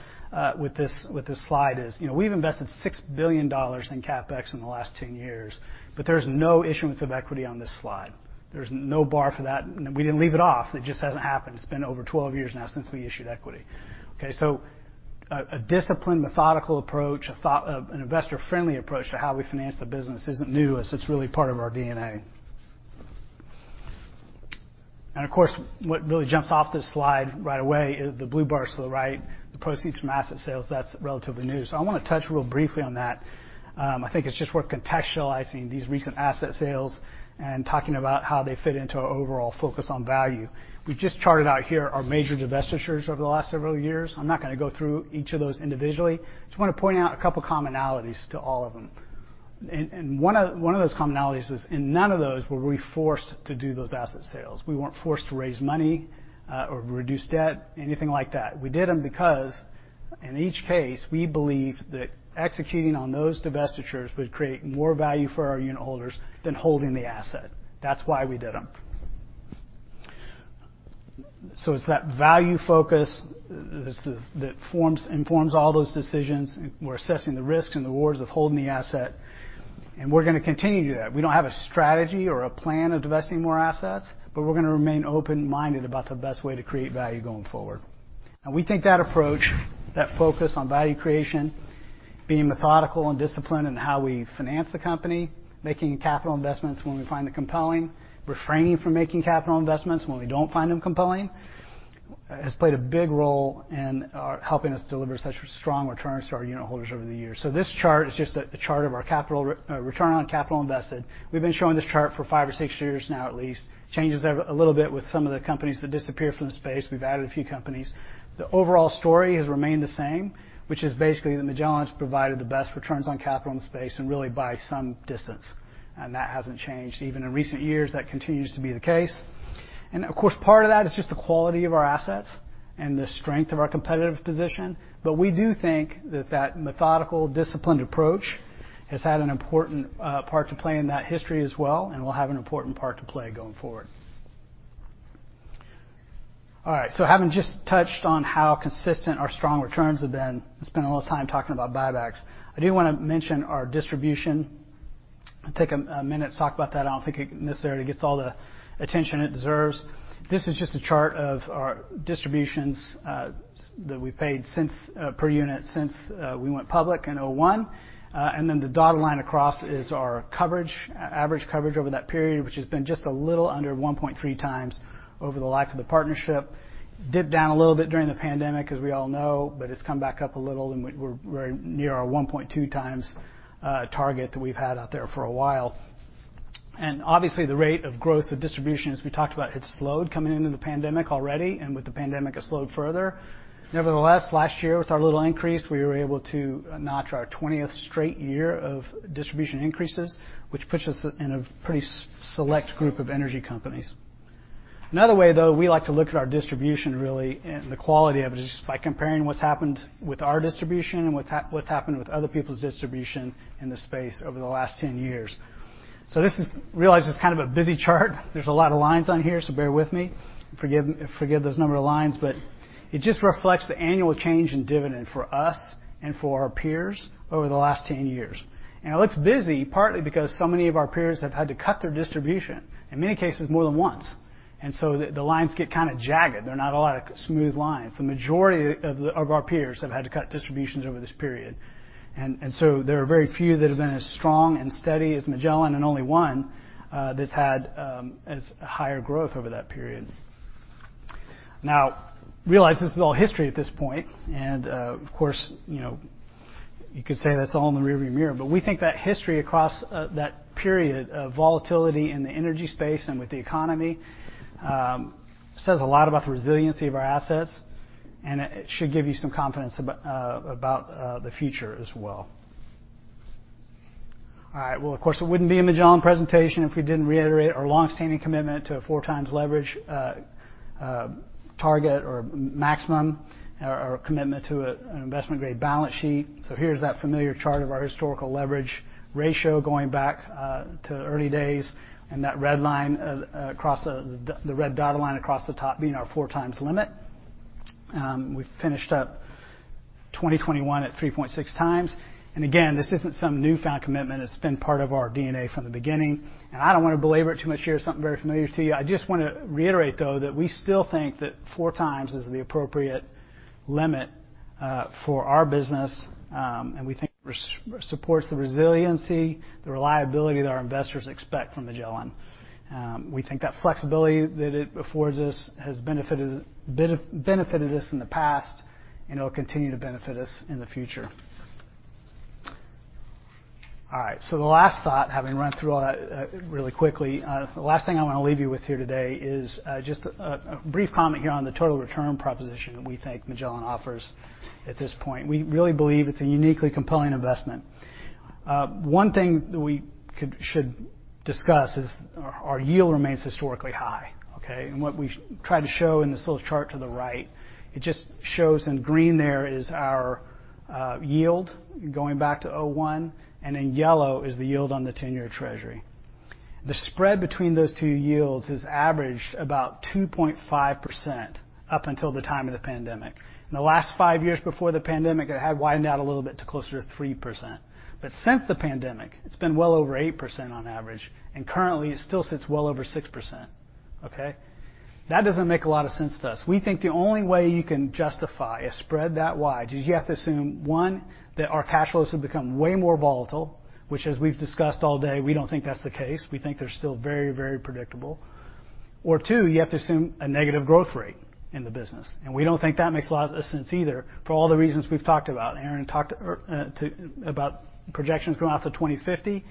with this slide is, you know, we've invested $6 billion in CapEx in the last 10 years, but there's no issuance of equity on this slide. There's no bar for that. We didn't leave it off. It just hasn't happened. It's been over 12 years now since we issued equity. Okay, a disciplined, methodical approach, an investor-friendly approach to how we finance the business isn't new, as it's really part of our DNA. Of course, what really jumps off this slide right away is the blue bars to the right, the proceeds from asset sales. That's relatively new. I wanna touch really briefly on that. I think it's just worth contextualizing these recent asset sales and talking about how they fit into our overall focus on value. We've just charted out here our major divestitures over the last several years. I'm not gonna go through each of those individually. Just wanna point out a couple commonalities to all of them. One of those commonalities is in none of those were we forced to do those asset sales. We weren't forced to raise money, or reduce debt, anything like that. We did them because in each case, we believed that executing on those divestitures would create more value for our unit holders than holding the asset. That's why we did them. It's that value focus that informs all those decisions. We're assessing the risks and rewards of holding the asset, and we're gonna continue to do that. We don't have a strategy or a plan of divesting more assets, but we're gonna remain open-minded about the best way to create value going forward. We think that approach, that focus on value creation, being methodical and disciplined in how we finance the company, making capital investments when we find them compelling, refraining from making capital investments when we don't find them compelling, has played a big role in helping us deliver such strong returns to our unit holders over the years. This chart is just a chart of our return on capital invested. We've been showing this chart for five or six years now, at least. Changes a little bit with some of the companies that disappear from the space. We've added a few companies. The overall story has remained the same, which is basically that Magellan has provided the best returns on capital in the space and really by some distance. That hasn't changed. Even in recent years, that continues to be the case. Of course, part of that is just the quality of our assets and the strength of our competitive position. We do think that that methodical, disciplined approach has had an important part to play in that history as well, and will have an important part to play going forward. All right. Having just touched on how consistent our strong returns have been, I spent a lot of time talking about buybacks. I do wanna mention our distribution and take a minute to talk about that. I don't think it necessarily gets all the attention it deserves. This is just a chart of our distributions that we've paid per unit since we went public in 2001. Then the dotted line across is our coverage, average coverage over that period, which has been just a little under 1.3x over the life of the partnership. Dipped down a little bit during the pandemic, as we all know, but it's come back up a little, and we're near our 1.2x target that we've had out there for a while. Obviously, the rate of growth of distribution, as we talked about, had slowed coming into the pandemic already, and with the pandemic, it slowed further. Nevertheless, last year with our little increase, we were able to notch our 20th straight year of distribution increases, which puts us in a pretty select group of energy companies. Another way, though, we like to look at our distribution, really, and the quality of it, is by comparing what's happened with our distribution and what's happened with other people's distribution in the space over the last 10 years. This is—realize this is kind of a busy chart. There's a lot of lines on here, so bear with me. Forgive those number of lines, but it just reflects the annual change in dividend for us and for our peers over the last 10 years. It looks busy, partly because so many of our peers have had to cut their distribution, in many cases more than once. The lines get kinda jagged. There are not a lot of smooth lines. The majority of our peers have had to cut distributions over this period. There are very few that have been as strong and steady as Magellan, and only one that's had as high a growth over that period. Now, realize this is all history at this point. Of course, you know, you could say that's all in the rear view mirror. We think that history across that period of volatility in the energy space and with the economy says a lot about the resiliency of our assets, and it should give you some confidence about the future as well. All right. Well, of course, it wouldn't be a Magellan presentation if we didn't reiterate our long-standing commitment to a 4x leverage target or maximum, or our commitment to an investment-grade balance sheet. Here's that familiar chart of our historical leverage ratio going back to early days, and that red dotted line across the top being our 4x limit. We finished up 2021 at 3.6x. Again, this isn't some newfound commitment. It's been part of our DNA from the beginning. I don't wanna belabor it too much here. It's something very familiar to you. I just wanna reiterate, though, that we still think that 4x is the appropriate limit for our business, and we think it supports the resiliency, the reliability that our investors expect from Magellan. We think that flexibility that it affords us has benefited us in the past, and it'll continue to benefit us in the future. All right. The last thought, having run through all that, really quickly. The last thing I wanna leave you with here today is just a brief comment here on the total return proposition that we think Magellan offers at this point. We really believe it's a uniquely compelling investment. One thing we should discuss is our yield remains historically high, okay? What we try to show in this little chart to the right, it just shows in green there is our yield going back to 2001, and in yellow is the yield on the 10-year treasury. The spread between those two yields has averaged about 2.5% up until the time of the pandemic. In the last five years before the pandemic, it had widened out a little bit to closer to 3%. Since the pandemic, it's been well over 8% on average, and currently, it still sits well over 6%, okay? That doesn't make a lot of sense to us. We think the only way you can justify a spread that wide is you have to assume, one, that our cash flows have become way more volatile, which as we've discussed all day, we don't think that's the case. We think they're still very, very predictable. Or two, you have to assume a negative growth rate in the business. We don't think that makes a lot of sense either for all the reasons we've talked about. Aaron talked about projections going out to 2050.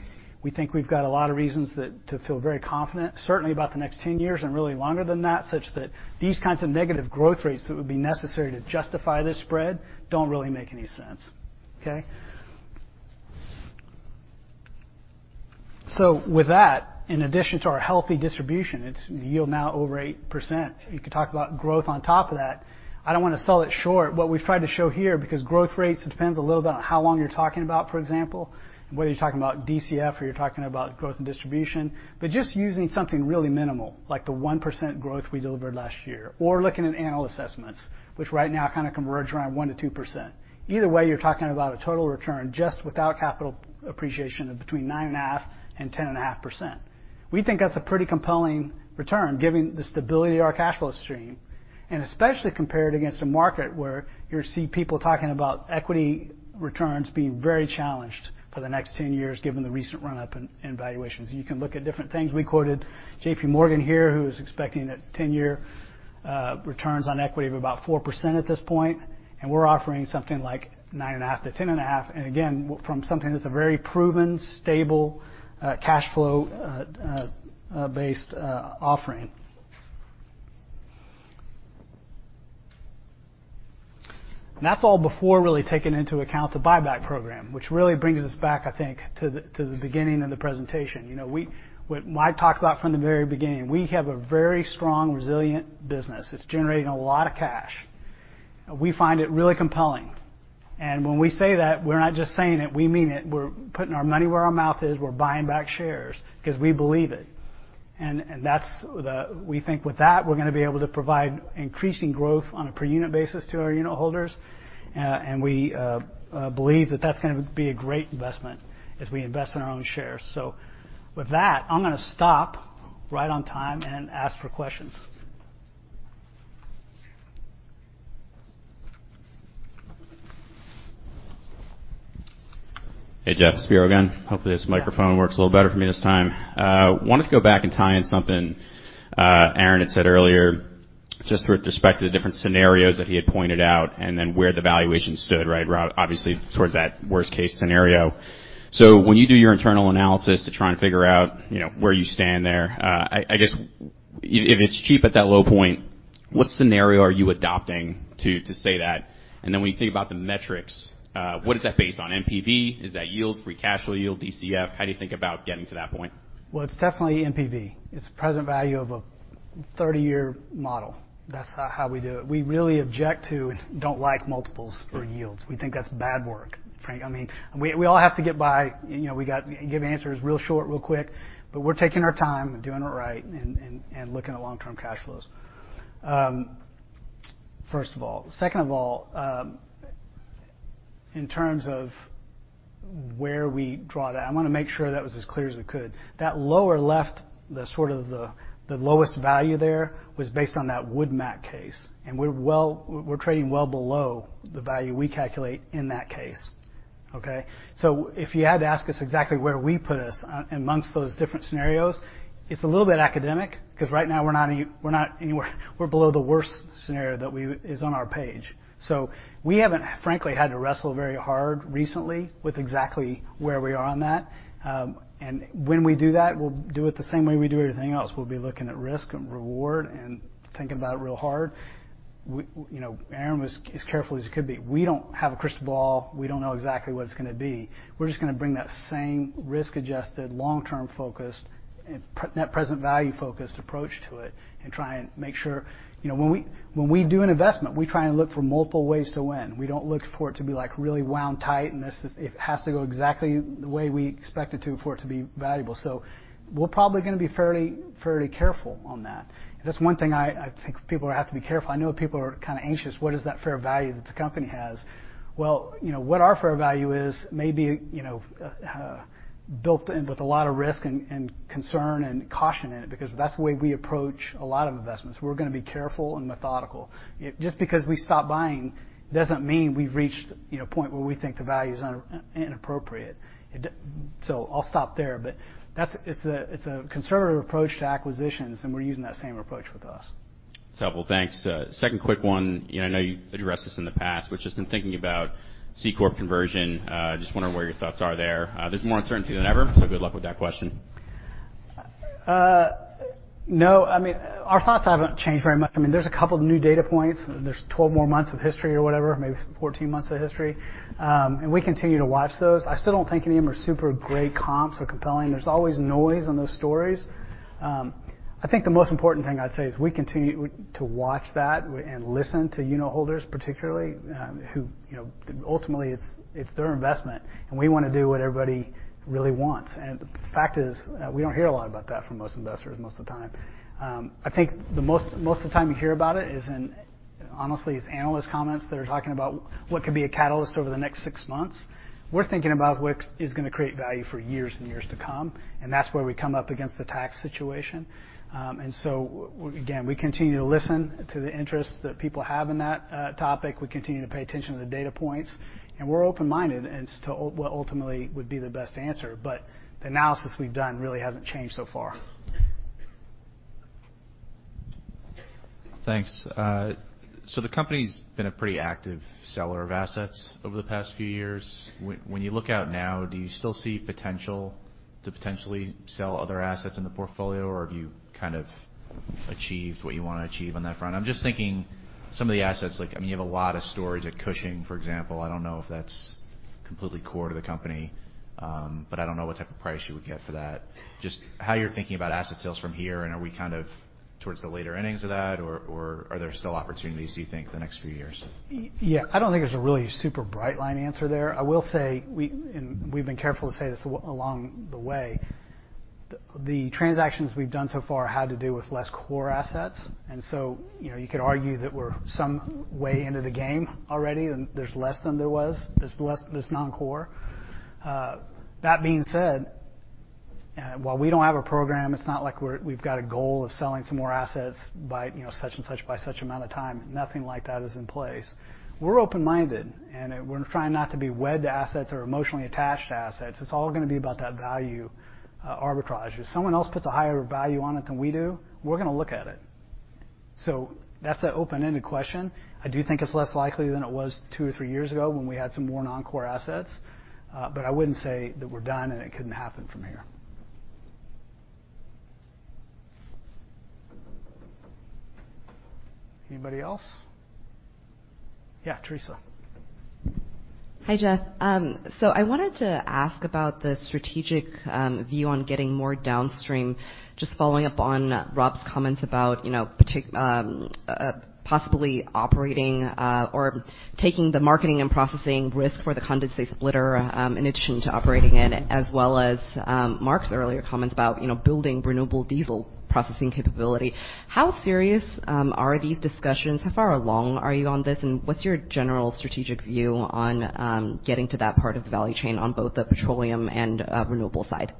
We think we've got a lot of reasons to feel very confident, certainly about the next 10 years and really longer than that, such that these kinds of negative growth rates that would be necessary to justify this spread don't really make any sense. Okay. With that, in addition to our healthy distribution, its yield now over 8%, you could talk about growth on top of that. I don't want to sell it short. What we've tried to show here, because growth rates, it depends a little bit on how long you're talking about, for example, whether you're talking about DCF or you're talking about growth and distribution, but just using something really minimal, like the 1% growth we delivered last year, or looking at annual assessments, which right now kind of converge around 1%-2%. Either way, you're talking about a total return just without capital appreciation of between 9.5% and 10.5%. We think that's a pretty compelling return, given the stability of our cash flow stream, and especially compared against a market where you see people talking about equity returns being very challenged for the next 10 years given the recent run up in valuations. You can look at different things. We quoted JPMorgan here, who is expecting a 10-year returns on equity of about 4% at this point, and we're offering something like 9.5%-10.5%. Again, from something that's a very proven, stable cash flow based offering. That's all before really taking into account the buyback program, which really brings us back, I think, to the beginning of the presentation. You know, what I talked about from the very beginning, we have a very strong, resilient business. It's generating a lot of cash. We find it really compelling. When we say that, we're not just saying it, we mean it. We're putting our money where our mouth is. We're buying back shares because we believe it. We think with that, we're gonna be able to provide increasing growth on a per unit basis to our unitholders. And we believe that that's gonna be a great investment as we invest in our own shares. With that, I'm gonna stop right on time and ask for questions. Hey, Jeff. It's Spiro again. Hopefully, this microphone works a little better for me this time. Wanted to go back and tie in something Aaron had said earlier just with respect to the different scenarios that he had pointed out and then where the valuation stood, right, obviously towards that worst case scenario. When you do your internal analysis to try and figure out, you know, where you stand there, I guess if it's cheap at that low point, what scenario are you adopting to say that? Then when you think about the metrics, what is that based on? NPV? Is that yield, free cash flow yield, DCF? How do you think about getting to that point? Well, it's definitely NPV. It's present value of a 30-year model. That's how we do it. We really object to and don't like multiples for yields. We think that's bad work, Frank. I mean, we all have to get by. You know, we got to give answers real short, real quick, but we're taking our time and doing it right and looking at long-term cash flows. First of all. Second of all, in terms of where we draw that, I wanna make sure that was as clear as it could. That lower left, the sort of the lowest value there was based on that Wood Mackenzie case. We're trading well below the value we calculate in that case, okay? If you had to ask us exactly where we put us amongst those different scenarios, it's a little bit academic because right now we're below the worst scenario that is on our page. We haven't, frankly, had to wrestle very hard recently with exactly where we are on that. When we do that, we'll do it the same way we do everything else. We'll be looking at risk and reward and thinking about it real hard. You know, Aaron was as careful as he could be. We don't have a crystal ball. We don't know exactly what it's gonna be. We're just gonna bring that same risk-adjusted, long-term focused, and Net Present Value-focused approach to it and try and make sure. You know, when we do an investment, we try and look for multiple ways to win. We don't look for it to be, like, really wound tight, and it has to go exactly the way we expect it to for it to be valuable. So we're probably gonna be fairly careful on that. That's one thing I think people have to be careful. I know people are kinda anxious. What is that fair value that the company has? Well, you know, what our fair value is may be, you know, built in with a lot of risk and concern and caution in it, because that's the way we approach a lot of investments. We're gonna be careful and methodical. Just because we stop buying doesn't mean we've reached, you know, a point where we think the value is inappropriate. I'll stop there. That's a conservative approach to acquisitions, and we're using that same approach with us. It's helpful. Thanks. Second quick one. You know, I know you addressed this in the past, which is in thinking about C-corp conversion, just wondering where your thoughts are there. There's more uncertainty than ever, so good luck with that question. No, I mean, our thoughts haven't changed very much. I mean, there's a couple of new data points. There's 12 more months of history or whatever, maybe 14 months of history. We continue to watch those. I still don't think any of them are super great comps or compelling. There's always noise on those stories. I think the most important thing I'd say is we continue to watch that and listen to unitholders, particularly, who, you know, ultimately, it's their investment, and we wanna do what everybody really wants. The fact is, we don't hear a lot about that from most investors most of the time. I think most of the time you hear about it is in, honestly, it's analyst comments that are talking about what could be a catalyst over the next six months. We're thinking about what is gonna create value for years and years to come, and that's where we come up against the tax situation. Again, we continue to listen to the interests that people have in that topic. We continue to pay attention to the data points, and we're open-minded as to what ultimately would be the best answer. The analysis we've done really hasn't changed so far. Thanks. The company's been a pretty active seller of assets over the past few years. When you look out now, do you still see potential to potentially sell other assets in the portfolio, or have you kind of achieved what you wanna achieve on that front? I'm just thinking some of the assets like, I mean, you have a lot of storage at Cushing, for example. I don't know if that's completely core to the company, but I don't know what type of price you would get for that. Just how you're thinking about asset sales from here, and are we kind of towards the later innings of that or are there still opportunities do you think the next few years? Yeah. I don't think there's a really super bright line answer there. I will say we've been careful to say this along the way. The transactions we've done so far had to do with less core assets. You know, you could argue that we're some way into the game already and there's less than there was. There's less that's non-core. That being said, while we don't have a program, it's not like we've got a goal of selling some more assets by such and such by such amount of time. Nothing like that is in place. We're open-minded, and we're trying not to be wed to assets or emotionally attached to assets. It's all gonna be about that value arbitrage. If someone else puts a higher value on it than we do, we're gonna look at it. That's an open-ended question. I do think it's less likely than it was two or three years ago when we had some more non-core assets, but I wouldn't say that we're done, and it couldn't happen from here. Anybody else? Yeah, Theresa. Hi, Jeff. I wanted to ask about the strategic view on getting more downstream. Just following up on Robb's comments about, you know, possibly operating or taking the marketing and processing risk for the condensate splitter in addition to operating it, as well as Mark's earlier comments about, you know, building renewable diesel processing capability. How serious are these discussions? How far along are you on this, and what's your general strategic view on getting to that part of the value chain on both the petroleum and renewable side?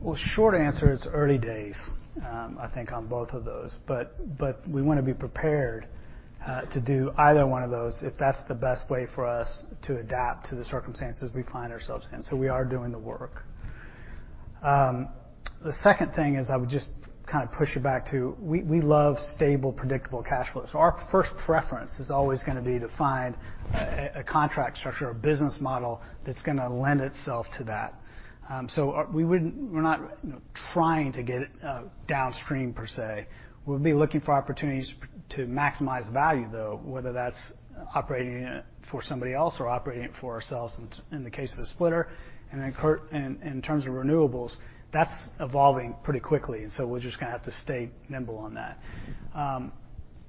Well, short answer, it's early days, I think on both of those. We wanna be prepared to do either one of those if that's the best way for us to adapt to the circumstances we find ourselves in. We are doing the work. The second thing is I would just kinda push you back to, we love stable, predictable cash flows. Our first preference is always gonna be to find a contract structure or business model that's gonna lend itself to that. We're not, you know, trying to get downstream per se. We'll be looking for opportunities to maximize value, though, whether that's operating it for somebody else or operating it for ourselves in the case of the splitter. In terms of renewables, that's evolving pretty quickly, and so we're just gonna have to stay nimble on that.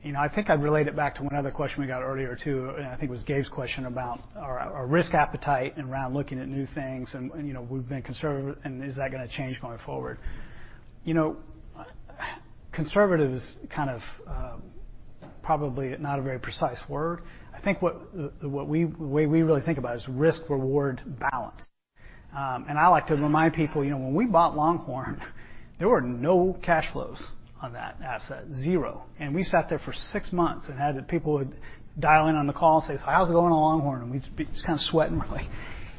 You know, I think I relate it back to one other question we got earlier, too, and I think it was Gabe's question about our risk appetite and around looking at new things and, you know, we've been conservative, and is that gonna change going forward? You know, conservative is kind of probably not a very precise word. I think the way we really think about it is risk-reward balance. I like to remind people, you know, when we bought Longhorn, there were no cash flows on that asset, zero. We sat there for six months and had people who would dial in on the call and say, "So how's it going on Longhorn?" We'd be just kinda sweating. We're like,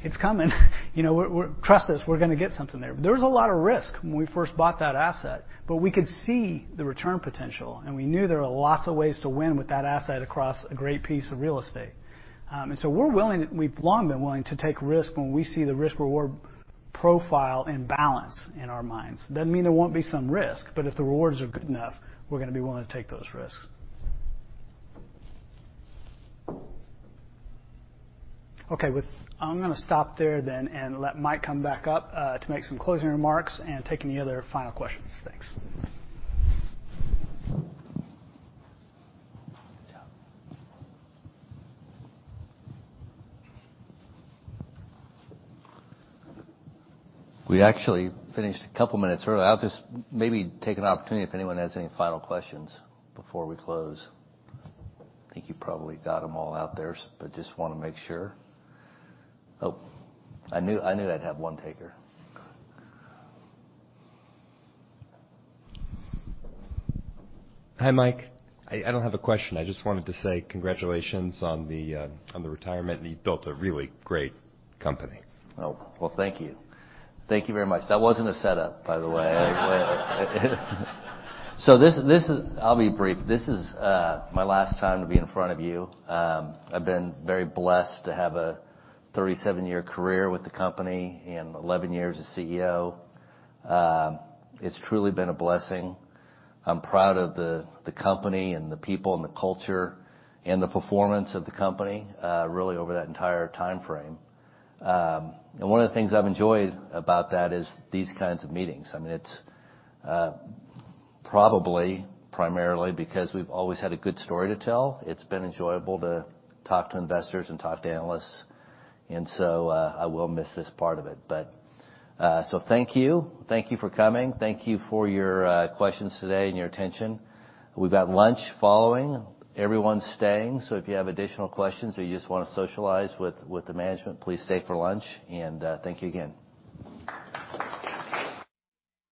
"It's coming." You know, "Trust us, we're gonna get something there." There was a lot of risk when we first bought that asset, but we could see the return potential, and we knew there are lots of ways to win with that asset across a great piece of real estate. We're willing, we've long been willing to take risk when we see the risk-reward profile and balance in our minds. Doesn't mean there won't be some risk, but if the rewards are good enough, we're gonna be willing to take those risks. Okay. I'm gonna stop there then and let Mike come back up to make some closing remarks and take any other final questions. Thanks. Good job. We actually finished a couple minutes early. I'll just maybe take an opportunity if anyone has any final questions before we close. I think you probably got them all out there, but just wanna make sure. Oh, I knew, I knew I'd have one taker. Hi, Mike. I don't have a question. I just wanted to say congratulations on the retirement, and you've built a really great company. Oh. Well, thank you. Thank you very much. That wasn't a setup, by the way. I'll be brief. This is my last time to be in front of you. I've been very blessed to have a 37-year career with the company and 11 years as CEO. It's truly been a blessing. I'm proud of the company and the people and the culture and the performance of the company really over that entire timeframe. One of the things I've enjoyed about that is these kinds of meetings. I mean, it's probably primarily because we've always had a good story to tell. It's been enjoyable to talk to investors and talk to analysts, so I will miss this part of it. Thank you. Thank you for coming. Thank you for your questions today and your attention. We've got lunch following. Everyone's staying, so if you have additional questions or you just wanna socialize with the management, please stay for lunch. Thank you again.